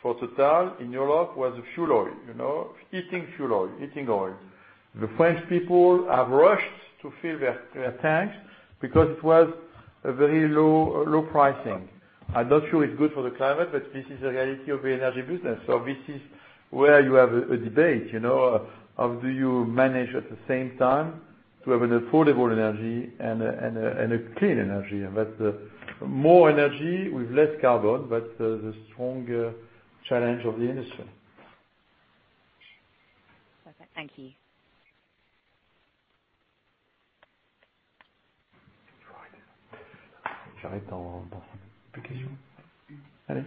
for Total in Europe was fuel oil, heating oil. The French people have rushed to fill their tanks because it was a very low pricing. I'm not sure it's good for the climate, this is the reality of the energy business. This is where you have a debate. How do you manage at the same time to have an affordable energy and a clean energy? That's more energy with less carbon, but the strong challenge of the industry. Perfect. Thank you. Next question or no? Thank you. Are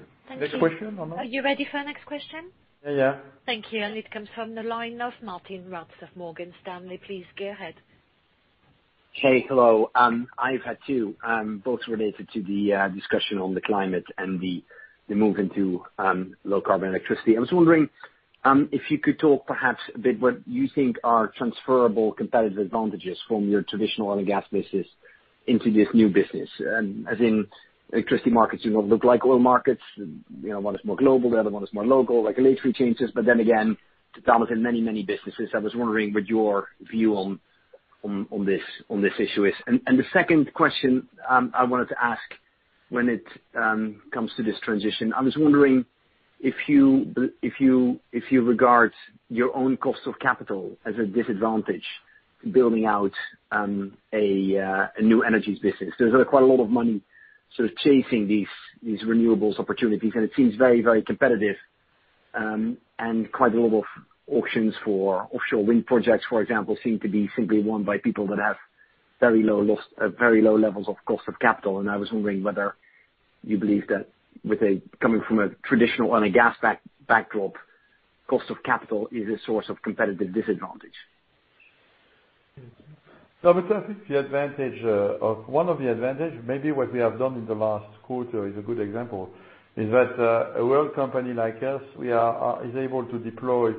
you ready for the next question? Yeah. Thank you. It comes from the line of Martijn Rats of Morgan Stanley. Please go ahead. Hey, hello. I've had two, both related to the discussion on the climate and the move into low carbon electricity. I was wondering if you could talk perhaps a bit what you think are transferable competitive advantages from your traditional oil and gas business into this new business. Electricity markets do not look like oil markets. One is more global, the other one is more local, regulatory changes. Total is in many, many businesses. I was wondering what your view on this issue is. The second question I wanted to ask when it comes to this transition, I was wondering if you regard your own cost of capital as a disadvantage building out a New Energies business. There's quite a lot of money sort of chasing these renewables opportunities, and it seems very, very competitive, and quite a lot of auctions for offshore wind projects, for example, seem to be simply won by people that have very low levels of cost of capital. I was wondering whether you believe that coming from a traditional oil and gas backdrop, cost of capital is a source of competitive disadvantage. The advantage, one of the advantage, maybe what we have done in the last quarter is a good example, is that a world company like us is able to deploy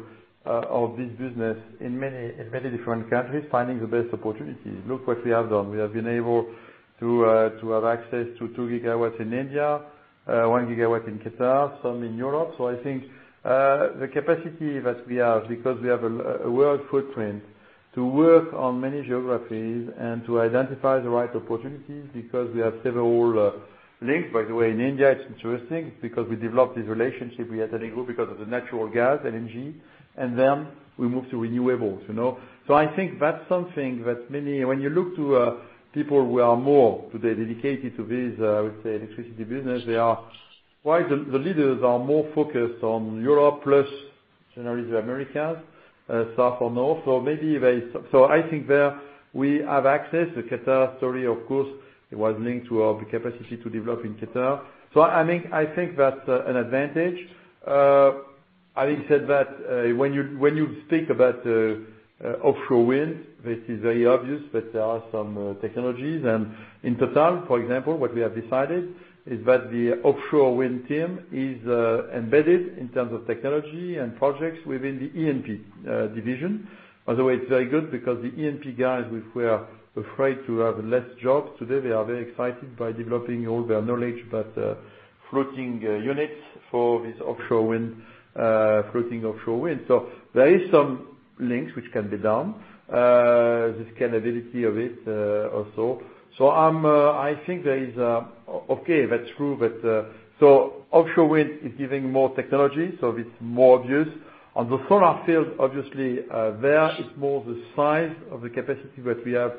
all this business in many different countries, finding the best opportunities. Look what we have done. We have been able to have access to 2 GW in India, 1 GW in Qatar, some in Europe. I think the capacity that we have, because we have a world footprint to work on many geographies and to identify the right opportunities because we have several links. By the way, in India, it's interesting because we developed this relationship with because of the natural gas, LNG, and then we moved to renewables. I think that's something that when you look to people who are more, today, dedicated to this, I would say, electricity business, the leaders are more focused on Europe plus generally the Americas, South or North. The Qatar story, of course, it was linked to the capacity to develop in Qatar. I think that's an advantage. Having said that, when you speak about offshore wind, this is very obvious, but there are some technologies. And in Total, for example, what we have decided is that the offshore wind team is embedded in terms of technology and projects within the E&P division. By the way, it's very good because the E&P guys, who were afraid to have less jobs, today they are very excited by developing all their knowledge about floating units for this offshore wind. There is some links which can be done, the scalability of it also. Okay, that's true, but offshore wind is giving more technology, so it's more obvious. On the solar field, obviously, there it's more the size of the capacity that we have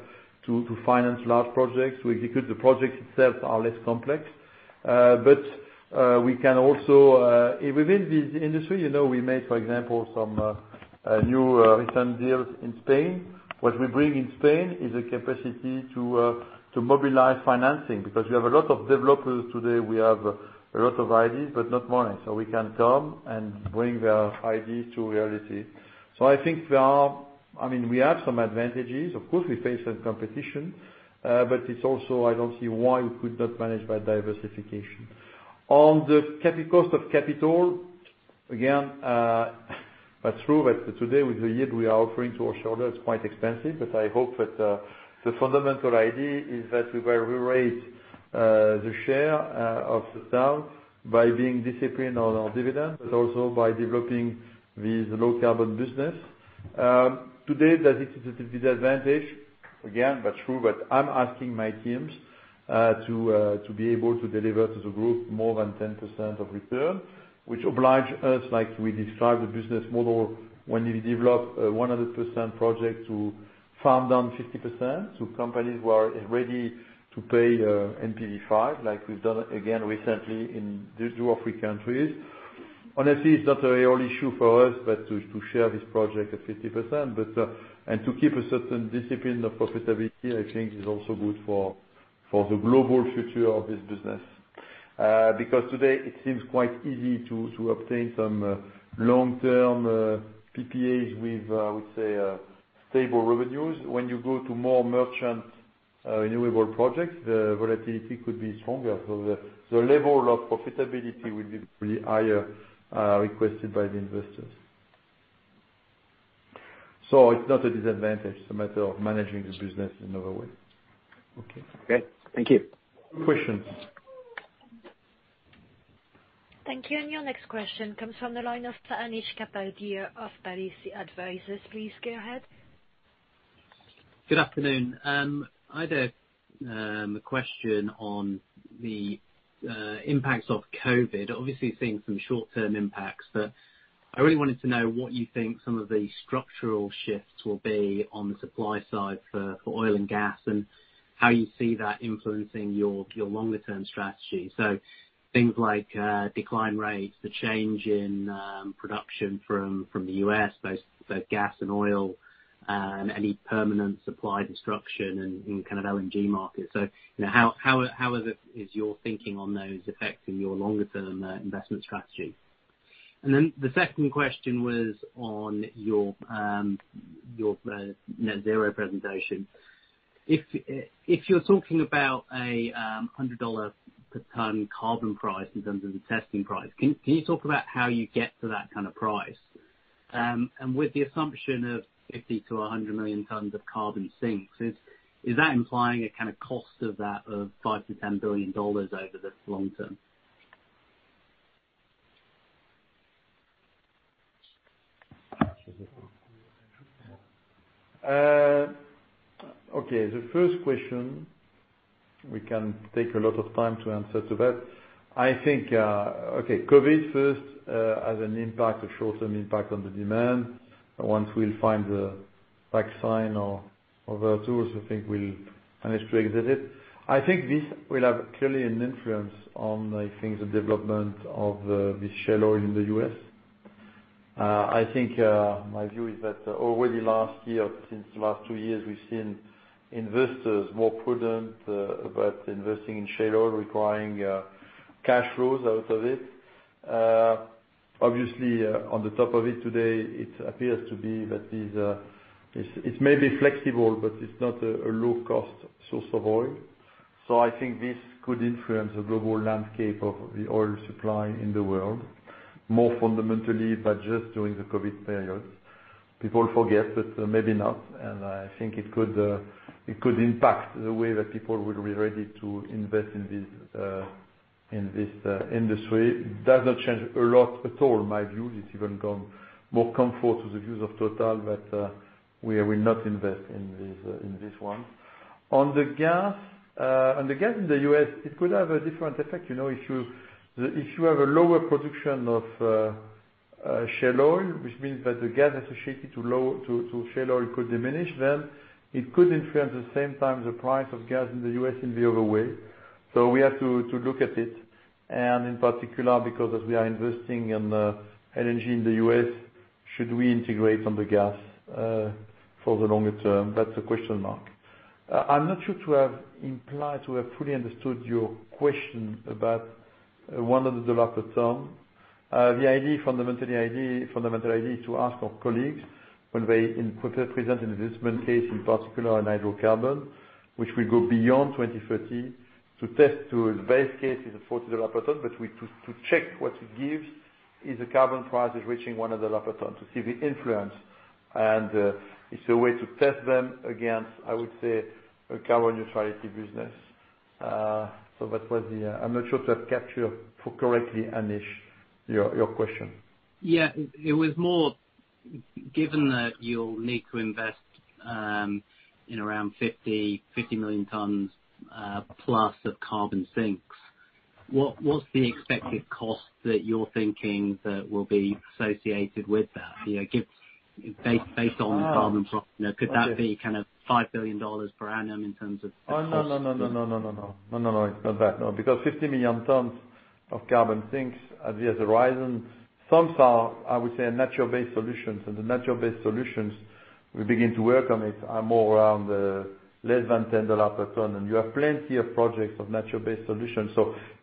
to finance large projects. We execute the projects themselves are less complex. We can also, within this industry, we made, for example, some new recent deals in Spain. What we bring in Spain is a capacity to mobilize financing because we have a lot of developers today. We have a lot of ideas, but not money. We can come and bring their ideas to reality. I think we have some advantages. Of course, we face some competition, but it's also, I don't see why we could not manage by diversification. On the cost of capital, again, that's true that today with the yield we are offering to our shareholders, it's quite expensive. I hope that the fundamental idea is that we will rerate the share of TotalEnergies by being disciplined on our dividends, but also by developing this low carbon business. Today, that is a disadvantage. Again, that's true, I'm asking my teams to be able to deliver to the group more than 10% of return, which oblige us, like we described the business model, when we develop 100% project to farm down 50%, so companies who are ready to pay NPV 5, like we've done again recently in two or three countries. Honestly, it's not a real issue for us, to share this project at 50%. To keep a certain discipline of profitability, I think is also good for the global future of this business. Today it seems quite easy to obtain some long-term PPAs with, I would say, stable revenues. When you go to more merchant renewable projects, the volatility could be stronger. The level of profitability will be really higher, requested by the investors. It's not a disadvantage. It's a matter of managing the business in another way. Okay. Okay. Thank you. Thank you. Your next question comes from the line of Anish Kapadia of Palissy Advisors. Please go ahead. Good afternoon. I had a question on the impacts of COVID. Obviously, seeing some short-term impacts, but I really wanted to know what you think some of the structural shifts will be on the supply side for oil and gas, and how you see that influencing your longer-term strategy. Things like decline rates, the change in production from the U.S., both gas and oil, and any permanent supply disruption in LNG markets. How is your thinking on those affecting your longer-term investment strategy? The second question was on your net zero presentation. If you're talking about a $100 per ton carbon price in terms of the testing price, can you talk about how you get to that kind of price? With the assumption of 50 million to 100 million tons of carbon sinks, is that implying a kind of cost of that of $5 billion-$10 billion over the long term? Okay, the first question, we can take a lot of time to answer to that. I think, okay, COVID first has an impact, a short-term impact on the demand. Once we'll find the vaccine or the tools, I think we'll manage to exit it. I think this will have clearly an influence on, I think, the development of the shale oil in the U.S. I think my view is that already last year, since last two years, we've seen investors more prudent about investing in shale oil, requiring cash flows out of it. Obviously, on the top of it today, it appears to be that it may be flexible, but it's not a low-cost source of oil. I think this could influence the global landscape of the oil supply in the world more fundamentally, but just during the COVID period. People forget, but maybe not, and I think it could impact the way that people will be ready to invest in this industry. It does not change a lot at all, my view. It's even gone more comfort to the views of Total that we will not invest in this one. On the gas in the U.S., it could have a different effect. If you have a lower production of shale oil, which means that the gas associated to shale oil could diminish, then it could influence the same time the price of gas in the U.S. in the other way. We have to look at it, and in particular, because as we are investing in LNG in the U.S., should we integrate on the gas for the longer term? That's a question mark. I'm not sure to have implied to have fully understood your question about $100 per ton. The fundamental idea is to ask our colleagues when they present an investment case, in particular in hydrocarbon, which will go beyond 2030, to test to the base case is a $40 per ton. To check what it gives if the carbon price is reaching $100 per ton, to see the influence. It's a way to test them against, I would say, a carbon neutrality business. I'm not sure to have captured correctly, Anish, your question. Yeah. Given that you'll need to invest in around 50 million tons+ of carbon sinks, what's the expected cost that you're thinking that will be associated with that? Based on carbon price, could that be $5 billion per annum in terms of cost? No. It's not that, no. 50 million tons of carbon sinks at the horizon, some are, I would say, natural-based solutions. The natural-based solutions, we begin to work on it, are more around less than $10 per ton. You have plenty of projects of natural-based solutions.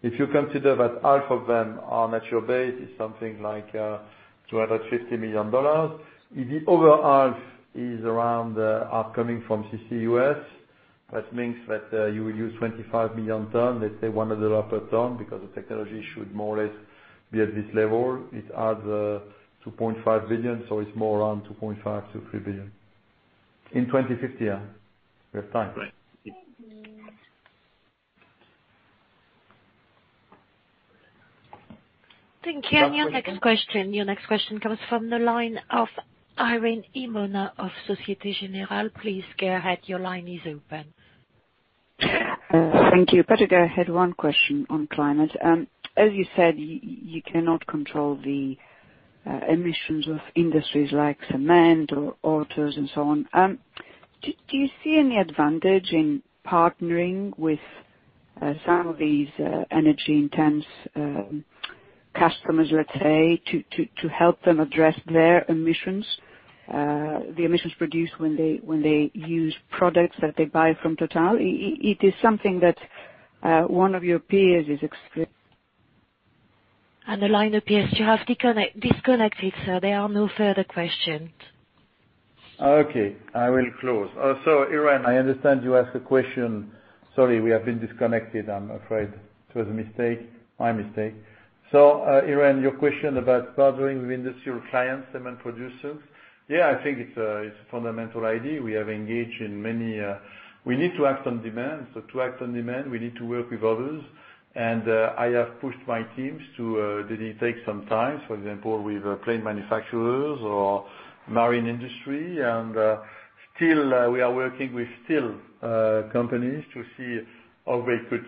If you consider that half of them are natural base, it's something like $250 million. If the other half is coming from CCUS, that means that you will use 25 million tons, let's say $100 per ton, because the technology should more or less be at this level. It adds $2.5 billion, so it's more around $2.5 billion-$3 billion. In 2050, we have time. Right. Thank you. Your next question comes from the line of Irene Himona of Société Générale. Please go ahead. Your line is open. Thank you. Patrick, I had one question on climate. As you said, you cannot control the emissions of industries like cement or autos and so on. Do you see any advantage in partnering with some of these energy-intense customers, let's say, to help them address their emissions, the emissions produced when they use products that they buy from Total? It is something that one of your peers is. The line appears to have disconnected, sir. There are no further questions. Okay, I will close. Irene, I understand you asked a question. Sorry, we have been disconnected, I'm afraid. It was a mistake. My mistake. Irene, your question about partnering with industrial clients, cement producers. Yeah, I think it's a fundamental idea. We need to act on demand. To act on demand, we need to work with others. I have pushed my teams to take some time, for example, with plane manufacturers or marine industry. Still we are working with steel companies to see how they could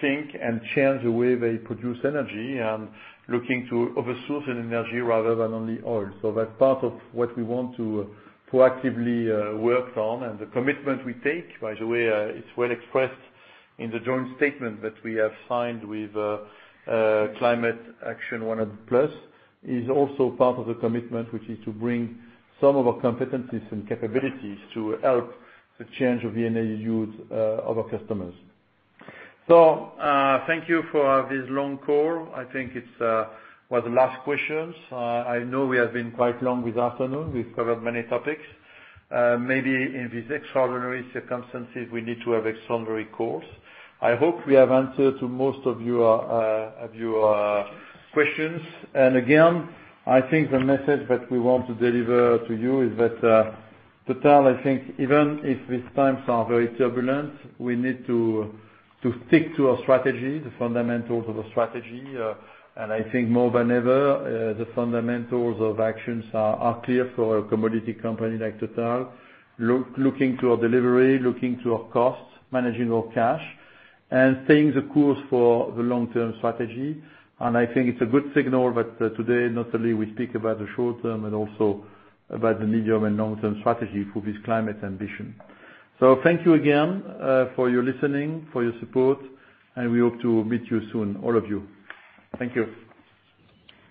think and change the way they produce energy, and looking to other source of energy rather than only oil. That's part of what we want to proactively work on. The commitment we take, by the way, it's well expressed in the joint statement that we have signed with Climate Action 100+ is also part of the commitment which is to bring some of our competencies and capabilities to help the change of energy use of our customers. Thank you for this long call. I think it was the last questions. I know we have been quite long this afternoon. We've covered many topics. Maybe in these extraordinary circumstances, we need to have extraordinary calls. I hope we have answered to most of your questions. Again, I think the message that we want to deliver to you is that, Total, I think even if these times are very turbulent, we need to stick to our strategy, the fundamentals of the strategy. I think more than ever, the fundamentals of actions are clear for a commodity company like Total. Looking to our delivery, looking to our costs, managing our cash and staying the course for the long-term strategy. I think it's a good signal that today, not only we speak about the short-term, but also about the medium and long-term strategy for this climate ambition. Thank you again for your listening, for your support, and we hope to meet you soon, all of you. Thank you.